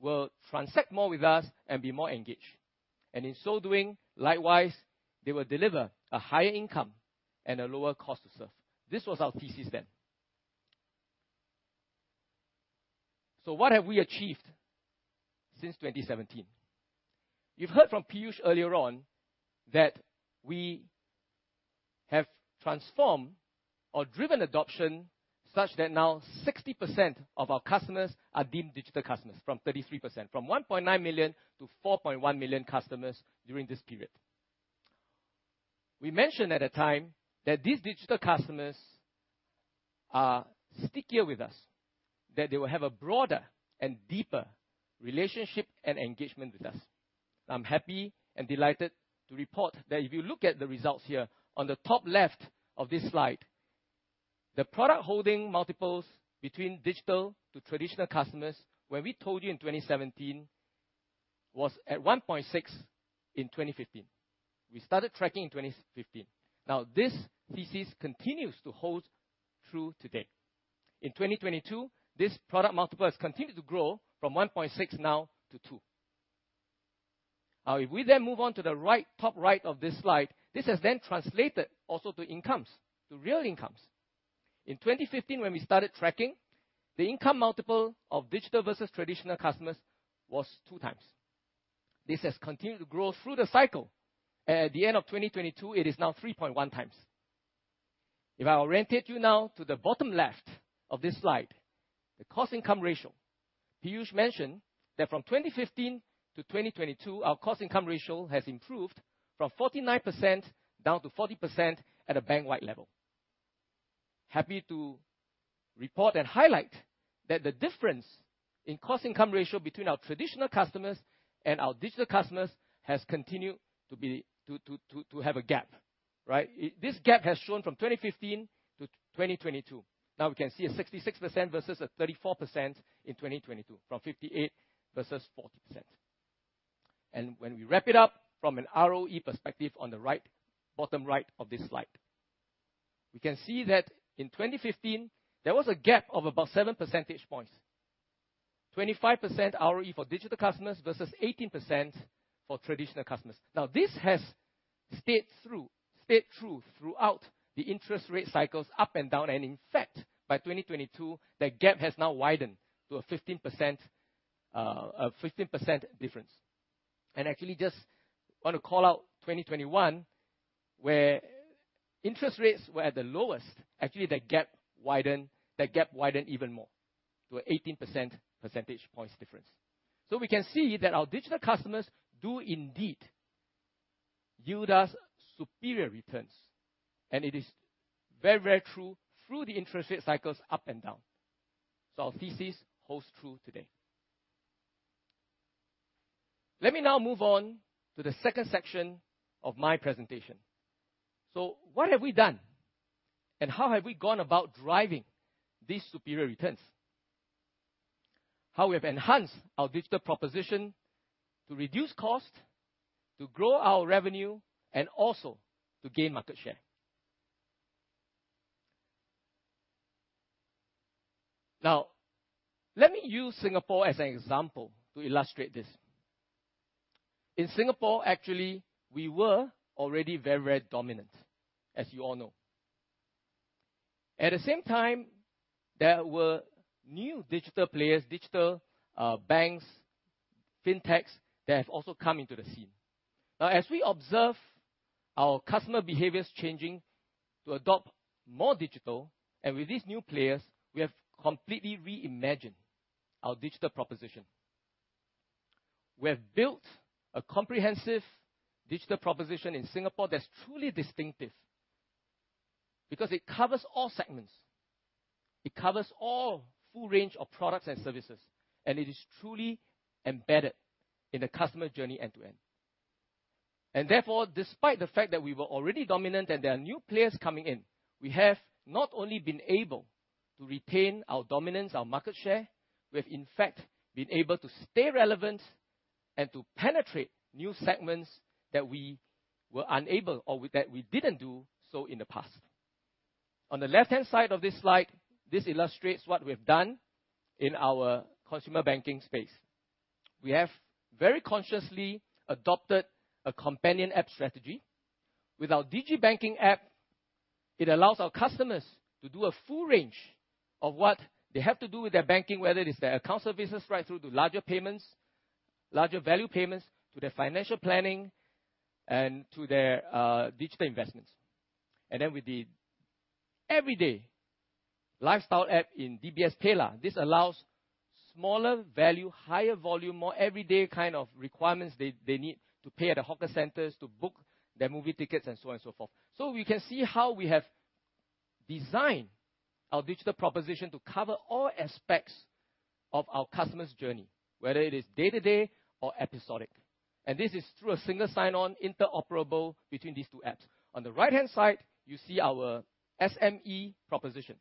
will transact more with us and be more engaged. And in so doing, likewise, they will deliver a higher income and a lower cost to serve. This was our thesis then. So what have we achieved since 2017? You've heard from Piyush earlier on, that we have transformed or driven adoption, such that now 60% of our customers are deemed digital customers, from 33%. From 1.9 million to 4.1 million customers during this period. We mentioned at the time that these digital customers are stickier with us, that they will have a broader and deeper relationship and engagement with us. I'm happy and delighted to report that if you look at the results here on the top left of this slide, the product holding multiples between digital to traditional customers, where we told you in 2017, was at 1.6x in 2015. We started tracking in 2015. Now, this thesis continues to hold true today. In 2022, this product multiple has continued to grow from 1.6x now to 2x. If we then move on to the right, top right of this slide, this has then translated also to incomes, to real incomes. In 2015, when we started tracking, the income multiple of digital versus traditional customers was 2x. This has continued to grow through the cycle. At the end of 2022, it is now 3.1x. If I orient you now to the bottom left of this slide, the cost-income ratio. Piyush mentioned that from 2015 to 2022, our cost-income ratio has improved from 49% down to 40% at a bank-wide level. Happy to report and highlight that the difference in cost-income ratio between our traditional customers and our digital customers has continued to have a gap. Right? This gap has shown from 2015 to 2022. Now we can see a 66% versus a 34% in 2022, from 58% versus 40%. And when we wrap it up from an ROE perspective on the right, bottom right of this slide, we can see that in 2015, there was a gap of about seven percentage points. 25% ROE for digital customers versus 18% for traditional customers. Now, this has stayed through, stayed true throughout the interest rate cycles, up and down, and in fact, by 2022, that gap has now widened to a 15%, a 15% difference. And actually just want to call out 2021, where interest rates were at the lowest, actually, the gap widened, the gap widened even more to 18 percentage points difference. So we can see that our digital customers do indeed yield us superior returns, and it is very, very true through the interest rate cycles up and down. So our thesis holds true today. Let me now move on to the second section of my presentation. So what have we done, and how have we gone about driving these superior returns? How we have enhanced our digital proposition to reduce cost, to grow our revenue, and also to gain market share. Now, let me use Singapore as an example to illustrate this. In Singapore, actually, we were already very dominant, as you all know. At the same time, there were new digital players, digital, banks, fintechs, that have also come into the scene. Now, as we observe our customer behaviors changing to adopt more digital, and with these new players, we have completely reimagined our digital proposition. We have built a comprehensive digital proposition in Singapore that's truly distinctive because it covers all segments, it covers all full range of products and services, and it is truly embedded in the customer journey end to end. And therefore, despite the fact that we were already dominant and there are new players coming in, we have not only been able to retain our dominance, our market share, we have in fact been able to stay relevant and to penetrate new segments that we were unable or that we didn't do so in the past. On the left-hand side of this slide, this illustrates what we've done in our consumer banking space. We have very consciously adopted a companion app strategy. With our digibank app, it allows our customers to do a full range of what they have to do with their banking, whether it is their account services, right through to larger payments, larger value payments, to their financial planning and to their digital investments. And then with the everyday lifestyle app in DBS PayLah!!, this allows smaller value, higher volume, more everyday kind of requirements they need to pay at the hawker centers, to book their movie tickets and so on and so forth. So we can see how we have designed our digital proposition to cover all aspects of our customers' journey, whether it is day-to-day or episodic. And this is through a single sign-on, interoperable between these two apps. On the right-hand side, you see our SME proposition,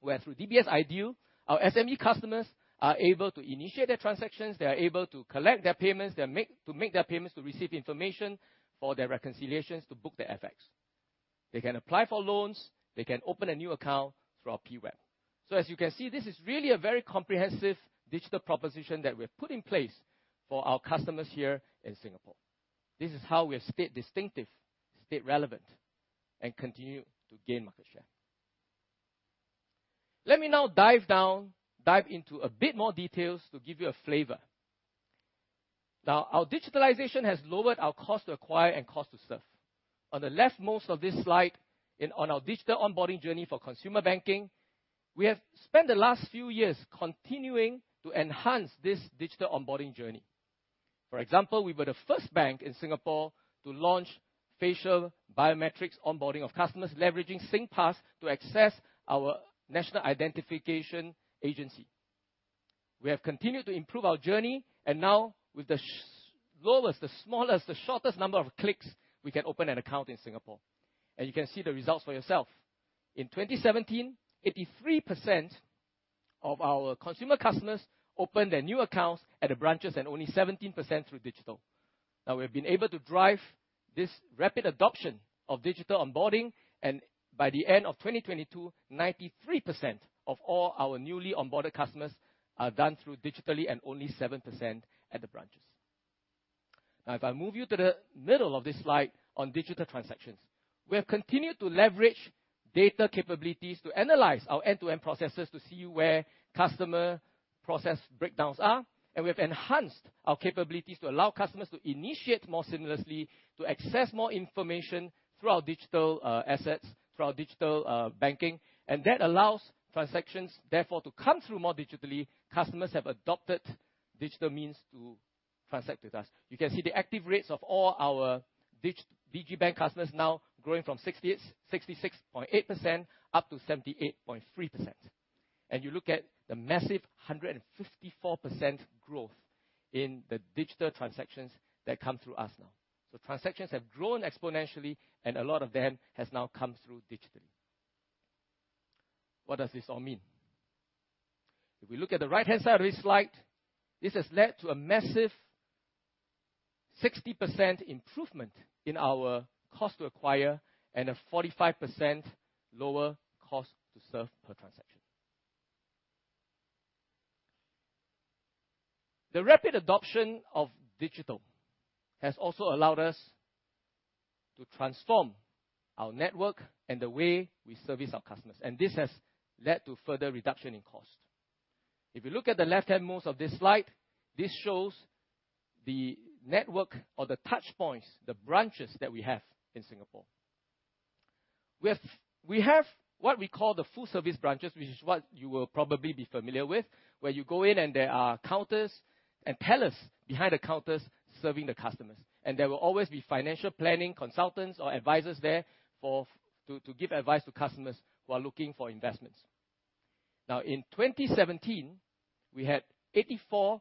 where through DBS IDEAL, our SME customers are able to initiate their transactions, they are able to collect their payments, they are able to make their payments, to receive information for their reconciliations, to book their FX. They can apply for loans. They can open a new account through our PWeb. So as you can see, this is really a very comprehensive digital proposition that we've put in place for our customers here in Singapore. This is how we have stayed distinctive, stayed relevant, and continue to gain market share. Let me now dive down, dive into a bit more details to give you a flavor. Now, our digitalization has lowered our cost to acquire and cost to serve. On the leftmost of this slide, in our digital onboarding journey for consumer banking, we have spent the last few years continuing to enhance this digital onboarding journey. For example, we were the first bank in Singapore to launch facial biometrics onboarding of customers, leveraging Singpass to access our national identification agency. We have continued to improve our journey, and now, with the lowest, the smallest, the shortest number of clicks, we can open an account in Singapore, and you can see the results for yourself. In 2017, 83% of our consumer customers opened their new accounts at the branches and only 17% through digital. Now, we've been able to drive this rapid adoption of digital onboarding, and by the end of 2022, 93% of all our newly onboarded customers are done through digitally and only 7% at the branches. Now, if I move you to the middle of this slide on digital transactions, we have continued to leverage data capabilities to analyze our end-to-end processes to see where customer process breakdowns are, and we have enhanced our capabilities to allow customers to initiate more seamlessly, to access more information through our digital assets, through our digital banking. And that allows transactions, therefore, to come through more digitally. Customers have adopted digital means to transact with us. You can see the active rates of all our digibank customers now growing from 66.8% up to 78.3%... and you look at the massive 154% growth in the digital transactions that come through us now. So transactions have grown exponentially, and a lot of them has now come through digitally. What does this all mean? If we look at the right-hand side of this slide, this has led to a massive 60% improvement in our cost to acquire and a 45% lower cost to serve per transaction. The rapid adoption of digital has also allowed us to transform our network and the way we service our customers, and this has led to further reduction in cost. If you look at the left-hand most of this slide, this shows the network or the touchpoints, the branches that we have in Singapore. We have what we call the full-service branches, which is what you will probably be familiar with, where you go in, and there are counters and tellers behind the counters serving the customers, and there will always be financial planning consultants or advisors there for to give advice to customers who are looking for investments. Now, in 2017, we had 84%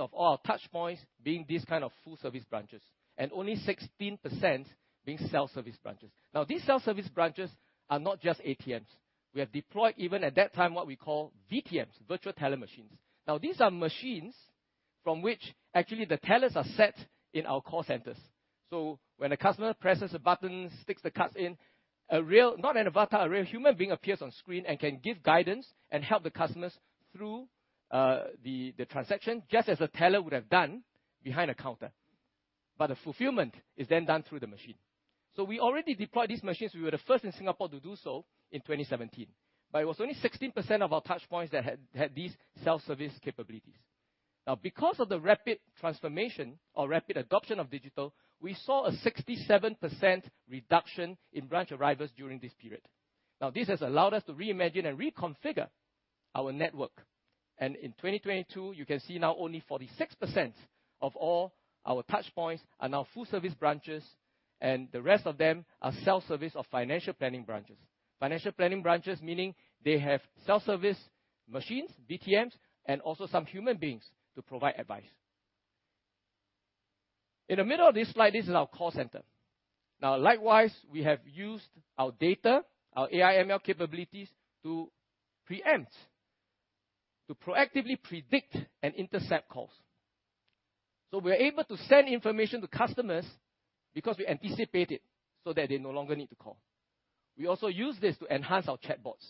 of all our touchpoints being these kind of full-service branches, and only 16% being self-service branches. Now, these self-service branches are not just ATMs. We have deployed, even at that time, what we call VTMs, virtual teller machines. Now, these are machines from which actually the tellers are set in our call centers. So when a customer presses a button, sticks the cards in, a real, not an avatar, a real human being appears on screen and can give guidance and help the customers through the transaction, just as a teller would have done behind a counter, but the fulfillment is then done through the machine. So we already deployed these machines. We were the first in Singapore to do so in 2017, but it was only 16% of our touchpoints that had these self-service capabilities. Now, because of the rapid transformation or rapid adoption of digital, we saw a 67% reduction in branch arrivals during this period. Now, this has allowed us to reimagine and reconfigure our network, and in 2022, you can see now only 46% of all our touchpoints are now full-service branches, and the rest of them are self-service or financial planning branches. Financial planning branches meaning they have self-service machines, VTMs, and also some human beings to provide advice. In the middle of this slide, this is our call center. Now, likewise, we have used our data, our AI ML capabilities, to preempt, to proactively predict and intercept calls. So we're able to send information to customers because we anticipate it, so that they no longer need to call. We also use this to enhance our chatbots.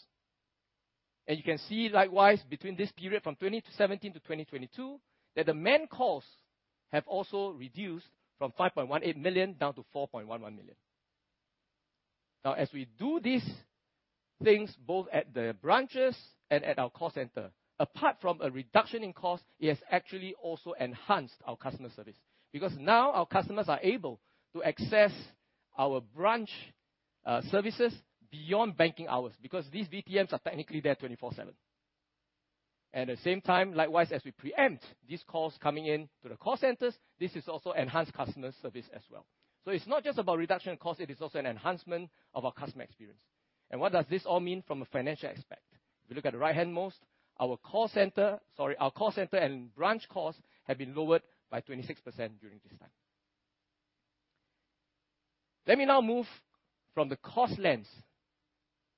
You can see, likewise, between this period from 2017 to 2022, that the main calls have also reduced from 5.18 million down to 4.11 million. Now, as we do these things both at the branches and at our call center, apart from a reduction in cost, it has actually also enhanced our customer service. Because now our customers are able to access our branch services beyond banking hours, because these VTMs are technically there 24/7. At the same time, likewise, as we preempt these calls coming in to the call centers, this is also enhanced customer service as well. So it's not just about reduction in cost, it is also an enhancement of our customer experience. And what does this all mean from a financial aspect? If you look at the right-hand most, our call center, sorry, our call center and branch costs have been lowered by 26% during this time. Let me now move from the cost lens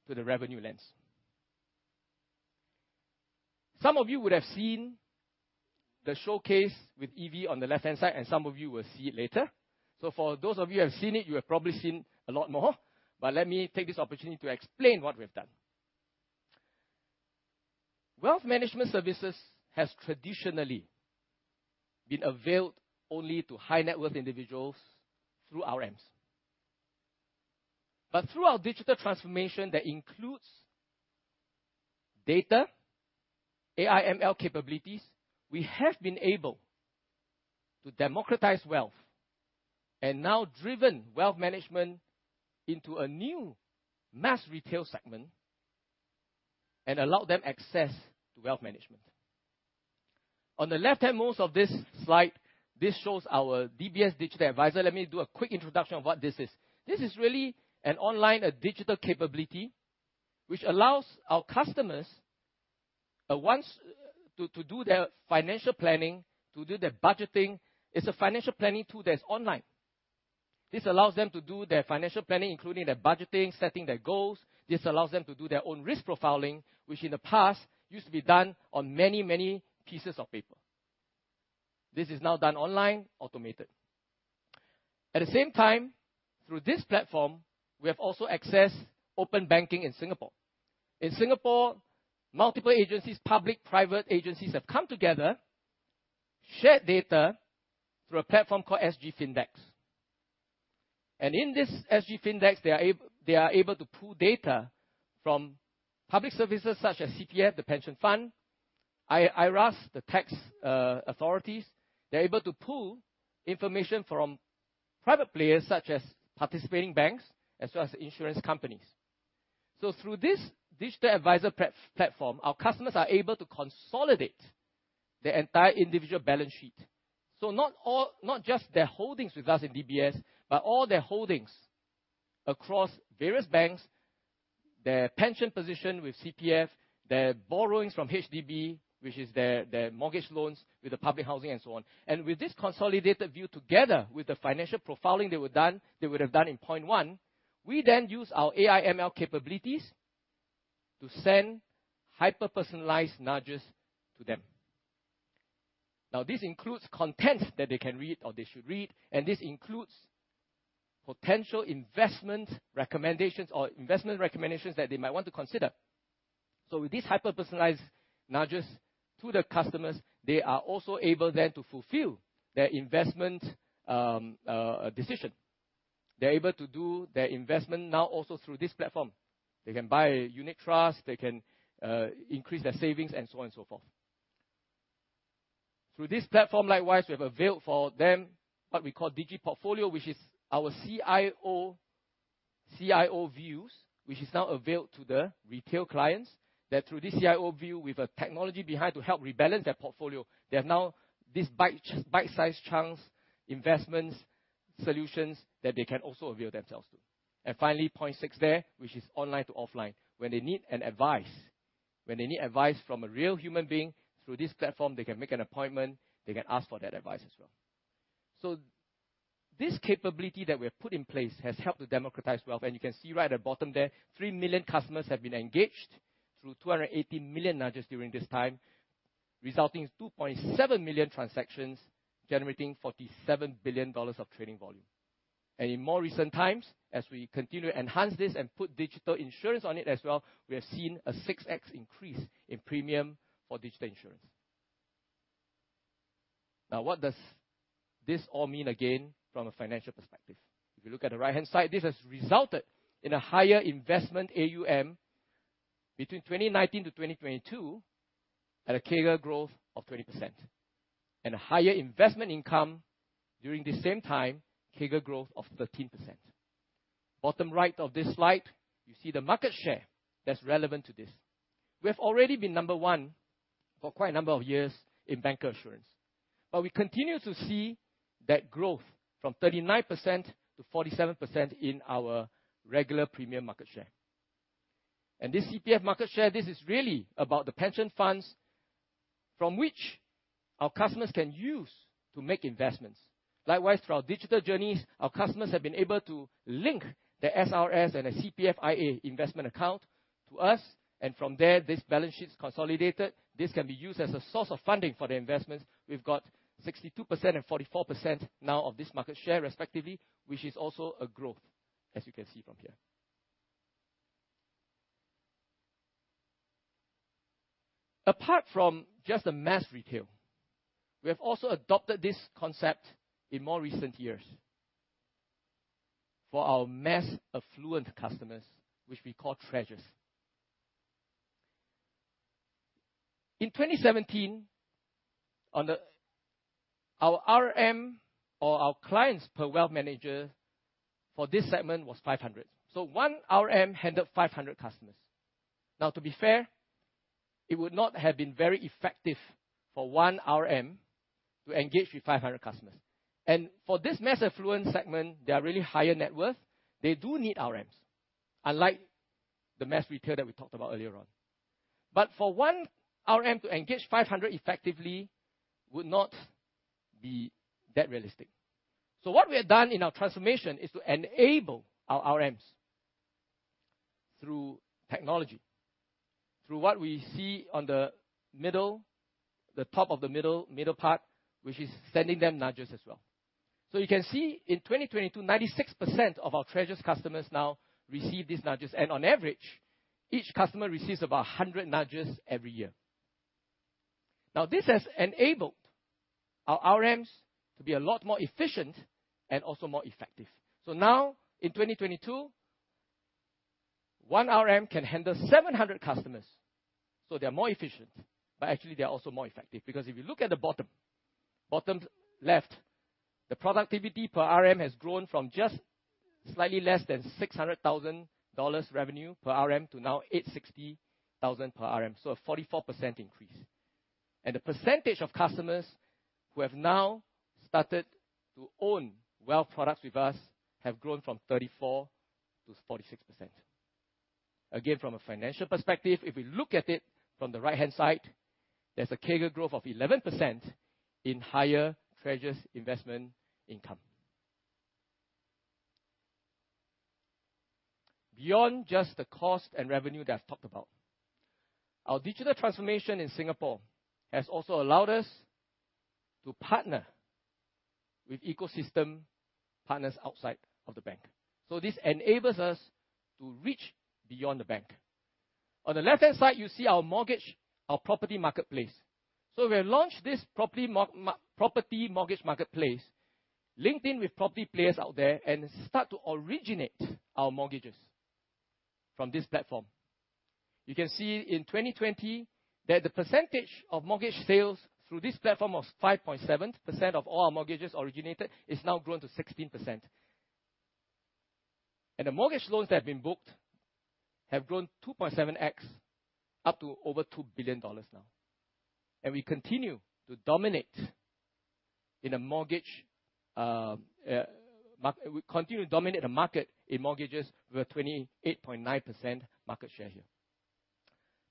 to the revenue lens. Some of you would have seen the showcase with EV on the left-hand side, and some of you will see it later. So for those of you who have seen it, you have probably seen a lot more, but let me take this opportunity to explain what we've done. Wealth management services has traditionally been availed only to high-net-worth individuals through our AMs. But through our digital transformation that includes data, AI ML capabilities, we have been able to democratize wealth, and now driven wealth management into a new mass retail segment and allow them access to wealth management. On the left-hand most of this slide, this shows our DBS Digital Advisor. Let me do a quick introduction of what this is. This is really an online, a digital capability, which allows our customers to do their financial planning, to do their budgeting. It's a financial planning tool that is online. This allows them to do their financial planning, including their budgeting, setting their goals. This allows them to do their own risk profiling, which in the past used to be done on many, many pieces of paper. This is now done online, automated. At the same time, through this platform, we have also accessed open banking in Singapore. In Singapore, multiple agencies, public, private agencies, have come together, shared data through a platform called SGFinDex. And in this SGFinDex, they are able to pull data from public services such as CPF, the pension fund, IRAS, the tax authorities. They're able to pull information from private players such as participating banks, as well as insurance companies. So through this digital advisor platform, our customers are able to consolidate their entire individual balance sheet. So not just their holdings with us in DBS, but all their holdings across various banks, their pension position with CPF, their borrowings from HDB, which is their mortgage loans with the public housing and so on. And with this consolidated view, together with the financial profiling they would have done in point one, we then use our AI/ML capabilities to send hyper-personalized nudges to them. Now, this includes content that they can read or they should read, and this includes potential investment recommendations or investment recommendations that they might want to consider. So with these hyper-personalized nudges to the customers, they are also able then to fulfill their investment decision. They're able to do their investment now also through this platform. They can buy unit trust, they can increase their savings, and so on and so forth. Through this platform, likewise, we have availed for them what we call digiPortfolio, which is our CIO views, which is now availed to the retail clients, that through this CIO view, with a technology behind to help rebalance their portfolio, they have now these bite-sized chunks, investments, solutions that they can also avail themselves to. And finally, point six there, which is online to offline. When they need advice from a real human being, through this platform, they can make an appointment, they can ask for that advice as well. So this capability that we have put in place has helped to democratize wealth, and you can see right at the bottom there, 3 million customers have been engaged through 280 million nudges during this time, resulting in 2.7 million transactions, generating $47 billion of trading volume. And in more recent times, as we continue to enhance this and put digital insurance on it as well, we have seen a 6x increase in premium for digital insurance. Now, what does this all mean, again, from a financial perspective? If you look at the right-hand side, this has resulted in a higher investment AUM between 2019 to 2022, at a CAGR growth of 20%, and a higher investment income during the same time, CAGR growth of 13%. Bottom right of this slide, you see the market share that's relevant to this. We have already been number one for quite a number of years in bancassurance, but we continue to see that growth from 39% to 47% in our regular premium market share. And this CPF market share, this is really about the pension funds from which our customers can use to make investments. Likewise, through our digital journeys, our customers have been able to link their SRS and their CPF IA investment account to us, and from there, this balance sheet's consolidated. This can be used as a source of funding for their investments. We've got 62% and 44% now of this market share, respectively, which is also a growth, as you can see from here. Apart from just the mass retail, we have also adopted this concept in more recent years for our mass affluent customers, which we call Treasures. In 2017, our RM or our clients per wealth manager for this segment was 500. So one RM handled 500 customers. Now, to be fair, it would not have been very effective for one RM to engage with 500 customers. And for this mass affluent segment, they are really higher net worth, they do need RMs, unlike the mass retail that we talked about earlier on. But for one RM to engage 500 effectively would not be that realistic. So what we have done in our transformation is to enable our RMs through technology, through what we see on the middle, the top of the middle, middle part, which is sending them nudges as well. So you can see in 2022, 96% of our Treasures customers now receive these nudges, and on average, each customer receives about 100 nudges every year. Now, this has enabled our RMs to be a lot more efficient and also more effective. So now, in 2022, one RM can handle 700 customers, so they are more efficient, but actually, they are also more effective. Because if you look at the bottom, bottom left, the productivity per RM has grown from just slightly less than 600,000 dollars revenue per RM to now 860,000 per RM, so a 44% increase. And the percentage of customers who have now started to own wealth products with us have grown from 34%-46%. Again, from a financial perspective, if we look at it from the right-hand side, there's a CAGR growth of 11% in higher Treasures investment income. Beyond just the cost and revenue that I've talked about, our digital transformation in Singapore has also allowed us to partner with ecosystem partners outside of the bank, so this enables us to reach beyond the bank. On the left-hand side, you see our mortgage, our property marketplace. So we have launched this property mortgage marketplace, linked in with property players out there, and start to originate our mortgages from this platform. You can see in 2020, that the percentage of mortgage sales through this platform of 5.7% of all our mortgages originated, is now grown to 16%. The mortgage loans that have been booked have grown 2.7x up to over $2 billion now, and we continue to dominate the market in mortgages with a 28.9% market share here.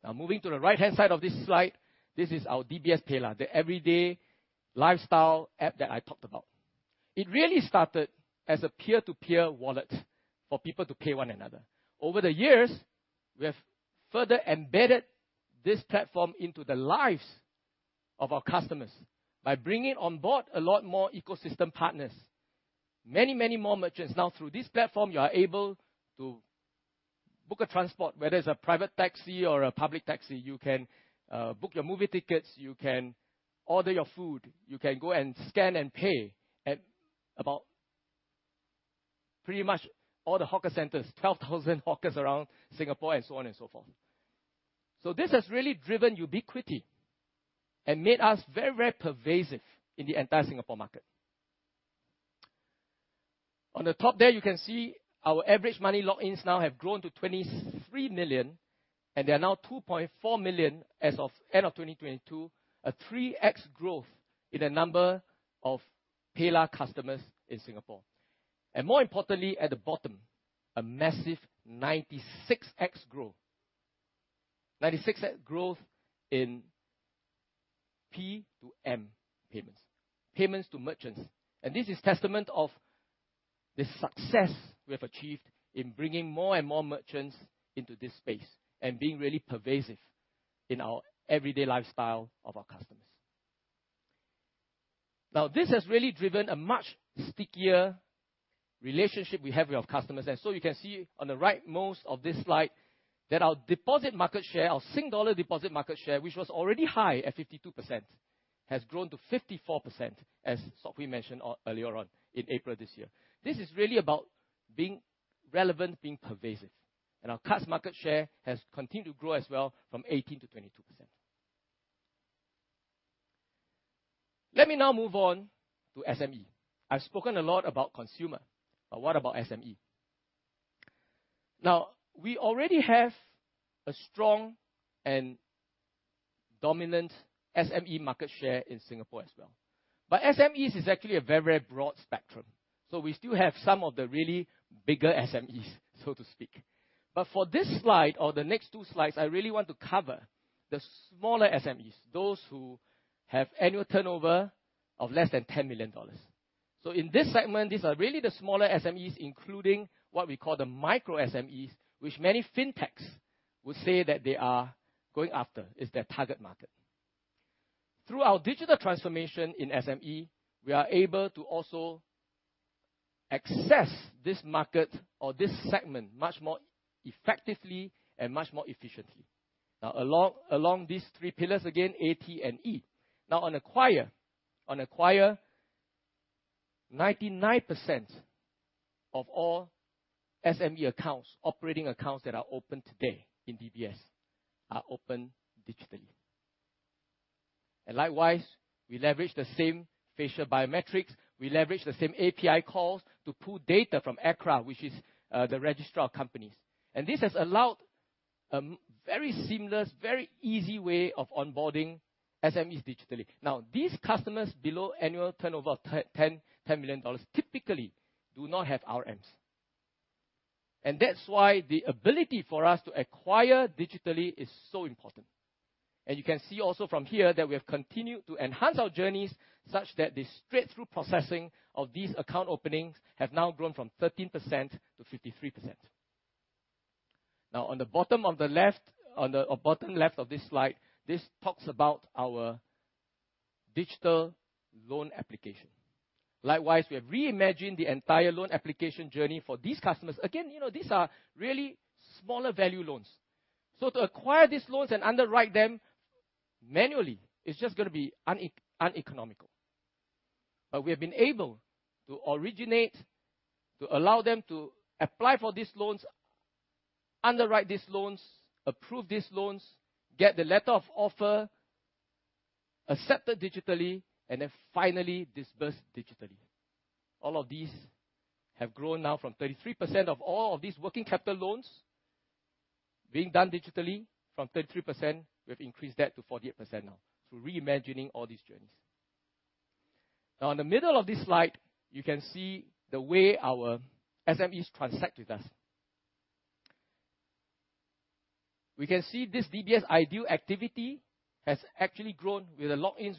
Now, moving to the right-hand side of this slide, this is our DBS PayLah!!, the everyday lifestyle app that I talked about. It really started as a peer-to-peer wallet for people to pay one another. Over the years, we have further embedded this platform into the lives of our customers by bringing on board a lot more ecosystem partners. Many, many more merchants. Now, through this platform, you are able to book a transport, whether it's a private taxi or a public taxi. You can book your movie tickets, you can order your food, you can go and scan and pay at about pretty much all the hawker centers, 12,000 hawkers around Singapore and so on and so forth. So this has really driven ubiquity and made us very, very pervasive in the entire Singapore market. On the top there, you can see our average monthly logins now have grown to 23 million, and they are now 2.4 million as of end of 2022, a 3x growth in the number of PayLah!! customers in Singapore. And more importantly, at the bottom, a massive 96x growth. 96x growth in P2M payments, payments to merchants, and this is testament of the success we have achieved in bringing more and more merchants into this space and being really pervasive in our everyday lifestyle of our customers. Now, this has really driven a much stickier relationship we have with our customers, and so you can see on the right most of this slide, that our deposit market share, our Singapore dollar deposit market share, which was already high at 52%, has grown to 54%, as Sophi mentioned on earlier on in April this year. This is really about being relevant, being pervasive, and our cards market share has continued to grow as well from 18% to 22%. Let me now move on to SME. I've spoken a lot about consumer, but what about SME? Now, we already have a strong and dominant SME market share in Singapore as well. But SMEs is actually a very broad spectrum, so we still have some of the really bigger SMEs, so to speak. But for this slide or the next two slides, I really want to cover the smaller SMEs, those who have annual turnover of less than $10 million. So in this segment, these are really the smaller SMEs, including what we call the micro SMEs, which many fintechs would say that they are going after, is their target market. Through our digital transformation in SME, we are able to also access this market or this segment much more effectively and much more efficiently. Now, along these three pillars, again, A, T, and E. Now, on acquire, 99% of all SME accounts, operating accounts that are open today in DBS, are open digitally. And likewise, we leverage the same facial biometrics, we leverage the same API calls to pull data from ACRA, which is the registrar of companies. This has allowed a very seamless, very easy way of onboarding SMEs digitally. Now, these customers, below annual turnover of $10 million, typically do not have RMs. And that's why the ability for us to acquire digitally is so important. And you can see also from here that we have continued to enhance our journeys, such that the straight-through processing of these account openings have now grown from 13%-53%. Now, on the bottom left of this slide, this talks about our digital loan application. Likewise, we have reimagined the entire loan application journey for these customers. Again, you know, these are really smaller value loans. So to acquire these loans and underwrite them manually, is just gonna be uneconomical. But we have been able to originate, to allow them to apply for these loans, underwrite these loans, approve these loans, get the letter of offer, accept it digitally, and then finally disburse digitally. All of these have grown now from 33% of all of these working capital loans being done digitally from 33%, we've increased that to 48% now through reimagining all these journeys. Now, in the middle of this slide, you can see the way our SMEs transact with us. We can see this DBS IDEAL activity has actually grown with the logins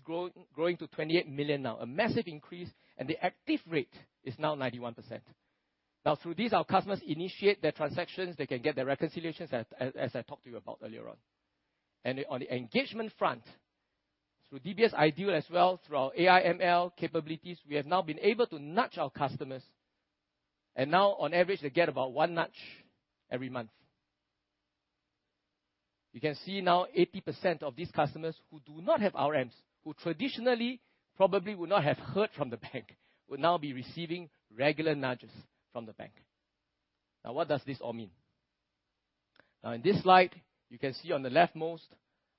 growing to 28 million now, a massive increase, and the active rate is now 91%. Now, through this, our customers initiate their transactions, they can get their reconciliations, as I talked to you about earlier on. On the engagement front, through DBS IDEAL as well, through our AI, ML capabilities, we have now been able to nudge our customers, and now, on average, they get about one nudge every month. You can see now 80% of these customers who do not have RMs, who traditionally probably would not have heard from the bank, will now be receiving regular nudges from the bank. Now, what does this all mean? Now, in this slide, you can see on the leftmost,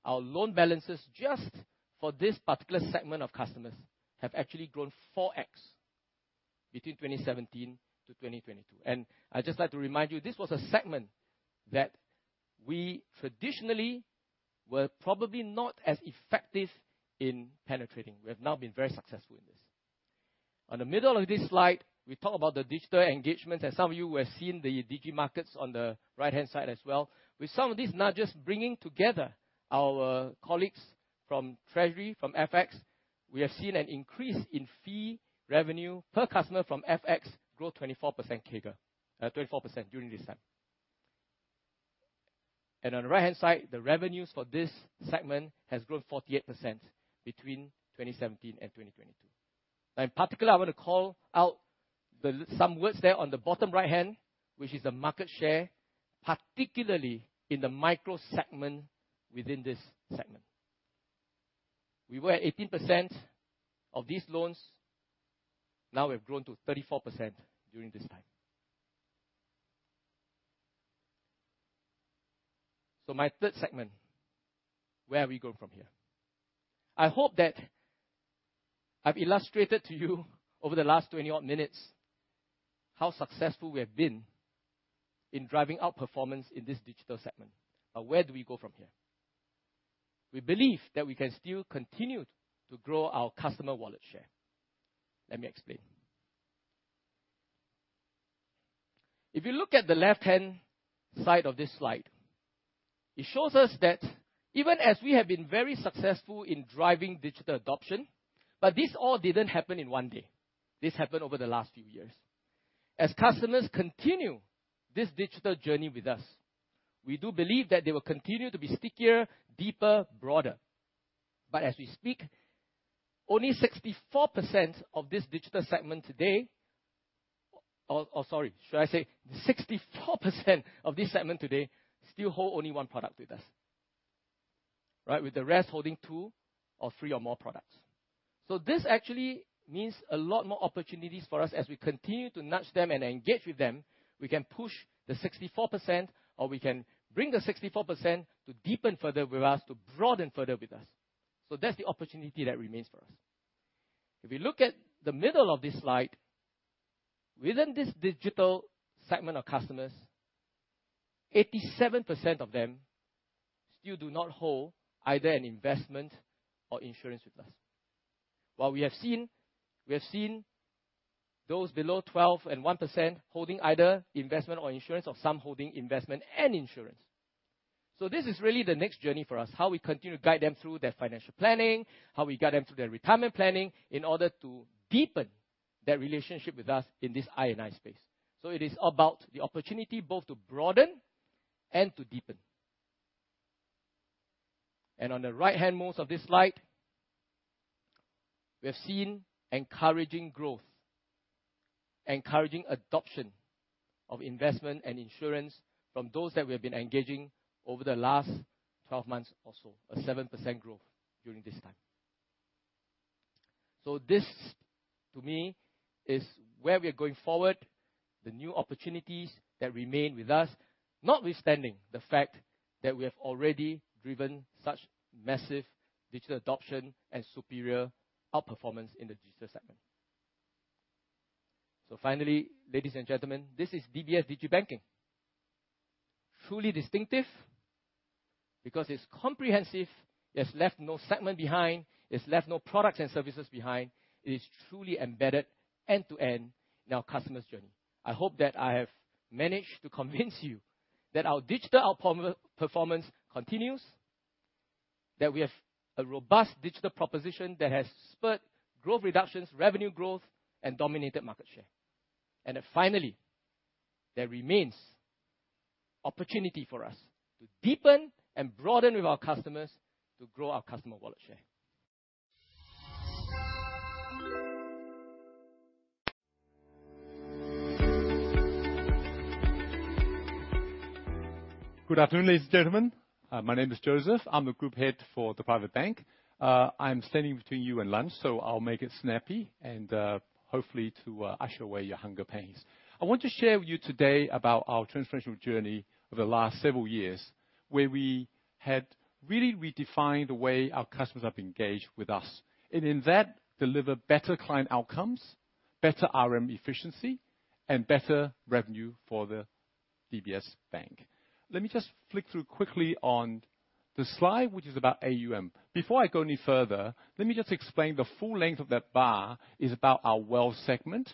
our loan balances, just for this particular segment of customers, have actually grown 4x between 2017-2022. I'd just like to remind you, this was a segment that we traditionally were probably not as effective in penetrating. We have now been very successful in this. On the middle of this slide, we talk about the digital engagement, and some of you have seen the DigiMarkets on the right-hand side as well. With some of these not just bringing together our colleagues from treasury, from FX, we have seen an increase in fee revenue per customer from FX grow 24% CAGR, 24% during this time. And on the right-hand side, the revenues for this segment has grown 48% between 2017 and 2022. Now, in particular, I want to call out the some words there on the bottom right-hand, which is the market share, particularly in the micro segment within this segment. We were at 18% of these loans, now we've grown to 34% during this time. So my third segment, where are we going from here? I hope that I've illustrated to you over the last 20-odd minutes, how successful we have been in driving out performance in this digital segment. But where do we go from here? We believe that we can still continue to grow our customer wallet share. Let me explain. If you look at the left-hand side of this slide, it shows us that even as we have been very successful in driving digital adoption, but this all didn't happen in one day. This happened over the last few years. As customers continue this digital journey with us, we do believe that they will continue to be stickier, deeper, broader. But as we speak, only 64% of this digital segment today... Or, or sorry, should I say 64% of this segment today still hold only one product with us, right? With the rest holding two or three or more products. So this actually means a lot more opportunities for us as we continue to nudge them and engage with them, we can push the 64%, or we can bring the 64% to deepen further with us, to broaden further with us. So that's the opportunity that remains for us. If we look at the middle of this slide, within this digital segment of customers, 87% of them still do not hold either an investment or insurance with us. While we have seen, we have seen those below 12% and 1% holding either investment or insurance, or some holding investment and insurance. So this is really the next journey for us, how we continue to guide them through their financial planning, how we guide them through their retirement planning, in order to deepen that relationship with us in this I&I space. So it is about the opportunity both to broaden and to deepen. And on the right-hand most of this slide, we have seen encouraging growth, encouraging adoption of investment and insurance from those that we have been engaging over the last 12 months or so, a 7% growth during this time. So this, to me, is where we are going forward, the new opportunities that remain with us, notwithstanding the fact that we have already driven such massive digital adoption and superior outperformance in the digital segment. So finally, ladies and gentlemen, this is DBS digibank. Truly distinctive, because it's comprehensive, it's left no segment behind, it's left no products and services behind. It is truly embedded end-to-end in our customer's journey. I hope that I have managed to convince you that our digital outperformance continues, that we have a robust digital proposition that has spurred growth reductions, revenue growth, and dominated market share. And that finally, there remains opportunity for us to deepen and broaden with our customers to grow our customer wallet share. Good afternoon, ladies and gentlemen, my name is Joseph. I'm the group head for the private bank. I'm standing between you and lunch, so I'll make it snappy, and, hopefully to, usher away your hunger pains. I want to share with you today about our transformational journey over the last several years, where we had really redefined the way our customers have engaged with us, and in that, delivered better client outcomes, better RM efficiency, and better revenue for the DBS Bank. Let me just flick through quickly on the slide, which is about AUM. Before I go any further, let me just explain the full length of that bar is about our wealth segment.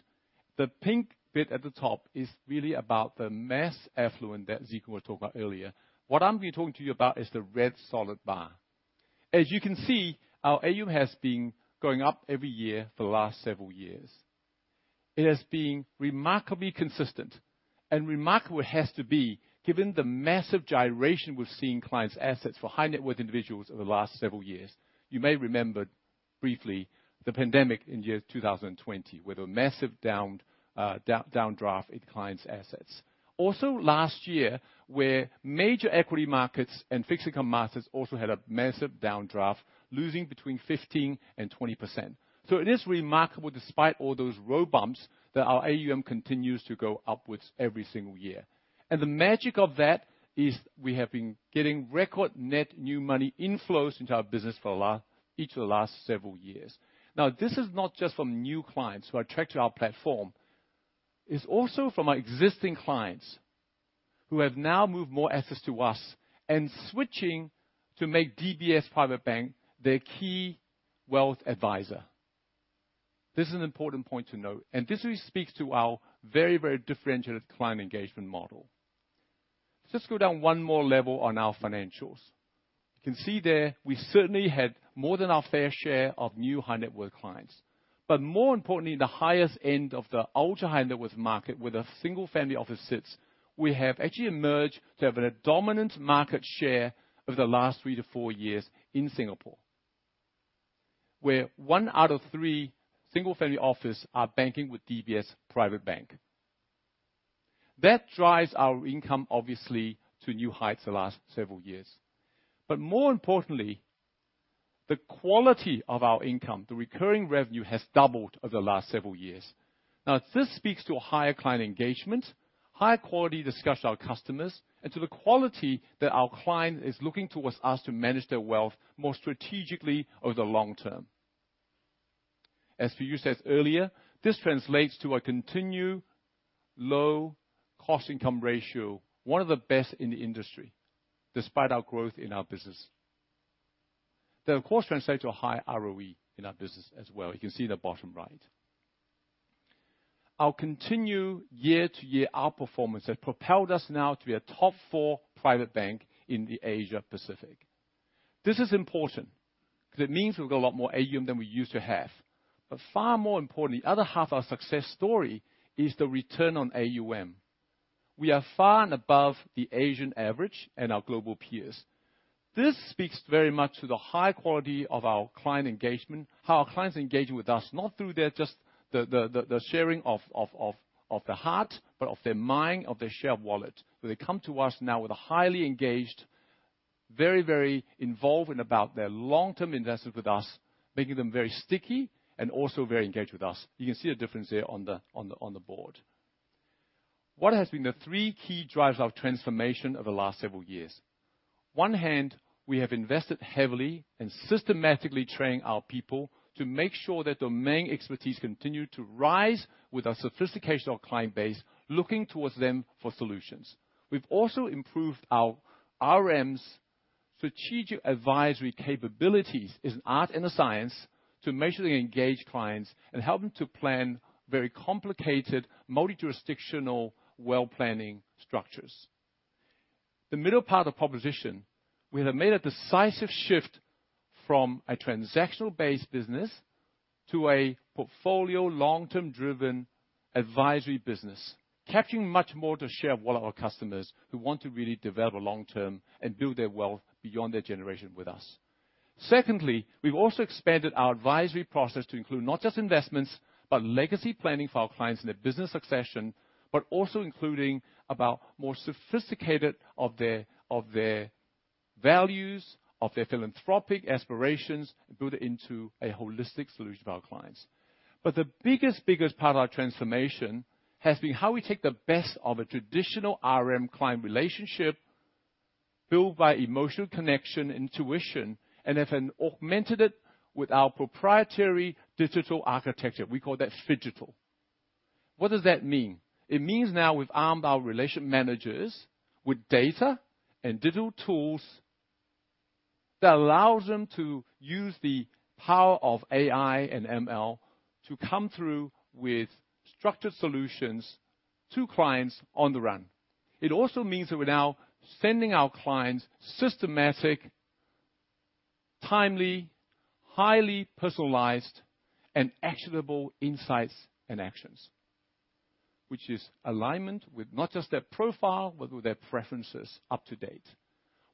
The pink bit at the top is really about the mass affluent that Ziku was talking about earlier. What I'm going to be talking to you about is the red solid bar. As you can see, our AUM has been going up every year for the last several years. It has been remarkably consistent, and remarkable it has to be, given the massive gyration we've seen in clients' assets for high net worth individuals over the last several years. You may remember, briefly, the pandemic in 2020, with a massive downdraft in clients' assets. Also, last year, where major equity markets and fixed income markets also had a massive downdraft, losing between 15% and 20%. So it is remarkable, despite all those road bumps, that our AUM continues to go upwards every single year. The magic of that is we have been getting record net new money inflows into our business for each of the last several years. Now, this is not just from new clients who are attracted to our platform, it's also from our existing clients who have now moved more assets to us and switching to make DBS Private Bank their key wealth advisor. This is an important point to note, and this really speaks to our very, very differentiated client engagement model. Let's just go down one more level on our financials. You can see there, we certainly had more than our fair share of new high-net-worth clients, but more importantly, the highest end of the ultra-high-net-worth market, where the single family office sits, we have actually emerged to have a dominant market share over the last 3-4 years in Singapore, where 1 out of 3 single family office are banking with DBS Private Bank. That drives our income, obviously, to new heights the last several years. But more importantly, the quality of our income, the recurring revenue, has doubled over the last several years. Now, this speaks to a higher client engagement, high quality discussion with our customers, and to the quality that our client is looking towards us to manage their wealth more strategically over the long term. As you said earlier, this translates to a continued low cost income ratio, one of the best in the industry, despite our growth in our business. That of course translates to a high ROE in our business as well. You can see in the bottom right. Our continued year-to-year outperformance has propelled us now to be a top four private bank in the Asia Pacific. This is important, because it means we've got a lot more AUM than we used to have. But far more importantly, the other half of our success story is the return on AUM. We are far and above the Asian average and our global peers. This speaks very much to the high quality of our client engagement, how our clients are engaging with us, not just the sharing of the heart, but of their mind, of their share wallet, where they come to us now with a highly engaged, very, very involved and about their long-term investment with us, making them very sticky and also very engaged with us. You can see the difference there on the board. What has been the three key drivers of transformation over the last several years? On one hand, we have invested heavily in systematically training our people to make sure that domain expertise continue to rise with our sophistication of client base, looking towards them for solutions. We've also improved our RMs' strategic advisory capabilities as an art and a science to measurably engage clients and help them to plan very complicated, multi-jurisdictional wealth planning structures. The middle part of proposition, we have made a decisive shift from a transactional-based business to a portfolio, long-term driven advisory business, capturing much more to share with our customers who want to really develop a long term and build their wealth beyond their generation with us. Secondly, we've also expanded our advisory process to include not just investments, but legacy planning for our clients and their business succession, but also including about more sophisticated of their, of their values, of their philanthropic aspirations, and build it into a holistic solution for our clients. But the biggest, biggest part of our transformation has been how we take the best of a traditional RM-client relationship, built by emotional connection, intuition, and have then augmented it with our proprietary digital architecture. We call that phygital. What does that mean? It means now we've armed our relationship managers with data and digital tools that allows them to use the power of AI and ML to come through with structured solutions to clients on the run. It also means that we're now sending our clients systematic, timely, highly personalized, and actionable insights and actions, which is alignment with not just their profile, but with their preferences up to date.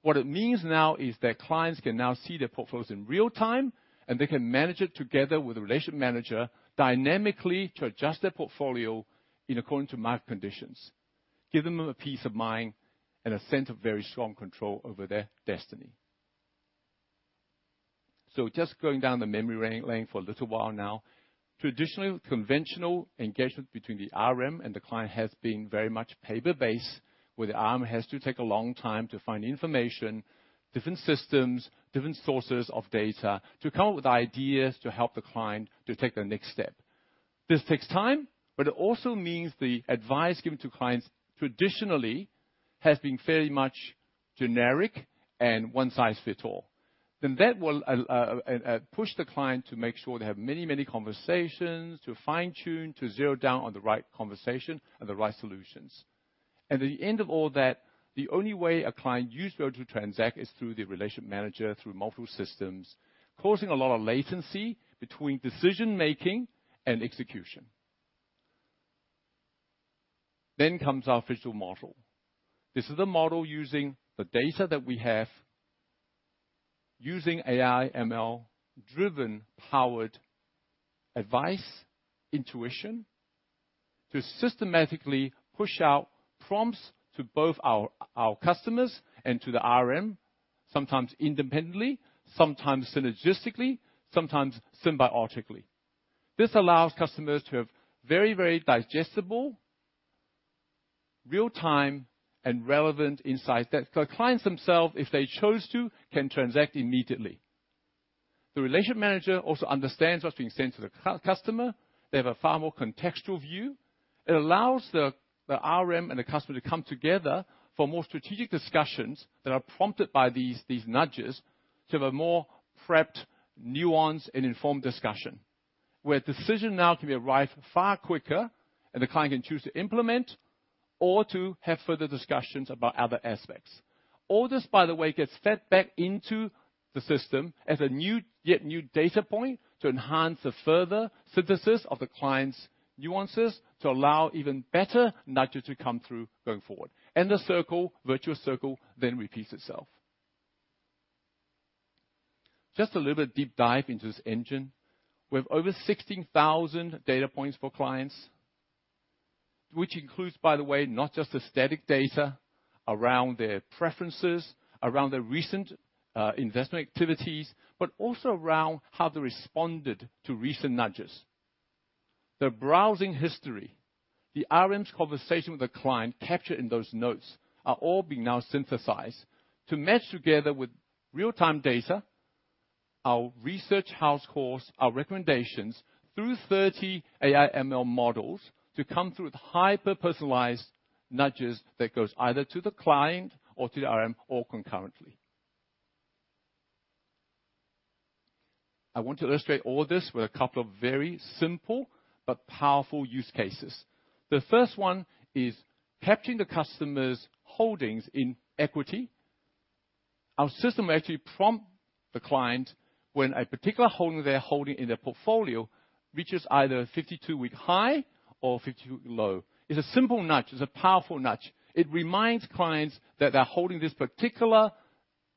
What it means now is that clients can now see their portfolios in real time, and they can manage it together with the relationship manager dynamically to adjust their portfolio according to market conditions, giving them a peace of mind and a sense of very strong control over their destiny. So just going down the memory lane for a little while now. Traditionally, conventional engagement between the RM and the client has been very much paper-based, where the RM has to take a long time to find information, different systems, different sources of data, to come up with ideas to help the client to take the next step. This takes time, but it also means the advice given to clients traditionally has been fairly much generic and one-size-fits-all. Then that will push the client to make sure they have many, many conversations to fine-tune, to zero down on the right conversation and the right solutions. And at the end of all that, the only way a client usually to transact is through the relationship manager, through multiple systems, causing a lot of latency between decision-making and execution. Then comes our phygital model. This is the model using the data that we have, using AI, ML, driven, powered advice, intuition, to systematically push out prompts to both our customers and to the RM, sometimes independently, sometimes synergistically, sometimes symbiotically. This allows customers to have very, very digestible, real-time, and relevant insights that the clients themselves, if they chose to, can transact immediately. The relationship manager also understands what's being sent to the customer. They have a far more contextual view. It allows the RM and the customer to come together for more strategic discussions that are prompted by these nudges to have a more prepped, nuanced, and informed discussion, where decision now can be arrived far quicker, and the client can choose to implement or to have further discussions about other aspects. All this, by the way, gets fed back into the system as a new, yet new data point to enhance the further synthesis of the client's nuances, to allow even better nudges to come through going forward. And the circle, virtuous circle, then repeats itself. Just a little bit deep dive into this engine. We have over 16,000 data points for clients, which includes, by the way, not just the static data around their preferences, around their recent investment activities, but also around how they responded to recent nudges. Their browsing history, the RM's conversation with the client captured in those notes, are all being now synthesized to match together with real-time data, our research house, of course, our recommendations through 30 AI ML models, to come through with hyper-personalized nudges that goes either to the client or to the RM, or concurrently. I want to illustrate all of this with a couple of very simple but powerful use cases. The first one is capturing the customer's holdings in equity. Our system actually prompt the client when a particular holding they're holding in their portfolio, which is either 52-week high or 52-week low. It's a simple nudge. It's a powerful nudge. It reminds clients that they're holding this particular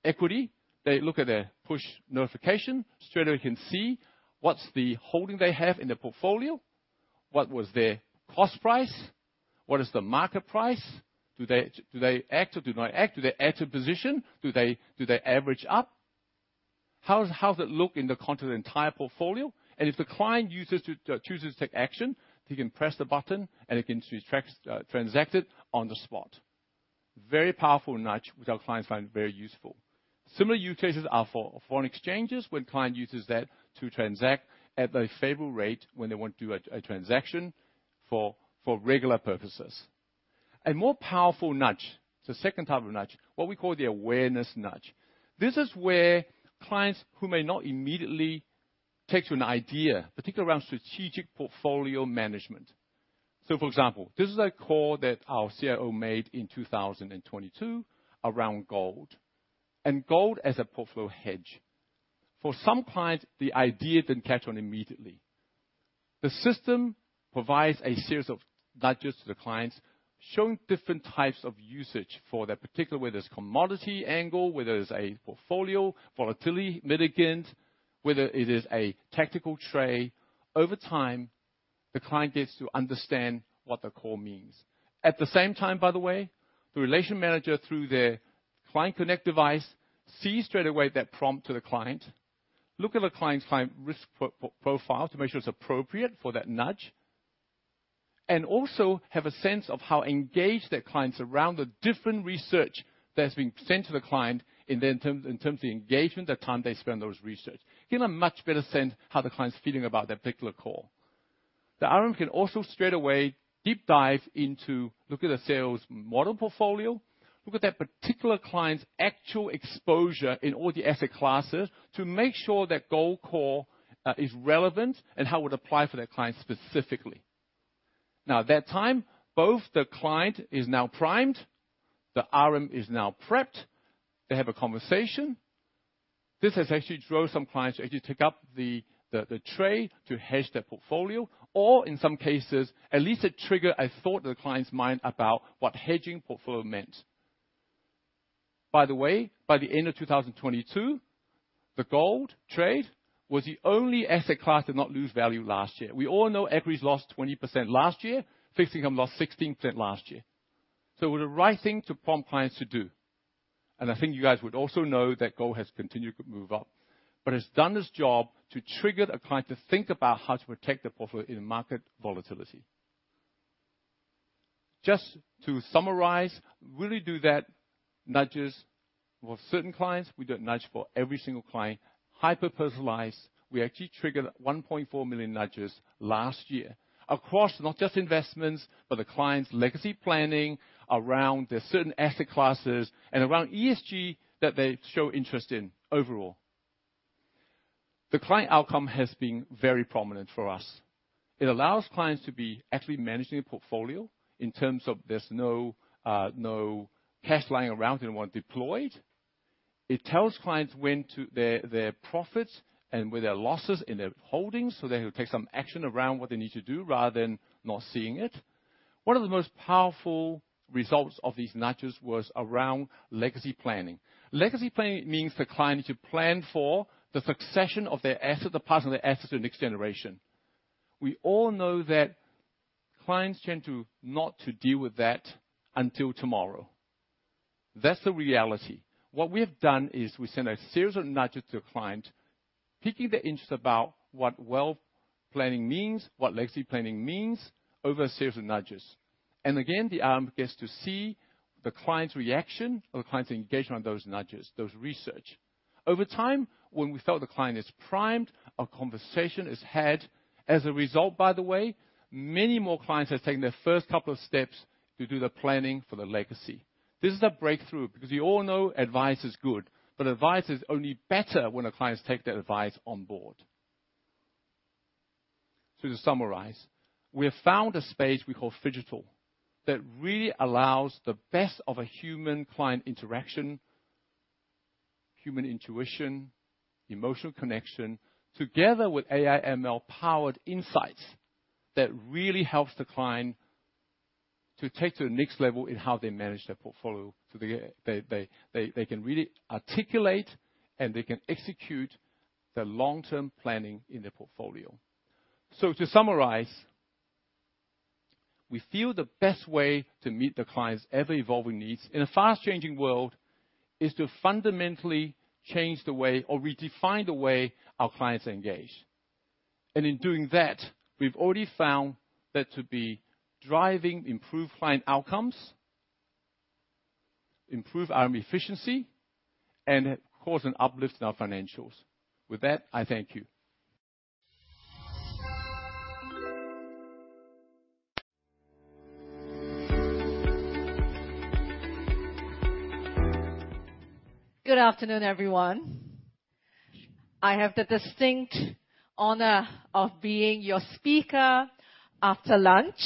equity. They look at their push notification, straight away can see what's the holding they have in their portfolio, what was their cost price, what is the market price, do they, do they act or do not act? Do they add to position? Do they, do they average up? How does, how does it look in the context of the entire portfolio? And if the client chooses to take action, he can press the button, and it can transact it on the spot. Very powerful nudge, which our clients find very useful. Similar use cases are for foreign exchanges, when client uses that to transact at a favorable rate, when they want to do a, a transaction for, for regular purposes. A more powerful nudge, it's the second type of nudge, what we call the awareness nudge. This is where clients who may not immediately take to an idea, particularly around strategic portfolio management. So, for example, this is a call that our CIO made in 2022 around gold, and gold as a portfolio hedge. For some clients, the idea didn't catch on immediately. The system provides a series of nudges to the clients, showing different types of usage for that, particular whether it's commodity angle, whether it's a portfolio, volatility mitigant, whether it is a tactical trade. Over time, the client gets to understand what the call means. At the same time, by the way, the relationship manager, through their Client Connect device, sees straight away that prompt to the client, look at the client's client risk profile to make sure it's appropriate for that nudge, and also have a sense of how engaged that client's around the different research that's being sent to the client, in terms of the engagement, the time they spend those research. Get a much better sense how the client's feeling about that particular call. The RM can also straight away deep dive into look at the sales model portfolio, look at that particular client's actual exposure in all the asset classes, to make sure that gold call is relevant and how it would apply for that client specifically. Now, at that time, both the client is now primed, the RM is now prepped. They have a conversation. This has actually drove some clients to actually take up the trade to hedge their portfolio, or in some cases, at least it trigger a thought in the client's mind about what hedging portfolio meant. By the way, by the end of 2022, the gold trade was the only asset class that not lose value last year. We all know equities lost 20% last year, fixed income lost 16% last year. So it was the right thing to prompt clients to do. And I think you guys would also know that gold has continued to move up, but it's done its job to trigger the client to think about how to protect the portfolio in market volatility. Just to summarize, really do that, nudges for certain clients. We do a nudge for every single client, hyper-personalized. We actually triggered 1.4 million nudges last year across not just investments, but the client's legacy planning around the certain asset classes and around ESG that they show interest in overall. The client outcome has been very prominent for us. It allows clients to be actually managing a portfolio in terms of there's no, no cash lying around they want deployed. It tells clients when to their profits and where their losses in their holdings, so they will take some action around what they need to do rather than not seeing it. One of the most powerful results of these nudges was around legacy planning. Legacy planning means the client to plan for the succession of their asset, the part of their asset to the next generation. We all know that clients tend to not to deal with that until tomorrow. That's the reality. What we have done is we send a series of nudges to the client, piquing their interest about what wealth planning means, what legacy planning means, over a series of nudges... And again, the arm gets to see the client's reaction or the client's engagement on those nudges, those research. Over time, when we felt the client is primed, a conversation is had. As a result, by the way, many more clients have taken their first couple of steps to do the planning for their legacy. This is a breakthrough, because we all know advice is good, but advice is only better when the clients take that advice on board. So to summarize, we have found a space we call phygital, that really allows the best of a human-client interaction, human intuition, emotional connection, together with AI ML-powered insights, that really helps the client to take to the next level in how they manage their portfolio. So they can really articulate, and they can execute their long-term planning in their portfolio. So to summarize, we feel the best way to meet the client's ever-evolving needs in a fast-changing world, is to fundamentally change the way or redefine the way our clients engage. And in doing that, we've already found that to be driving improved client outcomes, improve our efficiency, and, of course, an uplift in our financials. With that, I thank you. Good afternoon, everyone. I have the distinct honor of being your speaker after lunch,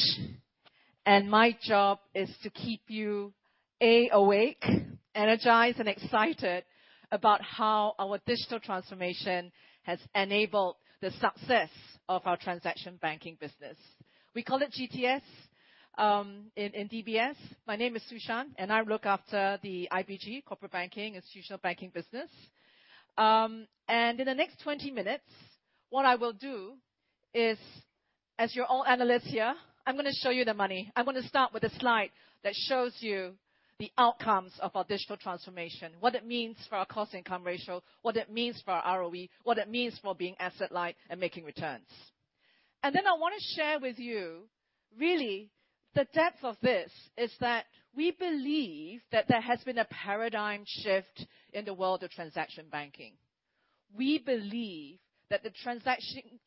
and my job is to keep you awake, energized, and excited about how our digital transformation has enabled the success of our transaction banking business. We call it GTS in DBS. My name is Su Shan, and I look after the IBG Corporate Banking, Institutional Banking business. In the next 20 minutes, what I will do is, as you're all analysts here, I'm gonna show you the money. I'm gonna start with a slide that shows you the outcomes of our digital transformation, what it means for our cost-income ratio, what it means for our ROE, what it means for being asset light and making returns. Then I want to share with you, really, the depth of this is that we believe that there has been a paradigm shift in the world of transaction banking. We believe that the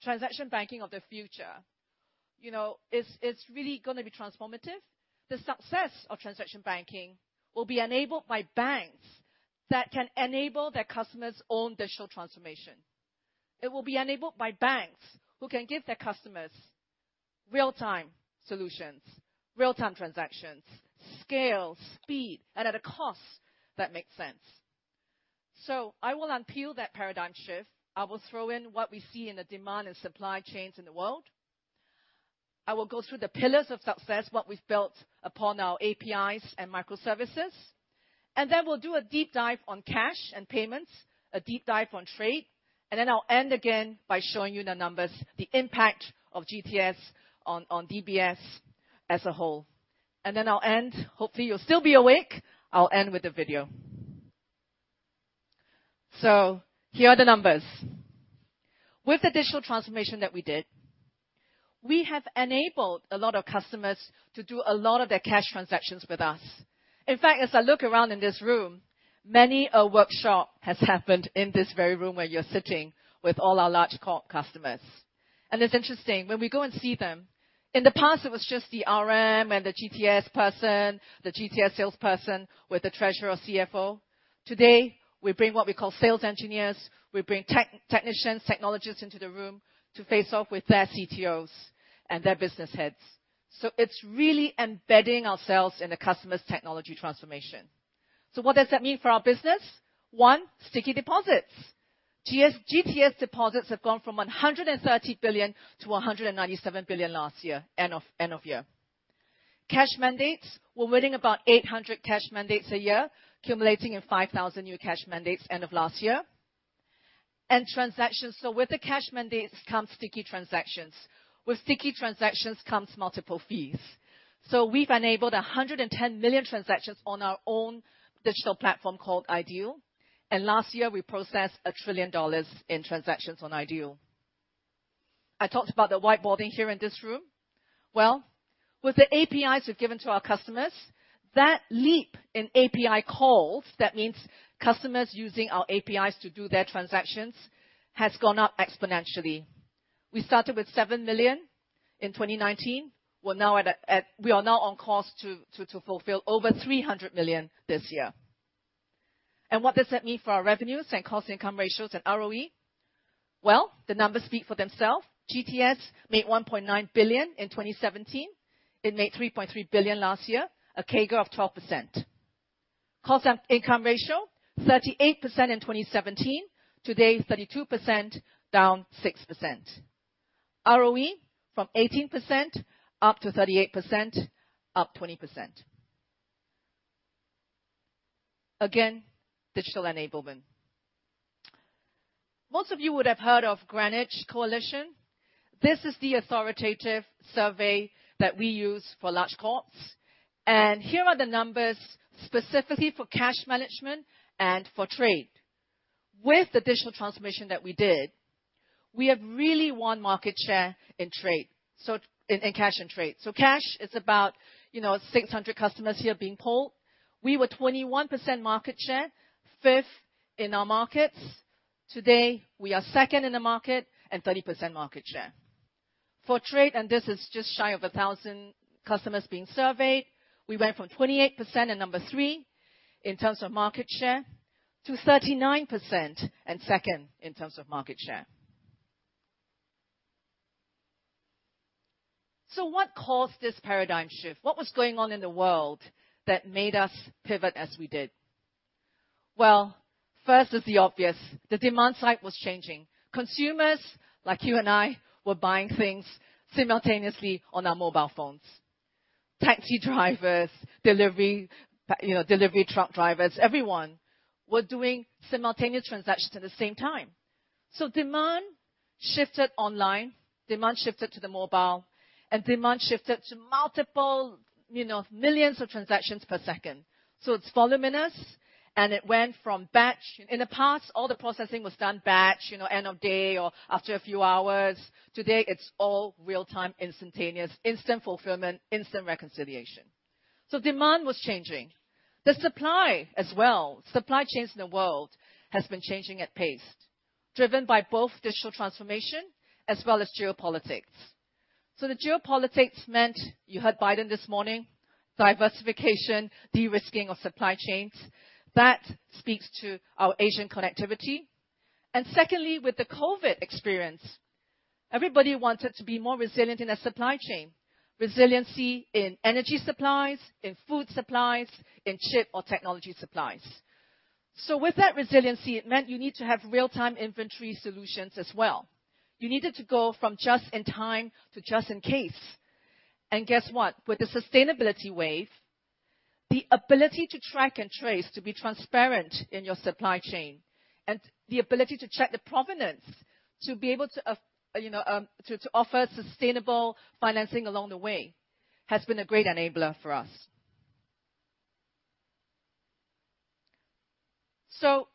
transaction banking of the future, you know, is really gonna be transformative. The success of transaction banking will be enabled by banks that can enable their customers' own digital transformation. It will be enabled by banks who can give their customers real-time solutions, real-time transactions, scale, speed, and at a cost that makes sense. I will unveil that paradigm shift. I will throw in what we see in the demand and supply chains in the world. I will go through the pillars of success, what we've built upon our APIs and microservices, and then we'll do a deep dive on cash and payments, a deep dive on trade, and then I'll end again by showing you the numbers, the impact of GTS on DBS as a whole. And then I'll end... Hopefully, you'll still be awake. I'll end with a video. So here are the numbers. With the digital transformation that we did, we have enabled a lot of customers to do a lot of their cash transactions with us. In fact, as I look around in this room, many a workshop has happened in this very room where you're sitting with all our large corp customers. And it's interesting, when we go and see them, in the past, it was just the RM and the GTS person, the GTS salesperson with the treasurer or CFO. Today, we bring what we call sales engineers. We bring technicians, technologists into the room to face off with their CTOs and their business heads. So it's really embedding ourselves in the customer's technology transformation. So what does that mean for our business? One, sticky deposits. GTS deposits have gone from 130 billion to 197 billion last year, end of year. Cash mandates, we're winning about 800 cash mandates a year, accumulating in 5,000 new cash mandates end of last year. And transactions, so with the cash mandates come sticky transactions. With sticky transactions comes multiple fees. So we've enabled 110 million transactions on our own digital platform called IDEAL, and last year, we processed $1 trillion in transactions on IDEAL. I talked about the whiteboarding here in this room. Well, with the APIs we've given to our customers, that leap in API calls, that means customers using our APIs to do their transactions, has gone up exponentially. We started with 7 million in 2019. We are now on course to fulfill over 300 million this year. And what does that mean for our revenues and cost income ratios and ROE? Well, the numbers speak for themselves. GTS made 1.9 billion in 2017. It made 3.3 billion last year, a CAGR of 12%. Cost of income ratio, 38% in 2017. Today, 32%, down 6%. ROE from 18% up to 38%, up 20%. Again, digital enablement. Most of you would have heard of Greenwich Associates. This is the authoritative survey that we use for large corporates, and here are the numbers, specifically for cash management and for trade. With the digital transformation that we did, we have really won market share in trade, so in cash and trade. So cash is about, you know, 600 customers here being pulled. We were 21% market share, fifth in our markets. Today, we are second in the market and 30% market share. For trade, and this is just shy of 1,000 customers being surveyed, we went from 28% and number three in terms of market share, to 39% and second in terms of market share. So what caused this paradigm shift? What was going on in the world that made us pivot as we did? Well, first is the obvious. The demand side was changing. Consumers, like you and I, were buying things simultaneously on our mobile phones. Taxi drivers, delivery, you know, delivery truck drivers, everyone were doing simultaneous transactions at the same time. So demand shifted online, demand shifted to the mobile, and demand shifted to multiple, you know, millions of transactions per second. So it's voluminous, and it went from batch. In the past, all the processing was done batch, you know, end of day or after a few hours. Today, it's all real-time, instantaneous, instant fulfillment, instant reconciliation. So demand was changing. The supply as well. Supply chains in the world has been changing at pace, driven by both digital transformation as well as geopolitics. The geopolitics meant, you heard Biden this morning, diversification, de-risking of supply chains. That speaks to our Asian connectivity. And secondly, with the COVID experience, everybody wanted to be more resilient in their supply chain. Resiliency in energy supplies, in food supplies, in chip or technology supplies. So with that resiliency, it meant you need to have real-time inventory solutions as well. You needed to go from just in time to just in case. And guess what? With the sustainability wave, the ability to track and trace, to be transparent in your supply chain, and the ability to check the provenance, to be able to, you know, to offer sustainable financing along the way, has been a great enabler for us. So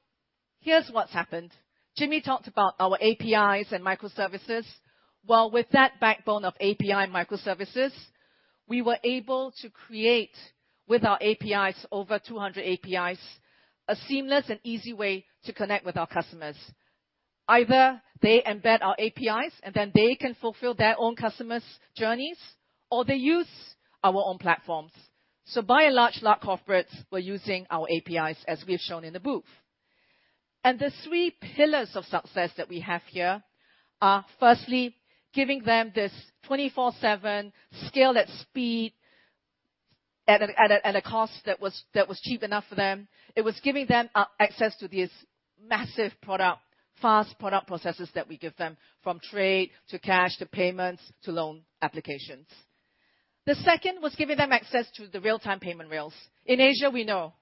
here's what's happened. Jimmy talked about our APIs and microservices. Well, with that backbone of API microservices, we were able to create with our APIs, over 200 APIs, a seamless and easy way to connect with our customers. Either they embed our APIs, and then they can fulfill their own customers' journeys, or they use our own platforms. So by and large, large corporates were using our APIs, as we've shown in the booth. And the three pillars of success that we have here are, firstly, giving them this 24/7 scale at speed at a cost that was cheap enough for them. It was giving them access to these massive product, fast product processes that we give them, from trade to cash, to payments, to loan applications. The second was giving them access to the real-time payment rails. In Asia, we know.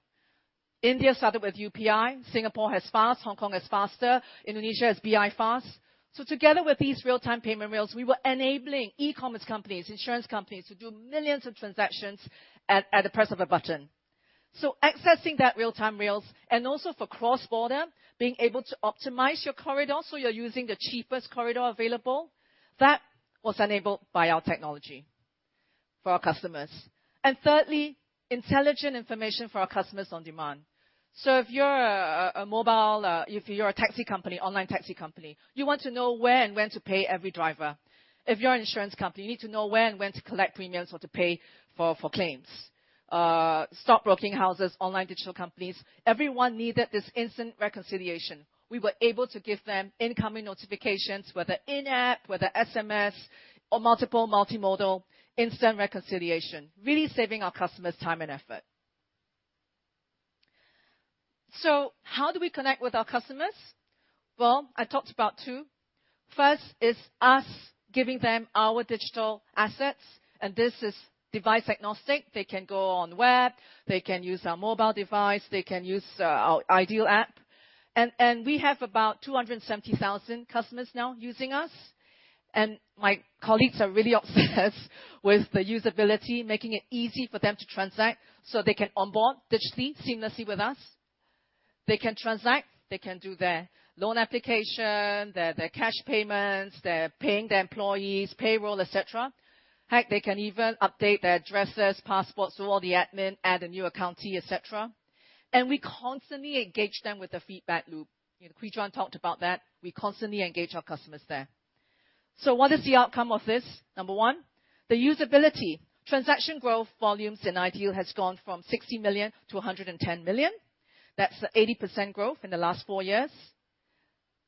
India started with UPI, Singapore has FAST, Hong Kong has Faster, Indonesia has BI-FAST. So together with these real-time payment rails, we were enabling e-commerce companies, insurance companies to do millions of transactions at the press of a button. So accessing that real-time rails, and also for cross-border, being able to optimize your corridor, so you're using the cheapest corridor available, that was enabled by our technology for our customers. And thirdly, intelligent information for our customers on demand. So if you're a taxi company, online taxi company, you want to know where and when to pay every driver. If you're an insurance company, you need to know where and when to collect premiums or to pay for claims. Stockbroking houses, online digital companies, everyone needed this instant reconciliation. We were able to give them incoming notifications, whether in-app, whether SMS or multiple multimodal instant reconciliation, really saving our customers time and effort. So how do we connect with our customers? Well, I talked about two. First is us giving them our digital assets, and this is device-agnostic. They can go on web, they can use a mobile device, they can use our IDEAL app. And, and we have about 270,000 customers now using us, and my colleagues are really obsessed with the usability, making it easy for them to transact so they can onboard digitally, seamlessly with us. They can transact, they can do their loan application, their, their cash payments, they're paying their employees, payroll, et cetera. Heck, they can even update their addresses, passports, so all the admin, add a new account, et cetera. We constantly engage them with a feedback loop. You know, Han Kwee Juan talked about that. We constantly engage our customers there. So what is the outcome of this? Number one, the usability. Transaction growth volumes in IDEAL has gone from 60 million to 110 million. That's 80% growth in the last 4 years.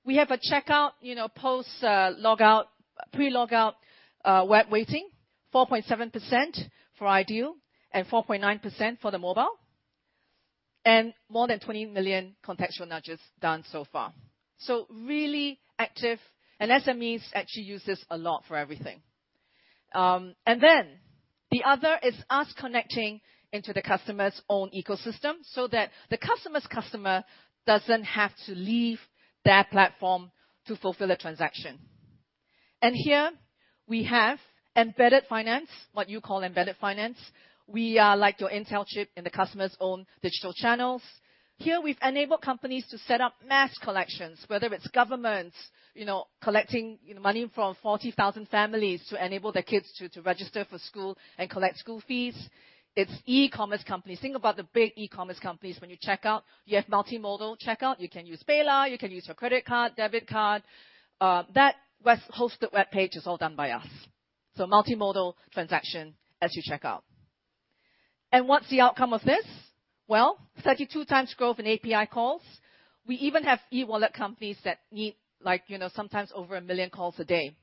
We have a checkout, you know, post, logout, pre-logout, web waiting, 4.7% for IDEAL and 4.9% for the mobile, and more than 20 million contextual nudges done so far. So really active, and SMEs actually use this a lot for everything. And then the other is us connecting into the customer's own ecosystem so that the customer's customer doesn't have to leave their platform to fulfill a transaction. And here we have embedded finance, what you call embedded finance. We are like your Intel chip in the customer's own digital channels. Here, we've enabled companies to set up mass collections, whether it's governments, you know, collecting money from 40,000 families to enable their kids to register for school and collect school fees. It's e-commerce companies. Think about the big e-commerce companies. When you check out, you have multimodal checkout, you can use PayLah!, you can use your credit card, debit card. That web hosted web page is all done by us. So multimodal transaction as you check out. And what's the outcome of this? Well, 32 times growth in API calls. We even have e-wallet companies that need, like, you know, sometimes over a million calls a day,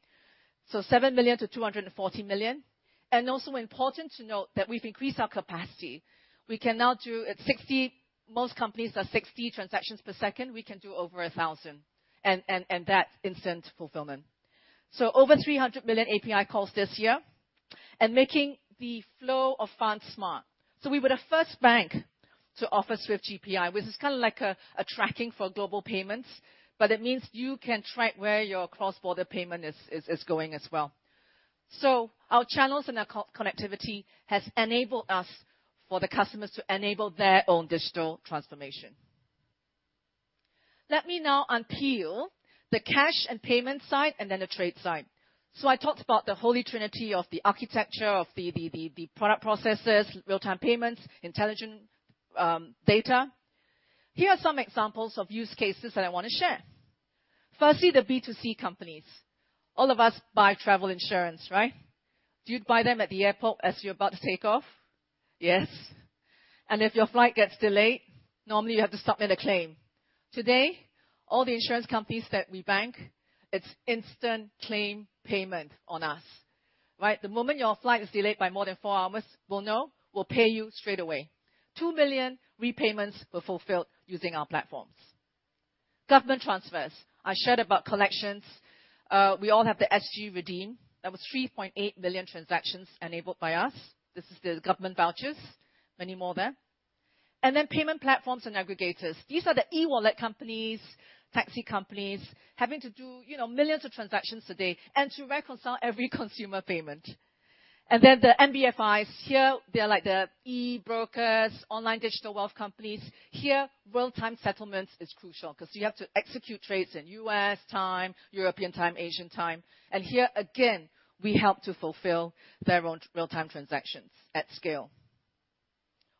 so 7 million to 240 million. And also important to note that we've increased our capacity. We can now do 60. Most companies do 60 transactions per second. We can do over 1,000, and that's instant fulfillment. So over 300 million API calls this year and making the flow of funds smart. So we were the first bank to offer Swift GPI, which is kind of like a tracking for global payments, but it means you can track where your cross-border payment is going as well. So our channels and our co-connectivity has enabled us for the customers to enable their own digital transformation. Let me now unpeel the cash and payment side, and then the trade side. So I talked about the holy trinity of the architecture of the product processes, real-time payments, intelligent data. Here are some examples of use cases that I want to share. Firstly, the B2C companies. All of us buy travel insurance, right? Do you buy them at the airport as you're about to take off? Yes. And if your flight gets delayed, normally you have to submit a claim. Today, all the insurance companies that we bank, it's instant claim payment on us, right? The moment your flight is delayed by more than 4 hours, we'll know, we'll pay you straight away. 2 million repayments were fulfilled using our platforms. Government transfers. I shared about collections. We all have the RedeemSG. That was 3.8 billion transactions enabled by us. This is the government vouchers. Many more there. And then payment platforms and aggregators. These are the e-wallet companies, taxi companies, having to do, you know, millions of transactions a day, and to reconcile every consumer payment. And then the NBFIs here, they are like the e-brokers, online digital wealth companies. Here, real-time settlements is crucial 'cause you have to execute trades in U.S. time, European time, Asian time, and here, again, we help to fulfill their own real-time transactions at scale.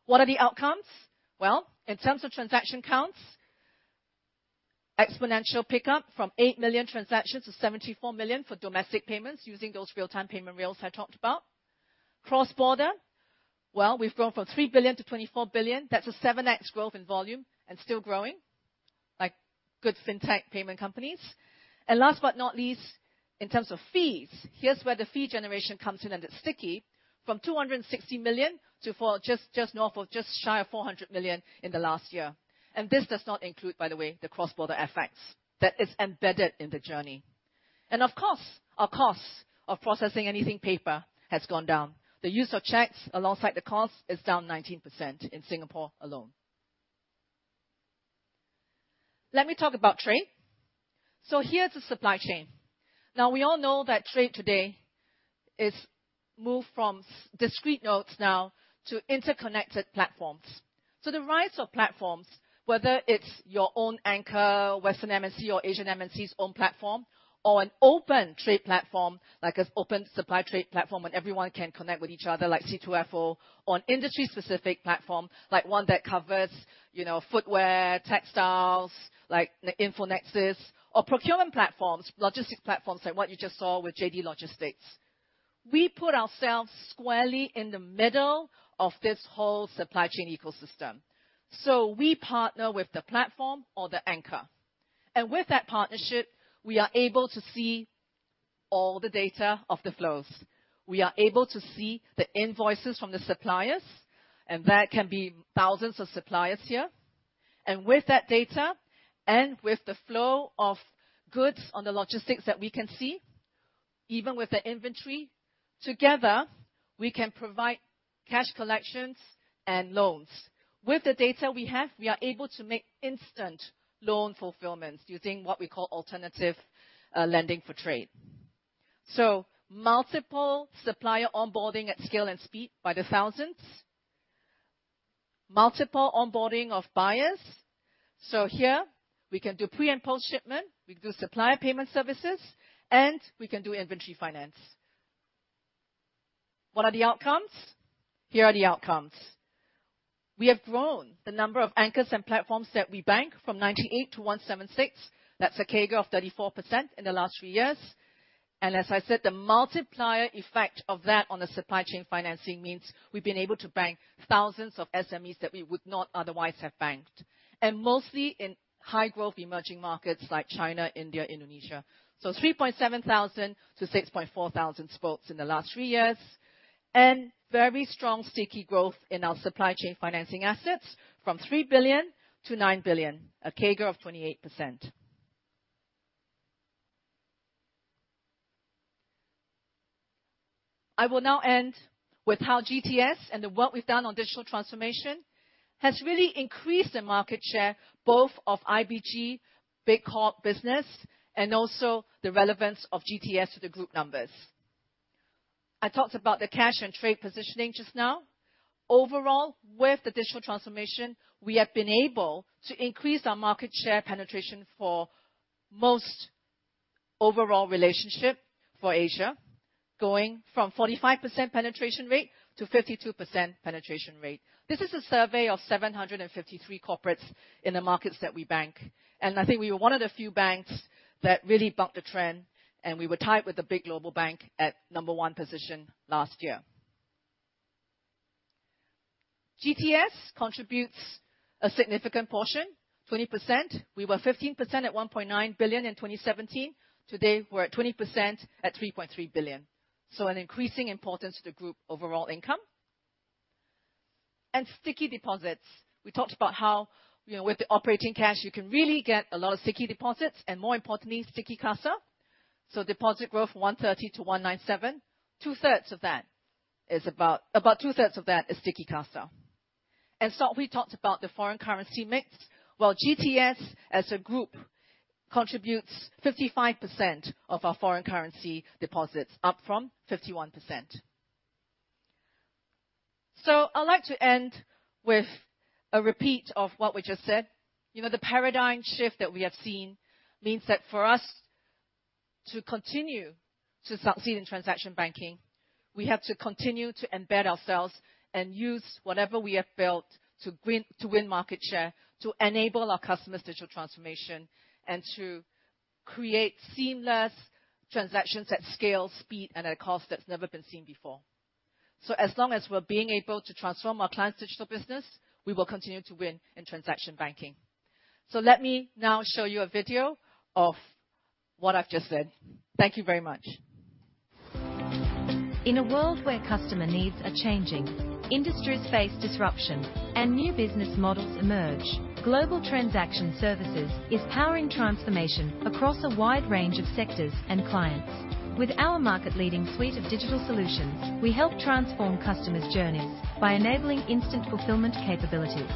What are the outcomes? Well, in terms of transaction counts, exponential pickup from 8 million transactions to 74 million for domestic payments, using those real-time payment rails I talked about. Cross-border, well, we've grown from 3 billion to 24 billion. That's a 7x growth in volume and still growing, like good fintech payment companies. And last but not least, in terms of fees, here's where the fee generation comes in, and it's sticky. From 260 million to just shy of 400 million in the last year. And this does not include, by the way, the cross-border FX. That is embedded in the journey. Of course, our costs of processing anything paper has gone down. The use of checks alongside the cost is down 19% in Singapore alone. Let me talk about trade. Here's the supply chain. Now, we all know that trade today is moved from discrete nodes now to interconnected platforms. The rise of platforms, whether it's your own anchor, Western MNC, or Asian MNC's own platform, or an open trade platform, like an open supply trade platform, where everyone can connect with each other, like C2FO, or an industry-specific platform, like one that covers, you know, footwear, textiles, like Infor Nexus, or procurement platforms, logistics platforms, like what you just saw with JD Logistics. We put ourselves squarely in the middle of this whole supply chain ecosystem. So we partner with the platform or the anchor, and with that partnership, we are able to see all the data of the flows. We are able to see the invoices from the suppliers, and that can be thousands of suppliers here. And with that data, and with the flow of goods on the logistics that we can see, even with the inventory, together, we can provide cash collections and loans. With the data we have, we are able to make instant loan fulfillments using what we call alternative lending for trade. So multiple supplier onboarding at scale and speed by the thousands. Multiple onboarding of buyers. So here we can do pre- and post-shipment, we can do supplier payment services, and we can do inventory finance. What are the outcomes? Here are the outcomes: We have grown the number of anchors and platforms that we bank from 98 to 176. That's a CAGR of 34% in the last 3 years. As I said, the multiplier effect of that on the supply chain financing means we've been able to bank thousands of SMEs that we would not otherwise have banked, and mostly in high-growth emerging markets like China, India, Indonesia. Three point seven thousand to six point four thousand spots in the last 3 years, and very strong sticky growth in our supply chain financing assets from 3 billion to 9 billion, a CAGR of 28%. I will now end with how GTS and the work we've done on digital transformation has really increased the market share, both of IBG, big corp business, and also the relevance of GTS to the group numbers. I talked about the cash and trade positioning just now. Overall, with the digital transformation, we have been able to increase our market share penetration for most overall relationship for Asia, going from 45% penetration rate to 52% penetration rate. This is a survey of 753 corporates in the markets that we bank, and I think we were one of the few banks that really bucked the trend, and we were tied with a big global bank at number one position last year. GTS contributes a significant portion, 20%. We were 15% at 1.9 billion in 2017. Today, we're at 20% at 3.3 billion. So an increasing importance to the group overall income. And sticky deposits. We talked about how, you know, with the operating cash, you can really get a lot of sticky deposits and, more importantly, sticky CASA. So deposit growth, 1.30-1.97, two-thirds of that is about two-thirds of that is sticky CASA. And so we talked about the foreign currency mix, while GTS as a group contributes 55% of our foreign currency deposits, up from 51%. So I'd like to end with a repeat of what we just said. You know, the paradigm shift that we have seen means that for us to continue to succeed in transaction banking, we have to continue to embed ourselves and use whatever we have built to win, to win market share, to enable our customers' digital transformation, and to create seamless transactions at scale, speed, and at a cost that's never been seen before. As long as we're being able to transform our clients' digital business, we will continue to win in transaction banking. Let me now show you a video of what I've just said. Thank you very much. In a world where customer needs are changing, industries face disruption, and new business models emerge, Global Transaction Services is powering transformation across a wide range of sectors and clients. With our market-leading suite of digital solutions, we help transform customers' journeys by enabling instant fulfillment capabilities.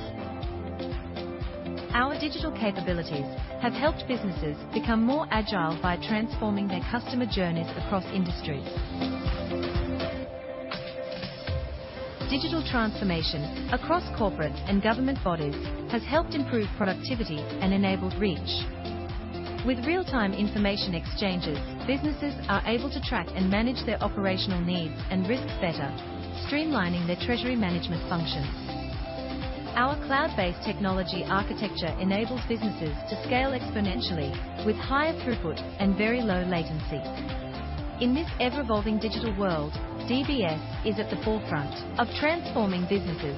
Our digital capabilities have helped businesses become more agile by transforming their customer journeys across industries. Digital transformation across corporate and government bodies has helped improve productivity and enabled reach. With real-time information exchanges, businesses are able to track and manage their operational needs and risks better, streamlining their treasury management functions. Our cloud-based technology architecture enables businesses to scale exponentially with higher throughput and very low latency. In this ever-evolving digital world, DBS is at the forefront of transforming businesses.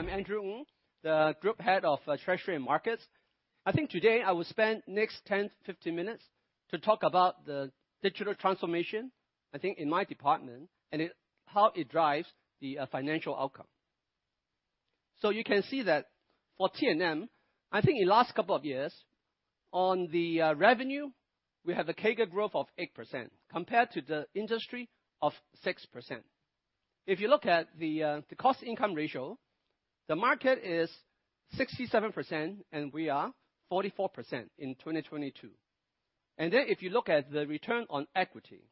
...On the revenue, we have a CAGR growth of 8%, compared to the industry of 6%. If you look at the cost income ratio, the market is 67%, and we are 44% in 2022. And then if you look at the return on equity,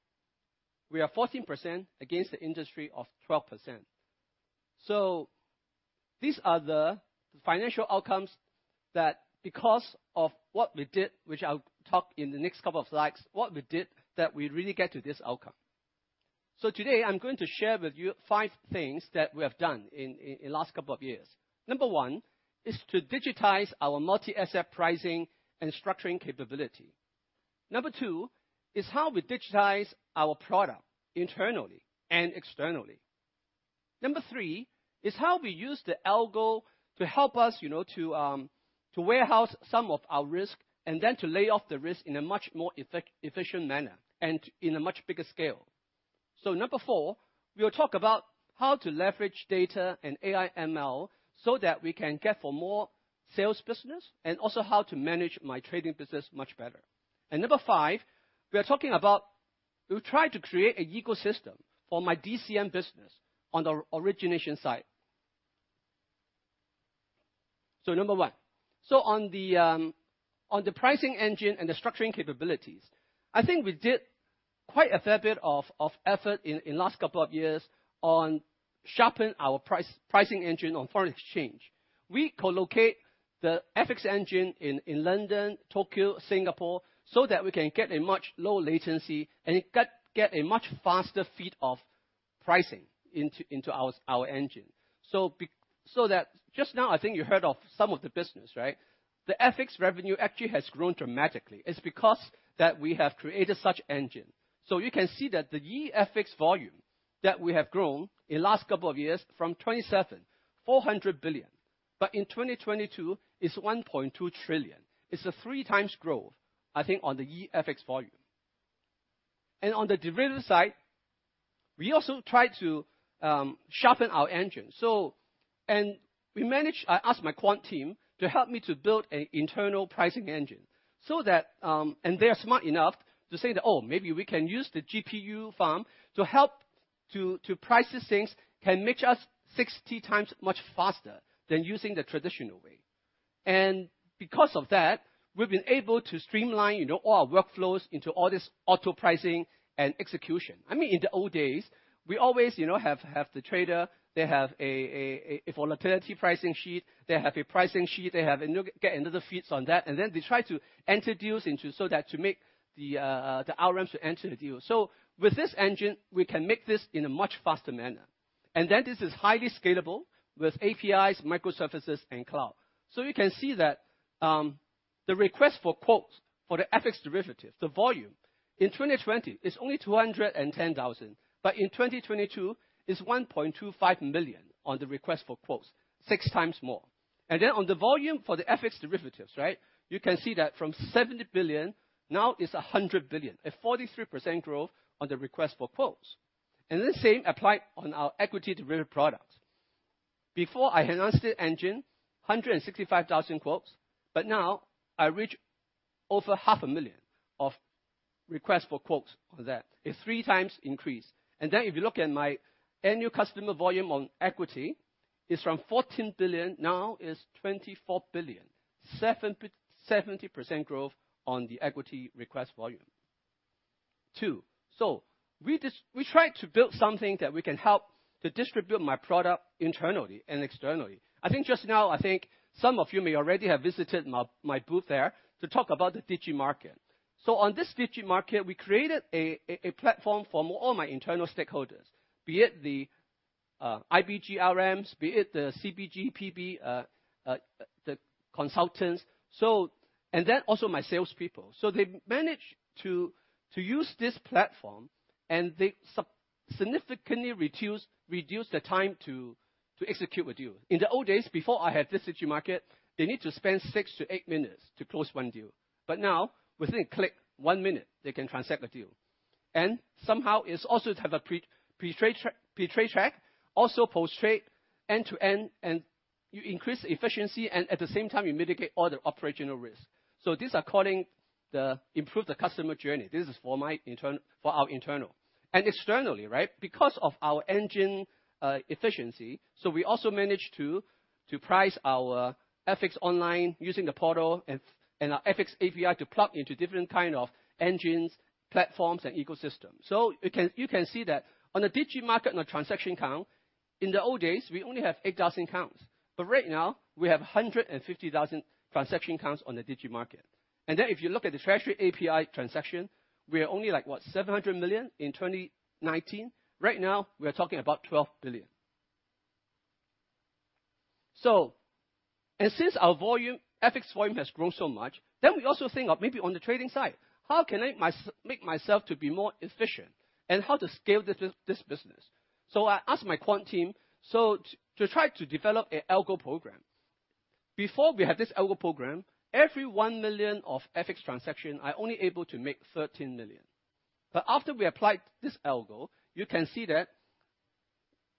we are 14% against the industry of 12%. So these are the financial outcomes that because of what we did, which I'll talk in the next couple of slides, what we did that we really get to this outcome. So today I'm going to share with you five things that we have done in last couple of years. Number one, is to digitize our multi-asset pricing and structuring capability. Number two, is how we digitize our product internally and externally. Number 3 is how we use the algo to help us, you know, to warehouse some of our risk, and then to lay off the risk in a much more effective, efficient manner and in a much bigger scale. So number 4, we'll talk about how to leverage data and AI/ML so that we can get for more sales business, and also how to manage my trading business much better. And number 5, we are talking about. We tried to create an ecosystem for my DCN business on the origination side. So number 1, so on the pricing engine and the structuring capabilities, I think we did quite a fair bit of effort in last couple of years on sharpen our pricing engine on foreign exchange. We co-locate the FX engine in London, Tokyo, Singapore, so that we can get much lower latency, and get a much faster feed of pricing into our engine. Just now, I think you heard of some of the business, right? The FX revenue actually has grown dramatically. It's because we have created such engine. You can see that the E-FX volume that we have grown in the last couple of years from 27,400 billion, but in 2022, it's 1.2 trillion. It's a 3 times growth, I think, on the E-FX volume. On the derivative side, we also tried to sharpen our engine. We managed—I asked my quant team to help me to build an internal pricing engine, so that... They are smart enough to say that, "Oh, maybe we can use the GPU farm to help to price these things, can make us 60 times much faster than using the traditional way." And because of that, we've been able to streamline, you know, all our workflows into all this auto pricing and execution. I mean, in the old days, we always, you know, have the trader, they have a volatility pricing suite, they have a pricing suite, they get another feeds on that, and then they try to enter deals into so that to make the RMs to enter the deal. So with this engine, we can make this in a much faster manner. And then this is highly scalable with APIs, microservices, and cloud. So you can see that, the request for quotes for the FX derivative, the volume in 2020 is only 210,000, but in 2022, it's 1.25 million on the request for quotes, 6 times more. And then on the volume for the FX derivatives, right? You can see that from $70 billion, now it's $100 billion, a 43% growth on the request for quotes. And the same applied on our equity derivative products. Before I enhanced the engine, 165,000 quotes, but now I reach over half a million of requests for quotes on that. A 3 times increase. And then if you look at my annual customer volume on equity, is from $14 billion, now is $24 billion. Seventy percent growth on the equity request volume. Two, so we just we tried to build something that we can help to distribute my product internally and externally. I think just now, I think some of you may already have visited my booth there to talk about the DigiMarket. So on this DigiMarket, we created a platform for all my internal stakeholders, be it the IBGRMs, be it the CBGPB, the consultants, so and then also my salespeople. So they managed to use this platform, and they significantly reduce the time to execute a deal. In the old days, before I had this DigiMarket, they need to spend 6-8 minutes to close 1 deal, but now within a click, 1 minute, they can transact a deal. And somehow it's also have a pre-trade track, also post-trade, end-to-end, and you increase efficiency, and at the same time, you mitigate all the operational risk. So this according the improve the customer journey. This is for our internal. And externally, right? Because of our engine efficiency, so we also managed to price our FX online using the portal and our FX API to plug into different kind of engines, platforms, and ecosystems. So you can see that on a DigiMarket, on a transaction count, in the old days, we only have 8,000 counts, but right now we have 150,000 transaction counts on the DigiMarket. And then if you look at the Treasury API transaction, we are only like, what? $700 million in 2019. Right now, we are talking about $12 billion. Since our volume, FX volume has grown so much, then we also think of maybe on the trading side, how can I make myself to be more efficient and how to scale this, this business? So I asked my quant team to try to develop an algo program. Before we had this algo program, every 1 million of FX transaction, I only able to make 13 million. But after we applied this algo, you can see that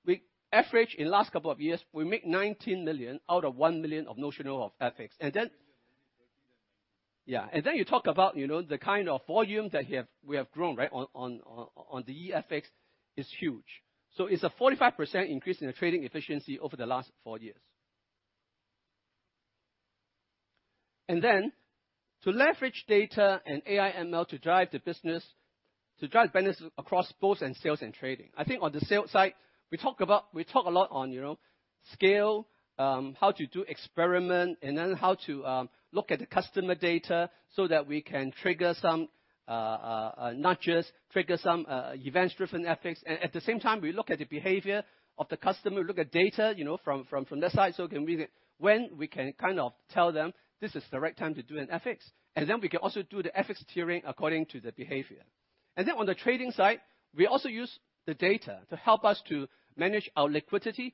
we average in last couple of years, we make 19 million out of 1 million of notional of FX. And then, yeah, and then you talk about, you know, the kind of volume that we have, we have grown, right, on the e-FX is huge. So it's a 45% increase in the trading efficiency over the last four years. To leverage data and AI/ML to drive the business, to drive business across both in sales and trading. I think on the sales side, we talk a lot on, you know, scale, how to do experiment, and then how to look at the customer data so that we can trigger some nudges, trigger some events-driven FX. And at the same time, we look at the behavior of the customer, look at data, you know, from that side, so when we can kind of tell them, "This is the right time to do an FX," and then we can also do the FX tiering according to the behavior. And then on the trading side, we also use the data to help us to manage our liquidity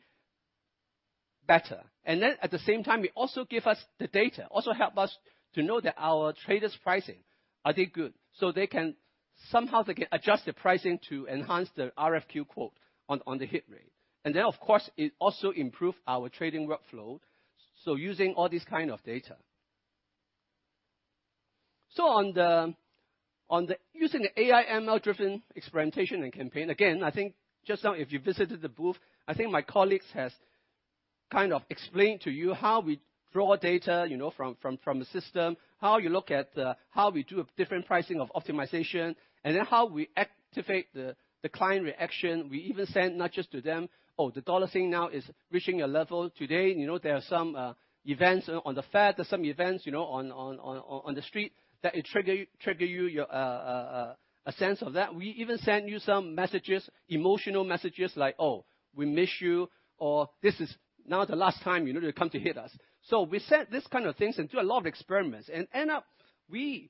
better. And then at the same time, it also give us the data, also help us to know that our traders' pricing, are they good? So they can somehow they can adjust the pricing to enhance the RFQ quote on, on the hit rate. And then, of course, it also improve our trading workflow, so using all this kind of data. Using the AI/ML-driven experimentation and campaign, again, I think just now, if you visited the booth, I think my colleagues has kind of explained to you how we draw data, you know, from the system, how you look at the how we do a different pricing of optimization, and then how we activate the client reaction. We even send nudges to them, "Oh, the dollar thing now is reaching a level. Today, you know, there are some events on the Fed. There's some events, you know, on the street, that trigger you, your sense of that. We even send you some messages, emotional messages, like, "Oh, we miss you," or "This is now the last time, you know, to come to hit us." So we said these kind of things and do a lot of experiments. And end up, we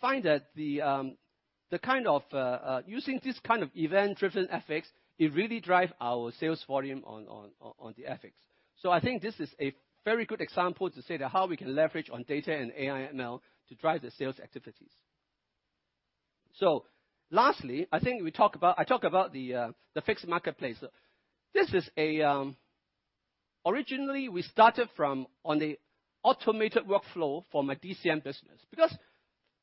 find that the kind of using this kind of event-driven FX, it really drive our sales volume on the FX. So I think this is a very good example to say that how we can leverage on data and AI/ML to drive the sales activities. So lastly, I think we talk about—I talk about the FIX Marketplace. This is a... Originally, we started from an automated workflow from a DCM business. Because,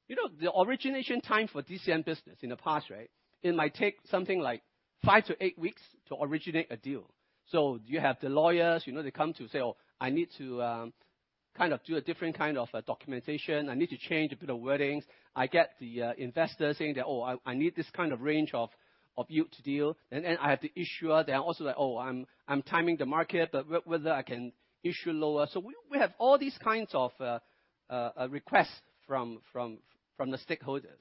you know, the origination time for DCM business in the past, right? It might take something like 5-8 weeks to originate a deal. So you have the lawyers, you know, they come to say, "Oh, I need to kind of do a different kind of documentation. I need to change a bit of wordings." I get the investor saying that, "Oh, I need this kind of range of yield to deal." And then I have the issuer, they are also like, "Oh, I'm timing the market, but whether I can issue lower." So we have all these kinds of request from the stakeholders.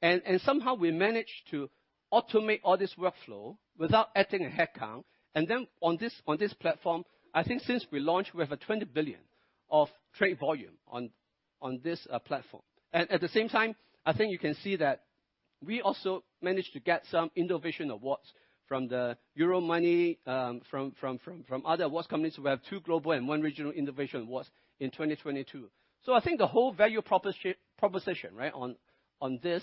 And somehow we managed to automate all this workflow without adding a headcount. Then on this platform, I think since we launched, we have 20 billion of trade volume on this platform. And at the same time, I think you can see that we also managed to get some innovation awards from Euromoney, from other awards companies. We have two global and one regional innovation awards in 2022. So I think the whole value proposition, right, on this,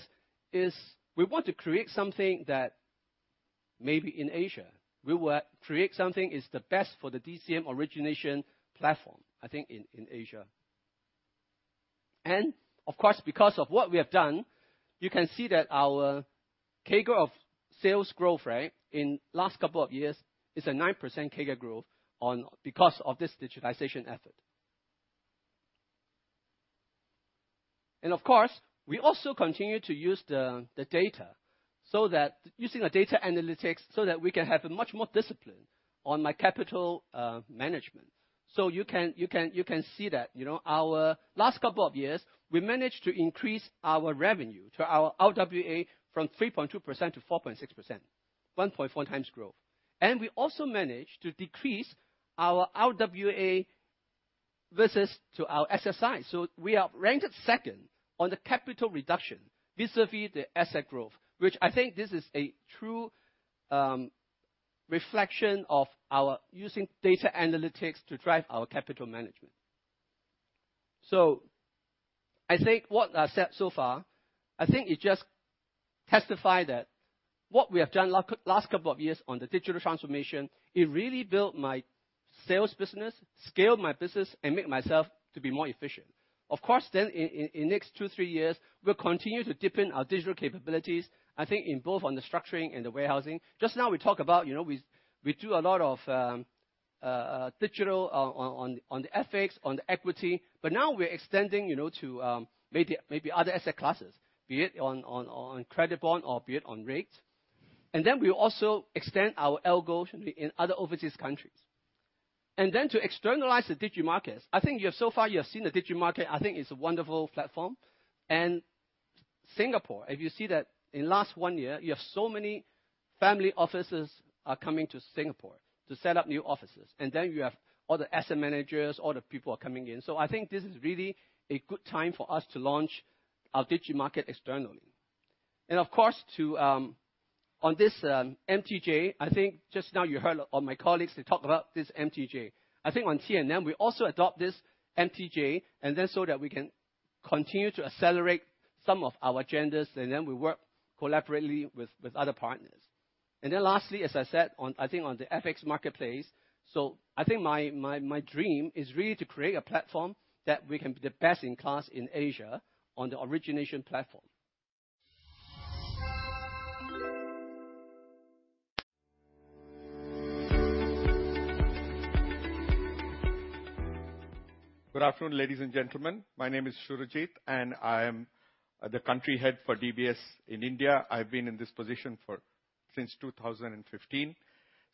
is we want to create something that maybe in Asia, we will create something is the best for the DCM origination platform, I think in Asia. And of course, because of what we have done, you can see that our CAGR of sales growth, right, in last couple of years is a 9% CAGR growth because of this digitization effort. Of course, we also continue to use the data, so that using a data analytics, so that we can have a much more discipline on my capital management. So you can see that, you know, our last couple of years, we managed to increase our revenue to our RWA from 3.2% to 4.6%, 1.4 times growth. And we also managed to decrease our RWA versus to our SSI. So we are ranked second on the capital reduction vis-à-vis the asset growth, which I think this is a true reflection of our using data analytics to drive our capital management. I think what I said so far, I think it just testify that what we have done last couple of years on the digital transformation, it really built my sales business, scaled my business, and make myself to be more efficient. Of course, in next two, three years, we'll continue to deepen our digital capabilities, I think in both on the structuring and the warehousing. Just now we talk about, you know, we do a lot of digital on the FX, on the equity, but now we're extending, you know, to maybe other asset classes, be it on credit bond or be it on rates. And then we also extend our algo in other overseas countries. To externalize the DigiMarket, I think you have so far, you have seen the DigiMarket, I think it's a wonderful platform. In Singapore, if you see that in last 1 year, you have so many family offices are coming to Singapore to set up new offices, and then you have all the asset managers, all the people are coming in. So I think this is really a good time for us to launch our DigiMarket externally. And of course, to, on this, MTJ, I think just now you heard all my colleagues, they talk about this MTJ. I think on T&M, we also adopt this MTJ, and then so that we can continue to accelerate some of our agendas, and then we work collaboratively with other partners. Then lastly, as I said, on the FIX Marketplace, so I think my dream is really to create a platform that we can be the best in class in Asia on the origination platform. Good afternoon, ladies and gentlemen. My name is Surojit, and I am the country head for DBS in India. I've been in this position since 2015.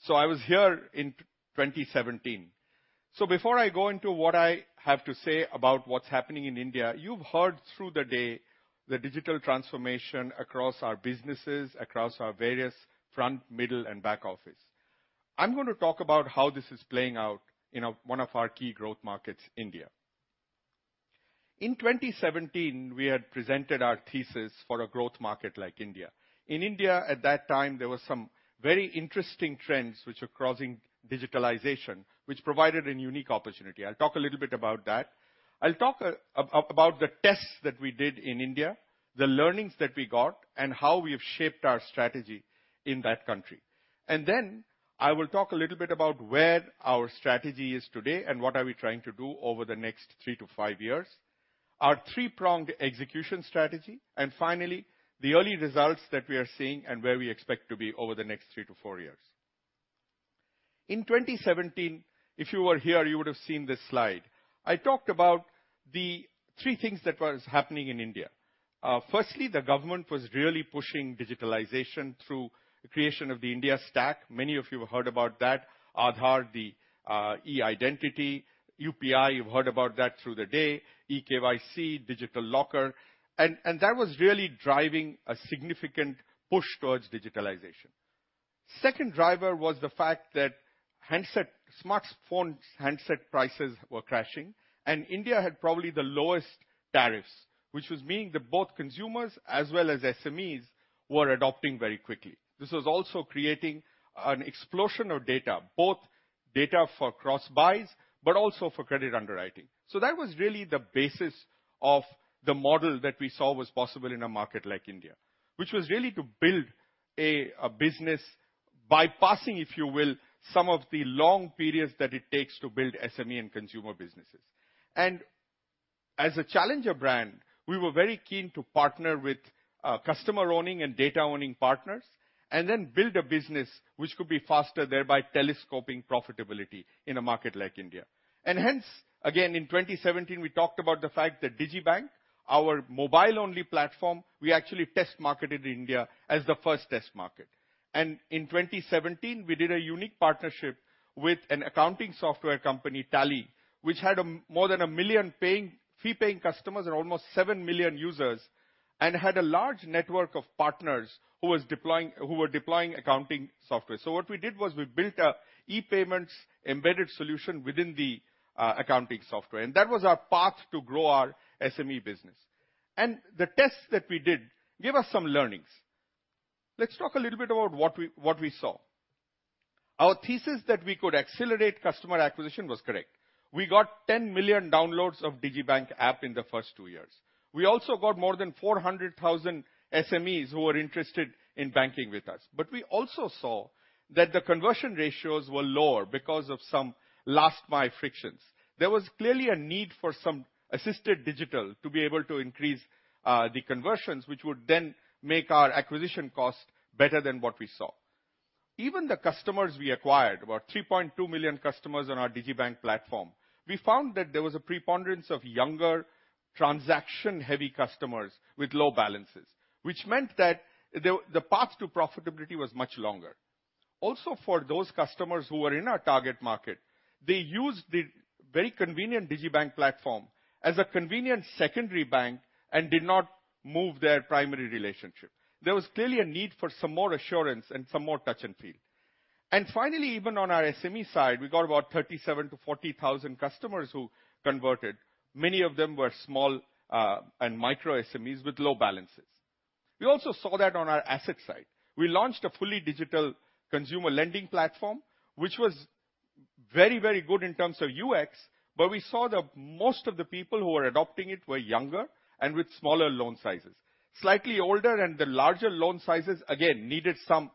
So I was here in 2017. So before I go into what I have to say about what's happening in India, you've heard through the day the digital transformation across our businesses, across our various front, middle, and back office. I'm gonna talk about how this is playing out in one of our key growth markets, India. In 2017, we had presented our thesis for a growth market like India. In India, at that time, there were some very interesting trends which were crossing digitalization, which provided a unique opportunity. I'll talk a little bit about that. I'll talk about the tests that we did in India, the learnings that we got, and how we have shaped our strategy in that country. Then I will talk a little bit about where our strategy is today, and what we are trying to do over the next 3-5 years, our three-pronged execution strategy, and finally, the early results that we are seeing and where we expect to be over the next 3-4 years. In 2017, if you were here, you would have seen this slide. I talked about the 3 things that was happening in India. Firstly, the government was really pushing digitalization through the creation of the India Stack. Many of you have heard about that. Aadhaar, the identity. UPI, you've heard about that through the day, eKYC, Digital Locker, and that was really driving a significant push towards digitalization. Second driver was the fact that handset, smartphone handset prices were crashing, and India had probably the lowest tariffs, which was meaning that both consumers as well as SMEs were adopting very quickly. This was also creating an explosion of data, both data for cross-buys, but also for credit underwriting. So that was really the basis of the model that we saw was possible in a market like India, which was really to build a business, bypassing, if you will, some of the long periods that it takes to build SME and consumer businesses. As a challenger brand, we were very keen to partner with customer-owning and data-owning partners, and then build a business which could be faster, thereby telescoping profitability in a market like India. Hence, again, in 2017, we talked about the fact that digibank, our mobile-only platform, we actually test-marketed in India as the first test market. In 2017, we did a unique partnership with an accounting software company, Tally, which had more than a million paying, fee-paying customers and almost 7 million users, and had a large network of partners who were deploying accounting software. So what we did was we built a e-payments-embedded solution within the accounting software, and that was our path to grow our SME business. The tests that we did gave us some learnings. Let's talk a little bit about what we saw. Our thesis that we could accelerate customer acquisition was correct. We got 10 million downloads of digibank app in the first two years. We also got more than 400,000 SMEs who were interested in banking with us. But we also saw that the conversion ratios were lower because of some last-mile frictions. There was clearly a need for some assisted digital to be able to increase the conversions, which would then make our acquisition cost better than what we saw. Even the customers we acquired, about 3.2 million customers on our digibank platform, we found that there was a preponderance of younger, transaction-heavy customers with low balances, which meant that the path to profitability was much longer. Also, for those customers who were in our target market, they used the very convenient digibank platform as a convenient secondary bank and did not move their primary relationship. There was clearly a need for some more assurance and some more touch and feel. And finally, even on our SME side, we got about 37,000-40,000 customers who converted. Many of them were small and micro-SMEs with low balances. We also saw that on our asset side. We launched a fully digital consumer lending platform, which was very, very good in terms of UX, but we saw that most of the people who were adopting it were younger and with smaller loan sizes. Slightly older and the larger loan sizes, again, needed some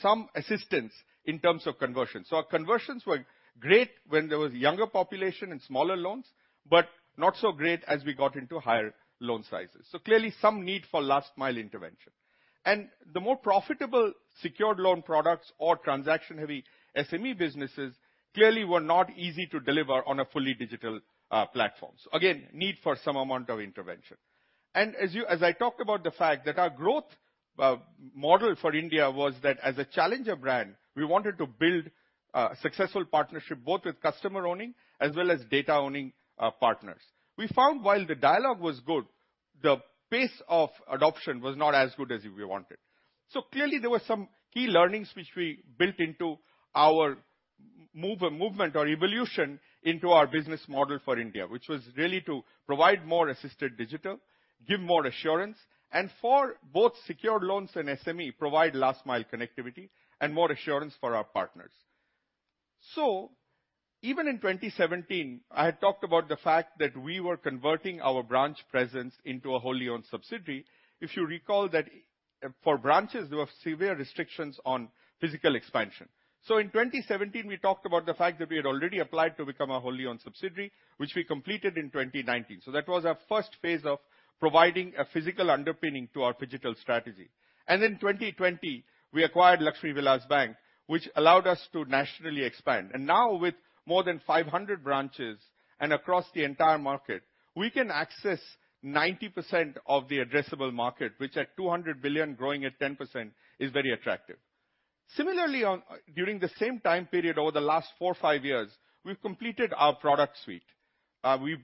some assistance in terms of conversion. So our conversions were great when there was younger population and smaller loans, but not so great as we got into higher loan sizes. So clearly, some need for last-mile intervention. And the more profitable secured loan products or transaction-heavy SME businesses clearly were not easy to deliver on a fully digital platform. Again, need for some amount of intervention. And as I talked about the fact that our growth model for India was that as a challenger brand, we wanted to build a successful partnership, both with customer-owning as well as data-owning partners. We found while the dialogue was good, the pace of adoption was not as good as we wanted. So clearly, there were some key learnings which we built into our move, movement or evolution into our business model for India, which was really to provide more assisted digital, give more assurance, and for both secured loans and SME, provide last-mile connectivity and more assurance for our partners. So even in 2017, I had talked about the fact that we were converting our branch presence into a wholly-owned subsidiary. If you recall that, for branches, there were severe restrictions on physical expansion. So in 2017, we talked about the fact that we had already applied to become a wholly-owned subsidiary, which we completed in 2019. So that was our first phase of providing a physical underpinning to our phygital strategy. And in 2020, we acquired Lakshmi Vilas Bank, which allowed us to nationally expand. And now with more than 500 branches across the entire market, we can access 90% of the addressable market, which at 200 billion, growing at 10%, is very attractive. Similarly, during the same time period, over the last 4-5 years, we've completed our product suite. We've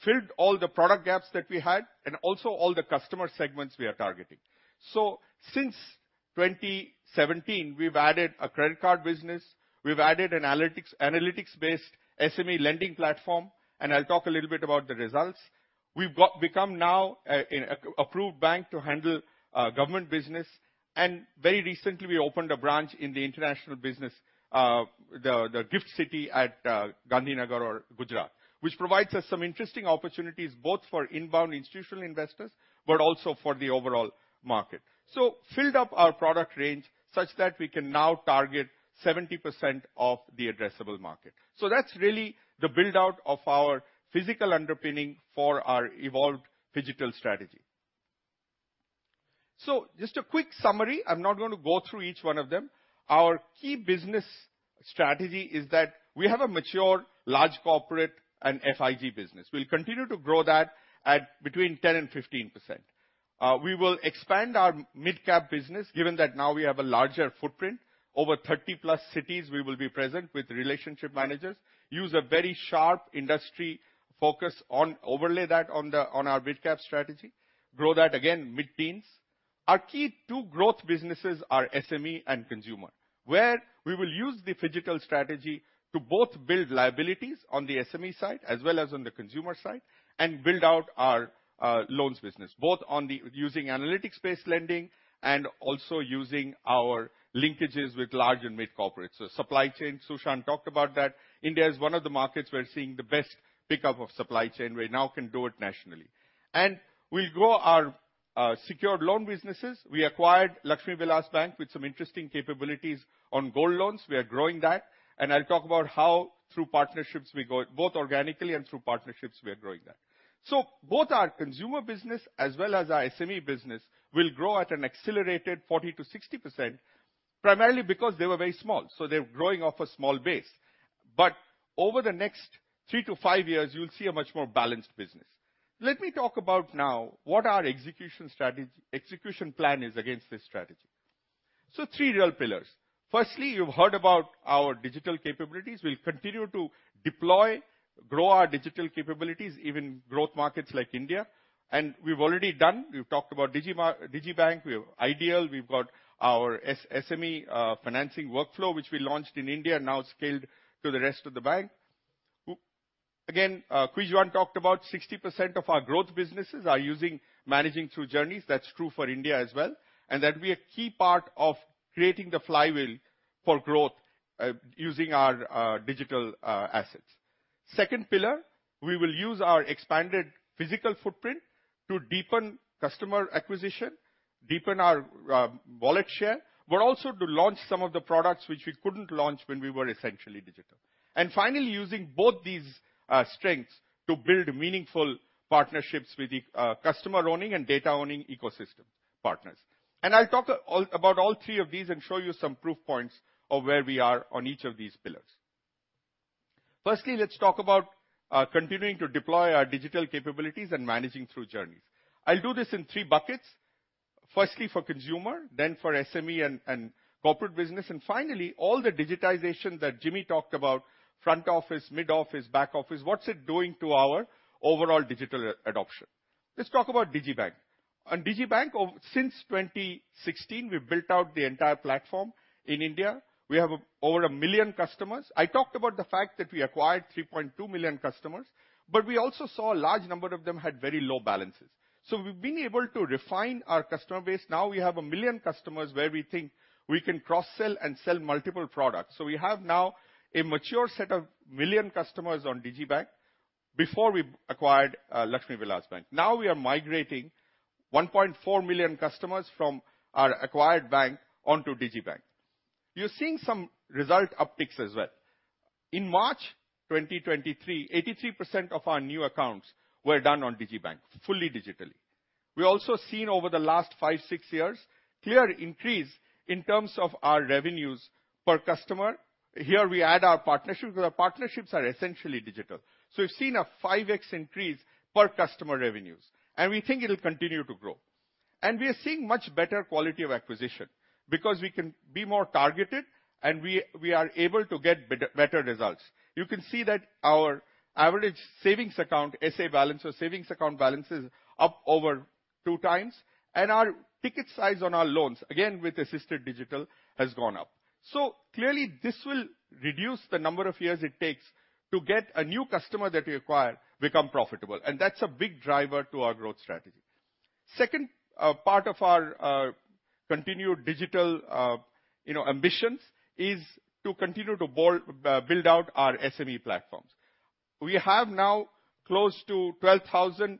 filled all the product gaps that we had and also all the customer segments we are targeting. So since 2017, we've added a credit card business, we've added analytics-based SME lending platform, and I'll talk a little bit about the results. We've become now an approved bank to handle government business, and very recently, we opened a branch in the international business, the GIFT City at Gandhinagar, Gujarat, which provides us some interesting opportunities, both for inbound institutional investors, but also for the overall market. So filled up our product range such that we can now target 70% of the addressable market. So that's really the build-out of our physical underpinning for our evolved phygital strategy. So just a quick summary. I'm not going to go through each one of them. Our key business strategy is that we have a mature, large corporate and FIG business. We'll continue to grow that at between 10% and 15%. We will expand our mid-cap business, given that now we have a larger footprint. Over 30+ cities, we will be present with relationship managers, use a very sharp industry focus on-overlay that on the, on our midcap strategy. Grow that again, mid-teens. Our key two growth businesses are SME and consumer, where we will use the phygital strategy to both build liabilities on the SME side as well as on the consumer side, and build out our loans business, both on the using analytics-based lending and also using our linkages with large and mid-corporates. Supply chain, Tan Su Shan talked about that. India is one of the markets we're seeing the best pickup of supply chain. We now can do it nationally. We'll grow our secured loan businesses. We acquired Lakshmi Vilas Bank with some interesting capabilities on gold loans. We are growing that, and I'll talk about how through partnerships, we grow both organically and through partnerships, we are growing that. So both our consumer business as well as our SME business will grow at an accelerated 40%-60%, primarily because they were very small, so they're growing off a small base. But over the next three to five years, you'll see a much more balanced business. Let me talk about now what our execution strategy—execution plan is against this strategy. So three real pillars. Firstly, you've heard about our digital capabilities. We'll continue to deploy, grow our digital capabilities in growth markets like India. And we've already done. We've talked about digibank. We have IDEAL, we've got our SME financing workflow, which we launched in India, now scaled to the rest of the bank. Again, Kwee Juan talked about 60% of our growth businesses are using Managing Through Journeys. That's true for India as well, and that will be a key part of creating the Flywheel for growth, using our digital assets. Second pillar, we will use our expanded physical footprint to deepen customer acquisition, deepen our wallet share, but also to launch some of the products which we couldn't launch when we were essentially digital. And finally, using both these strengths to build meaningful partnerships with the customer-owning and data-owning ecosystem partners. And I'll talk about all three of these and show you some proof points of where we are on each of these pillars. Firstly, let's talk about continuing to deploy our digital capabilities and Managing Through Journeys. I'll do this in three buckets. Firstly, for consumer, then for SME and corporate business, and finally, all the digitization that Jimmy talked about, front office, mid office, back office, what's it doing to our overall digital adoption? Let's talk about Digi Bank. On Digi Bank, since 2016, we've built out the entire platform in India. We have over 1 million customers. I talked about the fact that we acquired 3.2 million customers, but we also saw a large number of them had very low balances. So we've been able to refine our customer base. Now we have 1 million customers where we think we can cross-sell and sell multiple products. So we have now a mature set of 1 million customers on Digi Bank before we acquired Lakshmi Vilas Bank. Now we are migrating 1.4 million customers from our acquired bank onto Digi Bank. You're seeing some result upticks as well. In March 2023, 83% of our new accounts were done on digibank, fully digitally. We also seen over the last 5-6 years, clear increase in terms of our revenues per customer. Here we add our partnerships, because our partnerships are essentially digital. So we've seen a 5x increase per customer revenues, and we think it'll continue to grow. And we are seeing much better quality of acquisition because we can be more targeted and we are able to get better results. You can see that our average savings account, SA balance or savings account balance, is up over 2x, and our ticket size on our loans, again, with assisted digital, has gone up. So clearly, this will reduce the number of years it takes to get a new customer that we acquire, become profitable, and that's a big driver to our growth strategy. Second, part of our continued digital, you know, ambitions is to continue to build out our SME platforms. We have now close to 12,000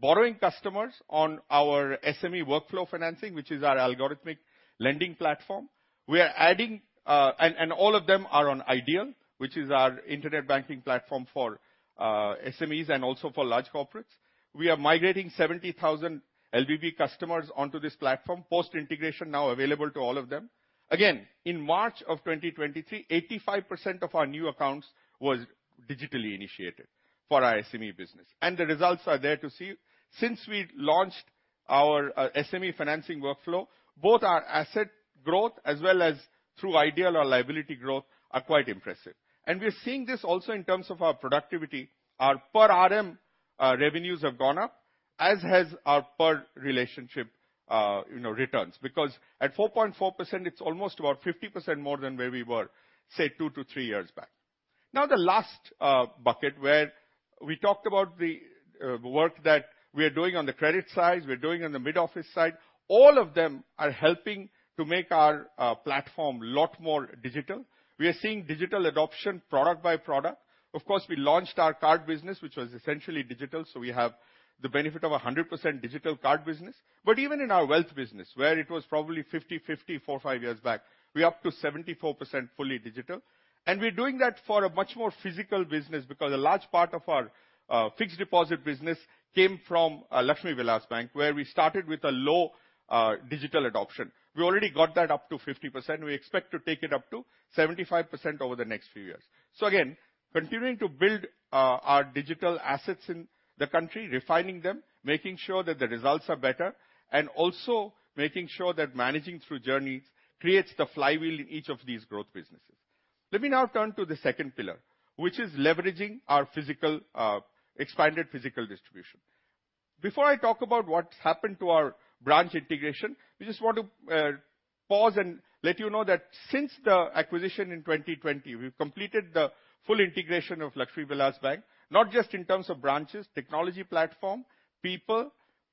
borrowing customers on our SME workflow financing, which is our algorithmic lending platform. We are adding, and all of them are on IDEAL, which is our internet banking platform for SMEs and also for large corporates. We are migrating 70,000 LVB customers onto this platform, post-integration now available to all of them. Again, in March 2023, 85% of our new accounts was digitally initiated for our SME business, and the results are there to see. Since we launched our SME financing workflow, both our asset growth as well as through IDEAL, our liability growth are quite impressive. And we are seeing this also in terms of our productivity. Our per RM revenues have gone up, as has our per relationship, you know, returns, because at 4.4%, it's almost about 50% more than where we were, say, 2-3 years back. Now, the last bucket, where we talked about the work that we are doing on the credit side, we're doing on the mid-office side, all of them are helping to make our platform lot more digital. We are seeing digital adoption product by product. Of course, we launched our card business, which was essentially digital, so we have the benefit of a 100% digital card business. But even in our wealth business, where it was probably 50/50, 4-5 years back, we are up to 74% fully digital. And we're doing that for a much more physical business, because a large part of our, fixed deposit business came from, Lakshmi Vilas Bank, where we started with a low, digital adoption. We already got that up to 50%. We expect to take it up to 75% over the next few years. So again, continuing to build, our digital assets in the country, refining them, making sure that the results are better, and also making sure that Managing Through Journeys creates the Flywheel in each of these growth businesses. Let me now turn to the second pillar, which is leveraging our physical, expanded physical distribution. Before I talk about what's happened to our branch integration, we just want to pause and let you know that since the acquisition in 2020, we've completed the full integration of Lakshmi Vilas Bank, not just in terms of branches, technology platform, people,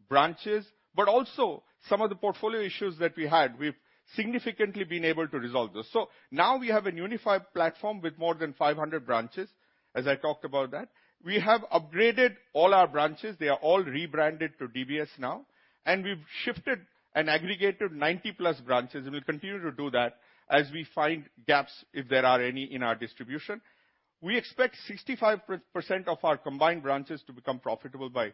branches, but also some of the portfolio issues that we had. We've significantly been able to resolve this. So now we have a unified platform with more than 500 branches, as I talked about that. We have upgraded all our branches. They are all rebranded to DBS now, and we've shifted and aggregated 90+ branches, and we'll continue to do that as we find gaps, if there are any, in our distribution. We expect 65% of our combined branches to become profitable by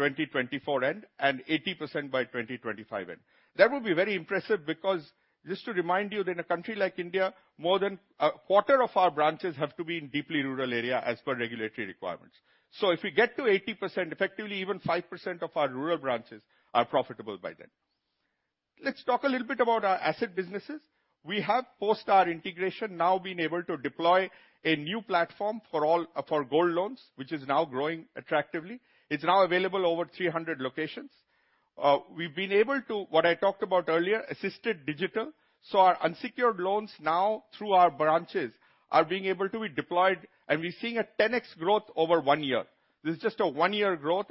end of 2024, and 80% by end of 2025. That would be very impressive, because just to remind you, that in a country like India, more than a quarter of our branches have to be in deeply rural area as per regulatory requirements. So if we get to 80%, effectively, even 5% of our rural branches are profitable by then. Let's talk a little bit about our asset businesses. We have, post our integration, now been able to deploy a new platform for all for gold loans, which is now growing attractively. It's now available over 300 locations. We've been able to, what I talked about earlier, assisted digital. So our unsecured loans now through our branches, are being able to be deployed, and we're seeing a 10x growth over one year. This is just a one-year growth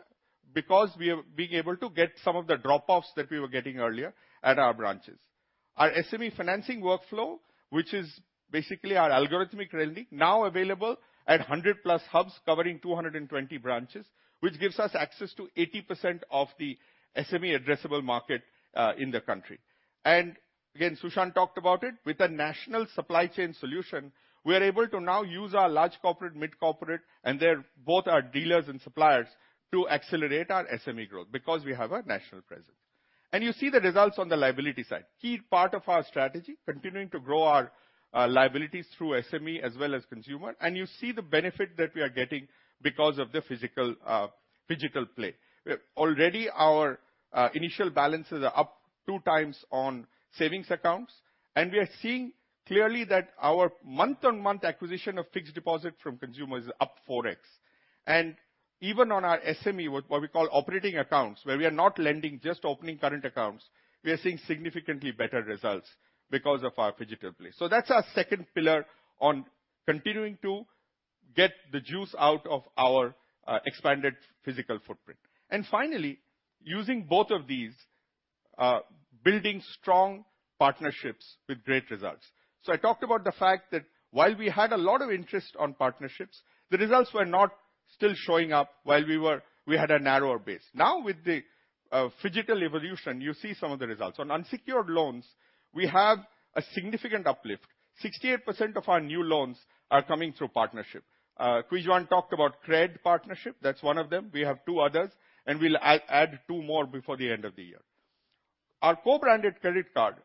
because we are being able to get some of the drop-offs that we were getting earlier at our branches. Our SME financing workflow, which is basically our algorithmic lending, now available at 100+ hubs covering 220 branches, which gives us access to 80% of the SME addressable market, in the country. And again, Tan Su Shan talked about it. With a national supply chain solution, we are able to now use our large corporate, mid-corporate, and they're both our dealers and suppliers, to accelerate our SME growth because we have a national presence. And you see the results on the liability side. Key part of our strategy, continuing to grow our, liabilities through SME as well as consumer, and you see the benefit that we are getting because of the physical, phygital play. Already, our initial balances are up 2x on savings accounts, and we are seeing clearly that our month-on-month acquisition of fixed deposit from consumers is up 4x. And even on our SME, what we call operating accounts, where we are not lending, just opening current accounts, we are seeing significantly better results because of our phygital play. So that's our second pillar on continuing to get the juice out of our expanded physical footprint. And finally, using both of these, building strong partnerships with great results. So I talked about the fact that while we had a lot of interest on partnerships, the results were not still showing up while we had a narrower base. Now, with the phygital evolution, you see some of the results. On unsecured loans, we have a significant uplift. 68% of our new loans are coming through partnership. Han Kwee Juan talked about CRED partnership. That's one of them. We have two others, and we'll add two more before the end of the year. Our co-branded credit card.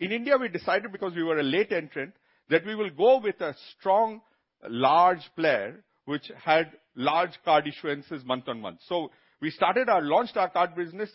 In India, we decided, because we were a late entrant, that we will go with a strong, large player, which had large card issuances month-on-month. So we started our Launched our card business,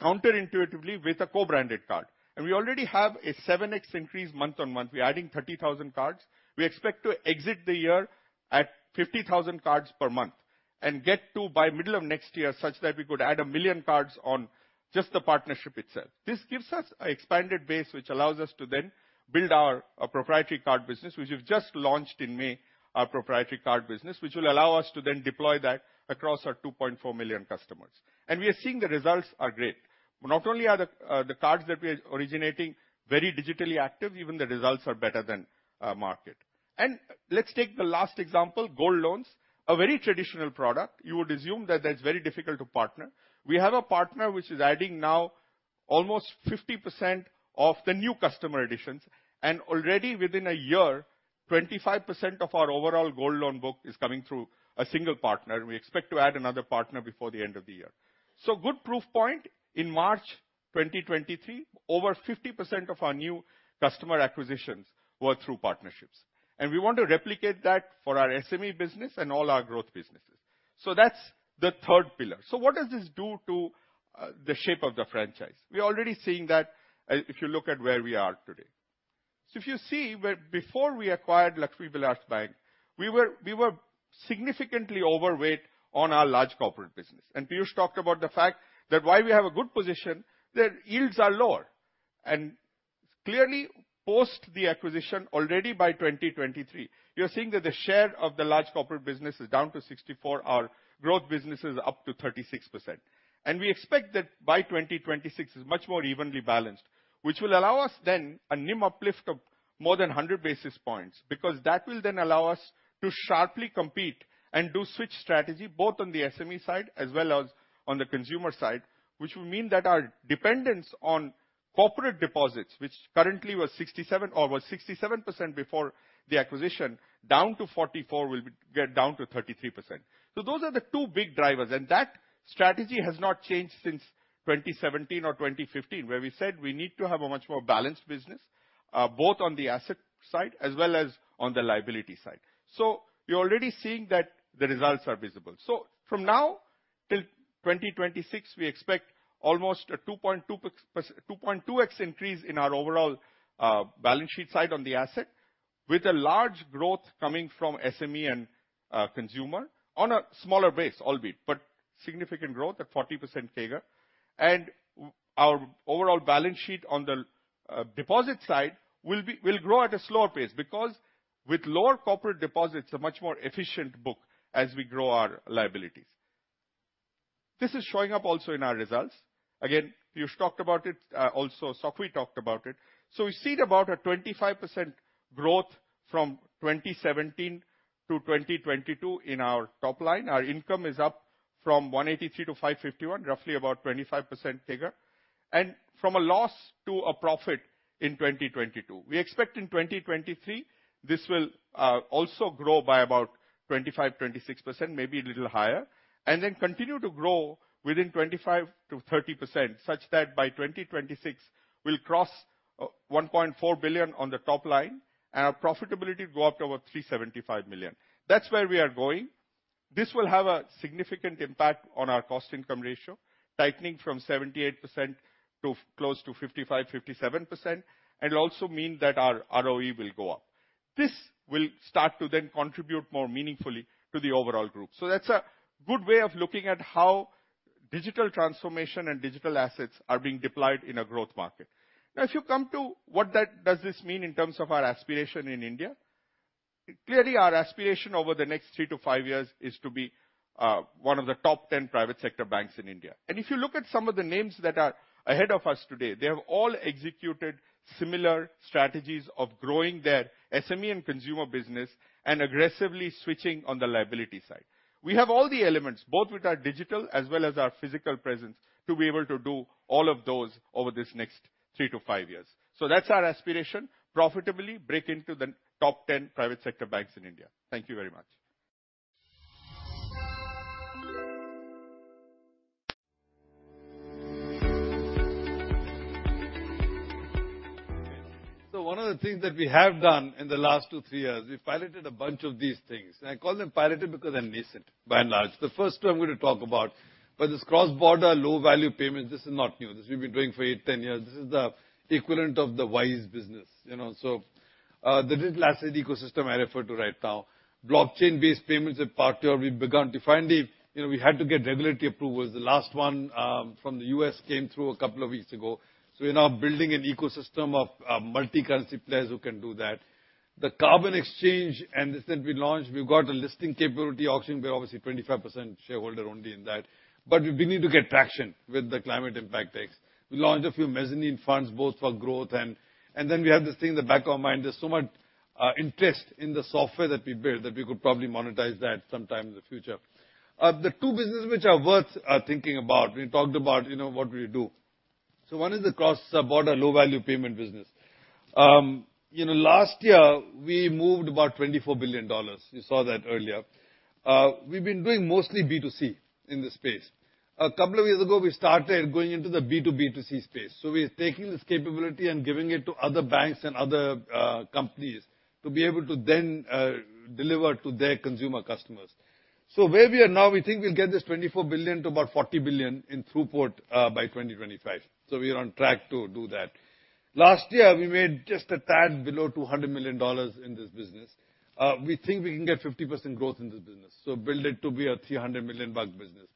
counterintuitively, with a co-branded card, and we already have a 7x increase month-on-month. We're adding 30,000 cards. We expect to exit the year at 50,000 cards per month, and get to by middle of next year, such that we could add 1 million cards on... just the partnership itself. This gives us an expanded base, which allows us to then build our proprietary card business, which we've just launched in May, our proprietary card business, which will allow us to then deploy that across our 2.4 million customers. And we are seeing the results are great. Not only are the cards that we are originating very digitally active, even the results are better than market. And let's take the last example, gold loans, a very traditional product. You would assume that that's very difficult to partner. We have a partner which is adding now almost 50% of the new customer additions, and already within a year, 25% of our overall gold loan book is coming through a single partner. We expect to add another partner before the end of the year. So good proof point, in March 2023, over 50% of our new customer acquisitions were through partnerships, and we want to replicate that for our SME business and all our growth businesses. So that's the third pillar. So what does this do to the shape of the franchise? We're already seeing that, if you look at where we are today. So if you see, where before we acquired Lakshmi Vilas Bank, we were, we were significantly overweight on our large corporate business. And Piyush talked about the fact that while we have a good position, that yields are lower. And clearly, post the acquisition, already by 2023, you're seeing that the share of the large corporate business is down to 64, our growth business is up to 36%. And we expect that by 2026, it's much more evenly balanced, which will allow us then a NIM uplift of more than 100 basis points, because that will then allow us to sharply compete and do switch strategy, both on the SME side as well as on the consumer side, which will mean that our dependence on corporate deposits, which currently was 67 or was 67% before the acquisition, down to 44%, will get down to 33%. So those are the two big drivers, and that strategy has not changed since 2017 or 2015, where we said we need to have a much more balanced business, both on the asset side as well as on the liability side. So you're already seeing that the results are visible. So from now till 2026, we expect almost a 2.2x increase in our overall balance sheet side on the asset, with a large growth coming from SME and consumer on a smaller base, albeit, but significant growth at 40% CAGR. And our overall balance sheet on the deposit side will grow at a slower pace, because with lower corporate deposits, a much more efficient book as we grow our liabilities. This is showing up also in our results. Again, Piyush talked about it, also Sok Hui talked about it. So we've seen about a 25% growth from 2017 to 2022 in our top line. Our income is up from 183 to 551, roughly about 25% CAGR, and from a loss to a profit in 2022. We expect in 2023, this will also grow by about 25-26%, maybe a little higher, and then continue to grow within 25%-30%, such that by 2026, we'll cross 1.4 billion on the top line, and our profitability go up to about 375 million. That's where we are going. This will have a significant impact on our cost income ratio, tightening from 78% to close to 55%-57%, and it'll also mean that our ROE will go up. This will start to then contribute more meaningfully to the overall group. So that's a good way of looking at how digital transformation and digital assets are being deployed in a growth market. Now, if you come to what that does this mean in terms of our aspiration in India? Clearly, our aspiration over the next 3-5 years is to be one of the top 10 private sector banks in India. And if you look at some of the names that are ahead of us today, they have all executed similar strategies of growing their SME and consumer business and aggressively switching on the liability side. We have all the elements, both with our digital as well as our physical presence, to be able to do all of those over this next 3-5 years. So that's our aspiration, profitably break into the top 10 private sector banks in India. Thank you very much. So one of the things that we have done in the last 2-3 years, we've piloted a bunch of these things, and I call them piloted because they're nascent, by and large. The first two I'm going to talk about, but this cross-border, low-value payments, this is not new. This we've been doing for 8-10 years. This is the equivalent of the Wise business. You know, so, the digital asset ecosystem I referred to right now, blockchain-based payments are part of where we've begun to finally, you know, we had to get regulatory approvals. The last one, from the US came through a couple of weeks ago. So we're now building an ecosystem of, multi-currency players who can do that. The carbon exchange, and this that we launched, we've got a listing capability auction. We're obviously 25% shareholder only in that, but we need to get traction with the Climate Impact Exchange. We launched a few mezzanine funds, both for growth and then we have this thing in the back of our mind, there's so much interest in the software that we built, that we could probably monetize that sometime in the future. The two businesses which are worth thinking about, we talked about, you know, what do we do? So one is the cross-border, low-value payment business. You know, last year, we moved about $24 billion. You saw that earlier. We've been doing mostly B to C in this space. A couple of years ago, we started going into the B to B to C space, so we're taking this capability and giving it to other banks and other companies, to be able to then deliver to their consumer customers. So where we are now, we think we'll get this 24 billion to about 40 billion in throughput by 2025. So we are on track to do that. Last year, we made just a tad below $200 million in this business. We think we can get 50% growth in this business, so build it to be a $300 million business.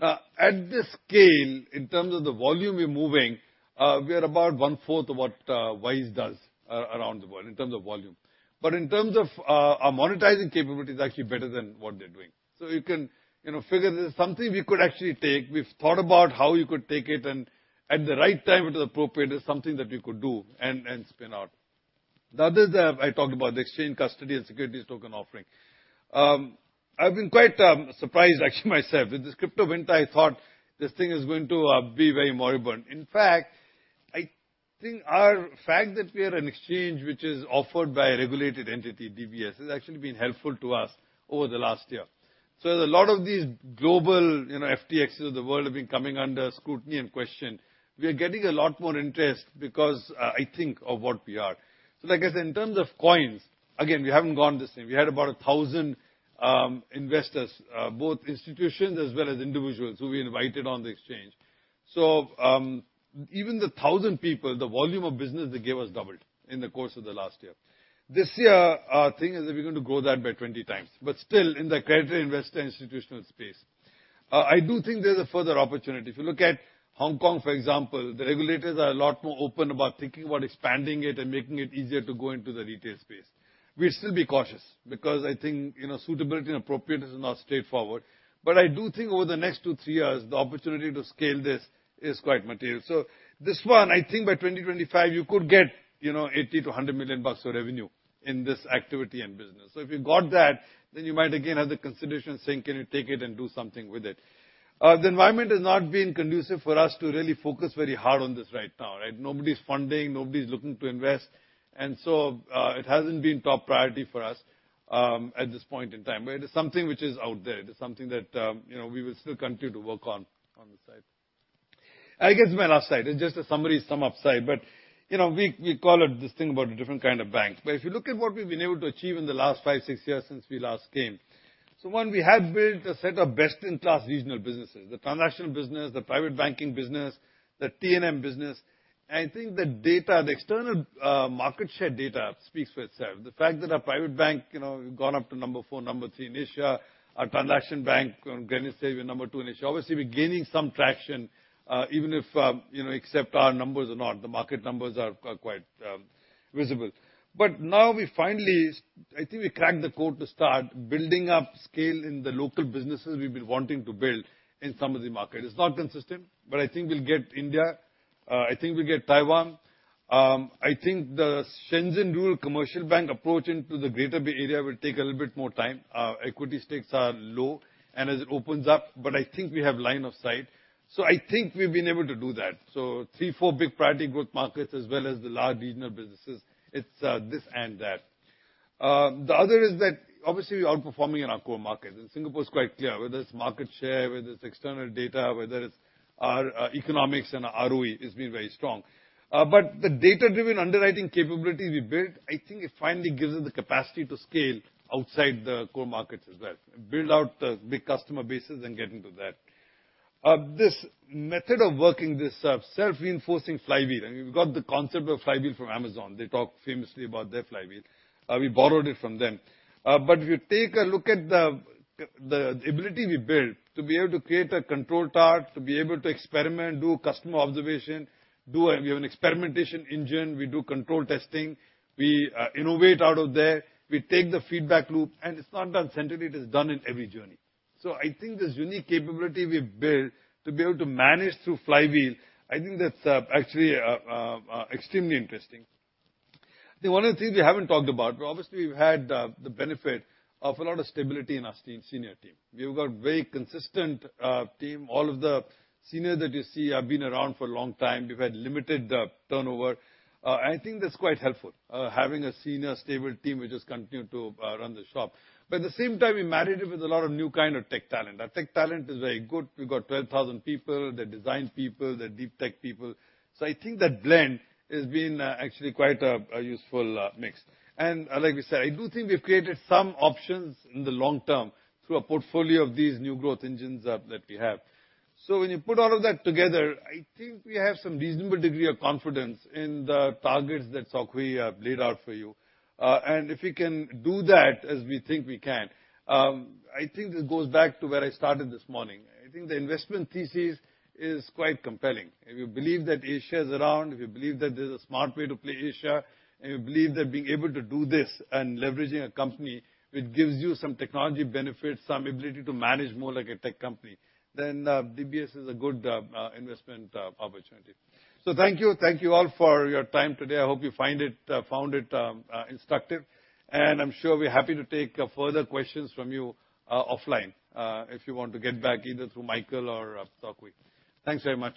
At this scale, in terms of the volume we're moving, we are about one-fourth of what Wise does around the world in terms of volume. But in terms of our monetizing capabilities, actually better than what they're doing. So you can, you know, figure this is something we could actually take. We've thought about how you could take it, and at the right time, it is appropriate, it's something that we could do and, and spin out. The other that I talked about, the exchange custody and securities token offering. I've been quite surprised, actually, myself. With this crypto winter, I thought this thing is going to be very moribund. In fact, I think our fact that we are an exchange which is offered by a regulated entity, DBS, has actually been helpful to us over the last year. So there's a lot of these global, you know, FTXs of the world have been coming under scrutiny and question. We are getting a lot more interest because, I think of what we are. So like I said, in terms of coins, again, we haven't gone the same. We had about 1,000 investors, both institutions as well as individuals, who we invited on the exchange. So, even the 1,000 people, the volume of business they gave us doubled in the course of the last year. This year, our thing is that we're going to grow that by 20 times, but still in the accredited investor institutional space. I do think there's a further opportunity. If you look at Hong Kong, for example, the regulators are a lot more open about thinking about expanding it and making it easier to go into the retail space. We'll still be cautious because I think, you know, suitability and appropriateness is not straightforward, but I do think over the next 2-3 years, the opportunity to scale this is quite material. So this one, I think by 2025, you could get, you know, $80 million-$100 million of revenue in this activity and business. So if you got that, then you might again have the consideration saying, "Can you take it and do something with it?" The environment has not been conducive for us to really focus very hard on this right now, right? Nobody's funding, nobody's looking to invest, and so, it hasn't been top priority for us, at this point in time. But it is something which is out there. It is something that, you know, we will still continue to work on, on the side. I guess my last slide, it's just a summary, some upside, but, you know, we, we call it this thing about a different kind of bank. But if you look at what we've been able to achieve in the last 5, 6 years since we last came, so 1, we have built a set of best-in-class regional businesses, the transaction business, the private banking business, the T&M business. I think the data, the external, market share data speaks for itself. The fact that our private bank, you know, gone up to number 4, number 3 in Asia, our transaction bank, on Greenwich survey, we're number 2 in Asia. Obviously, we're gaining some traction, even if, you know, except our numbers are not, the market numbers are, are quite, visible. But now we finally, I think we cracked the code to start building up scale in the local businesses we've been wanting to build in some of the market. It's not consistent, but I think we'll get India, I think we'll get Taiwan. I think the Shenzhen Rural Commercial Bank approach into the Greater Bay Area will take a little bit more time. Our equity stakes are low, and as it opens up, but I think we have line of sight, so I think we've been able to do that. So 3-4 big priority growth markets as well as the large regional businesses, it's, this and that. The other is that obviously, we're outperforming in our core market, and Singapore is quite clear, whether it's market share, whether it's external data, whether it's our, economics and our ROE, it's been very strong. But the data-driven underwriting capabilities we built, I think it finally gives us the capacity to scale outside the core markets as well, build out the big customer bases and get into that. This method of working, this self-reinforcing Flywheel, and we've got the concept of Flywheel from Amazon. They talk famously about their Flywheel. We borrowed it from them. But if you take a look at the ability we built to be able to create a control chart, to be able to experiment, do customer observation, we have an experimentation engine, we do control testing, we innovate out of there, we take the feedback loop, and it's not done centrally, it is done in every journey. So I think this unique capability we've built to be able to manage through Flywheel, I think that's actually extremely interesting. The one other thing we haven't talked about, but obviously, we've had the benefit of a lot of stability in our team, senior team. We've got very consistent team. All of the senior that you see have been around for a long time. We've had limited turnover. And I think that's quite helpful, having a senior, stable team which just continue to run the shop. But at the same time, we married it with a lot of new kind of tech talent. Our tech talent is very good. We've got 12,000 people, the design people, the deep tech people. So I think that blend has been actually quite a useful mix. And like we said, I do think we've created some options in the long term through a portfolio of these new growth engines that we have. So when you put all of that together, I think we have some reasonable degree of confidence in the targets that Sok Hui have laid out for you. And if we can do that, as we think we can, I think this goes back to where I started this morning. I think the investment thesis is quite compelling. If you believe that Asia is around, if you believe that there's a smart way to play Asia, and you believe that being able to do this and leveraging a company which gives you some technology benefits, some ability to manage more like a tech company, then, DBS is a good, investment opportunity. So thank you. Thank you all for your time today. I hope you find it instructive, and I'm sure we're happy to take further questions from you, offline, if you want to get back, either through Michael or Sok Hui. Thanks very much.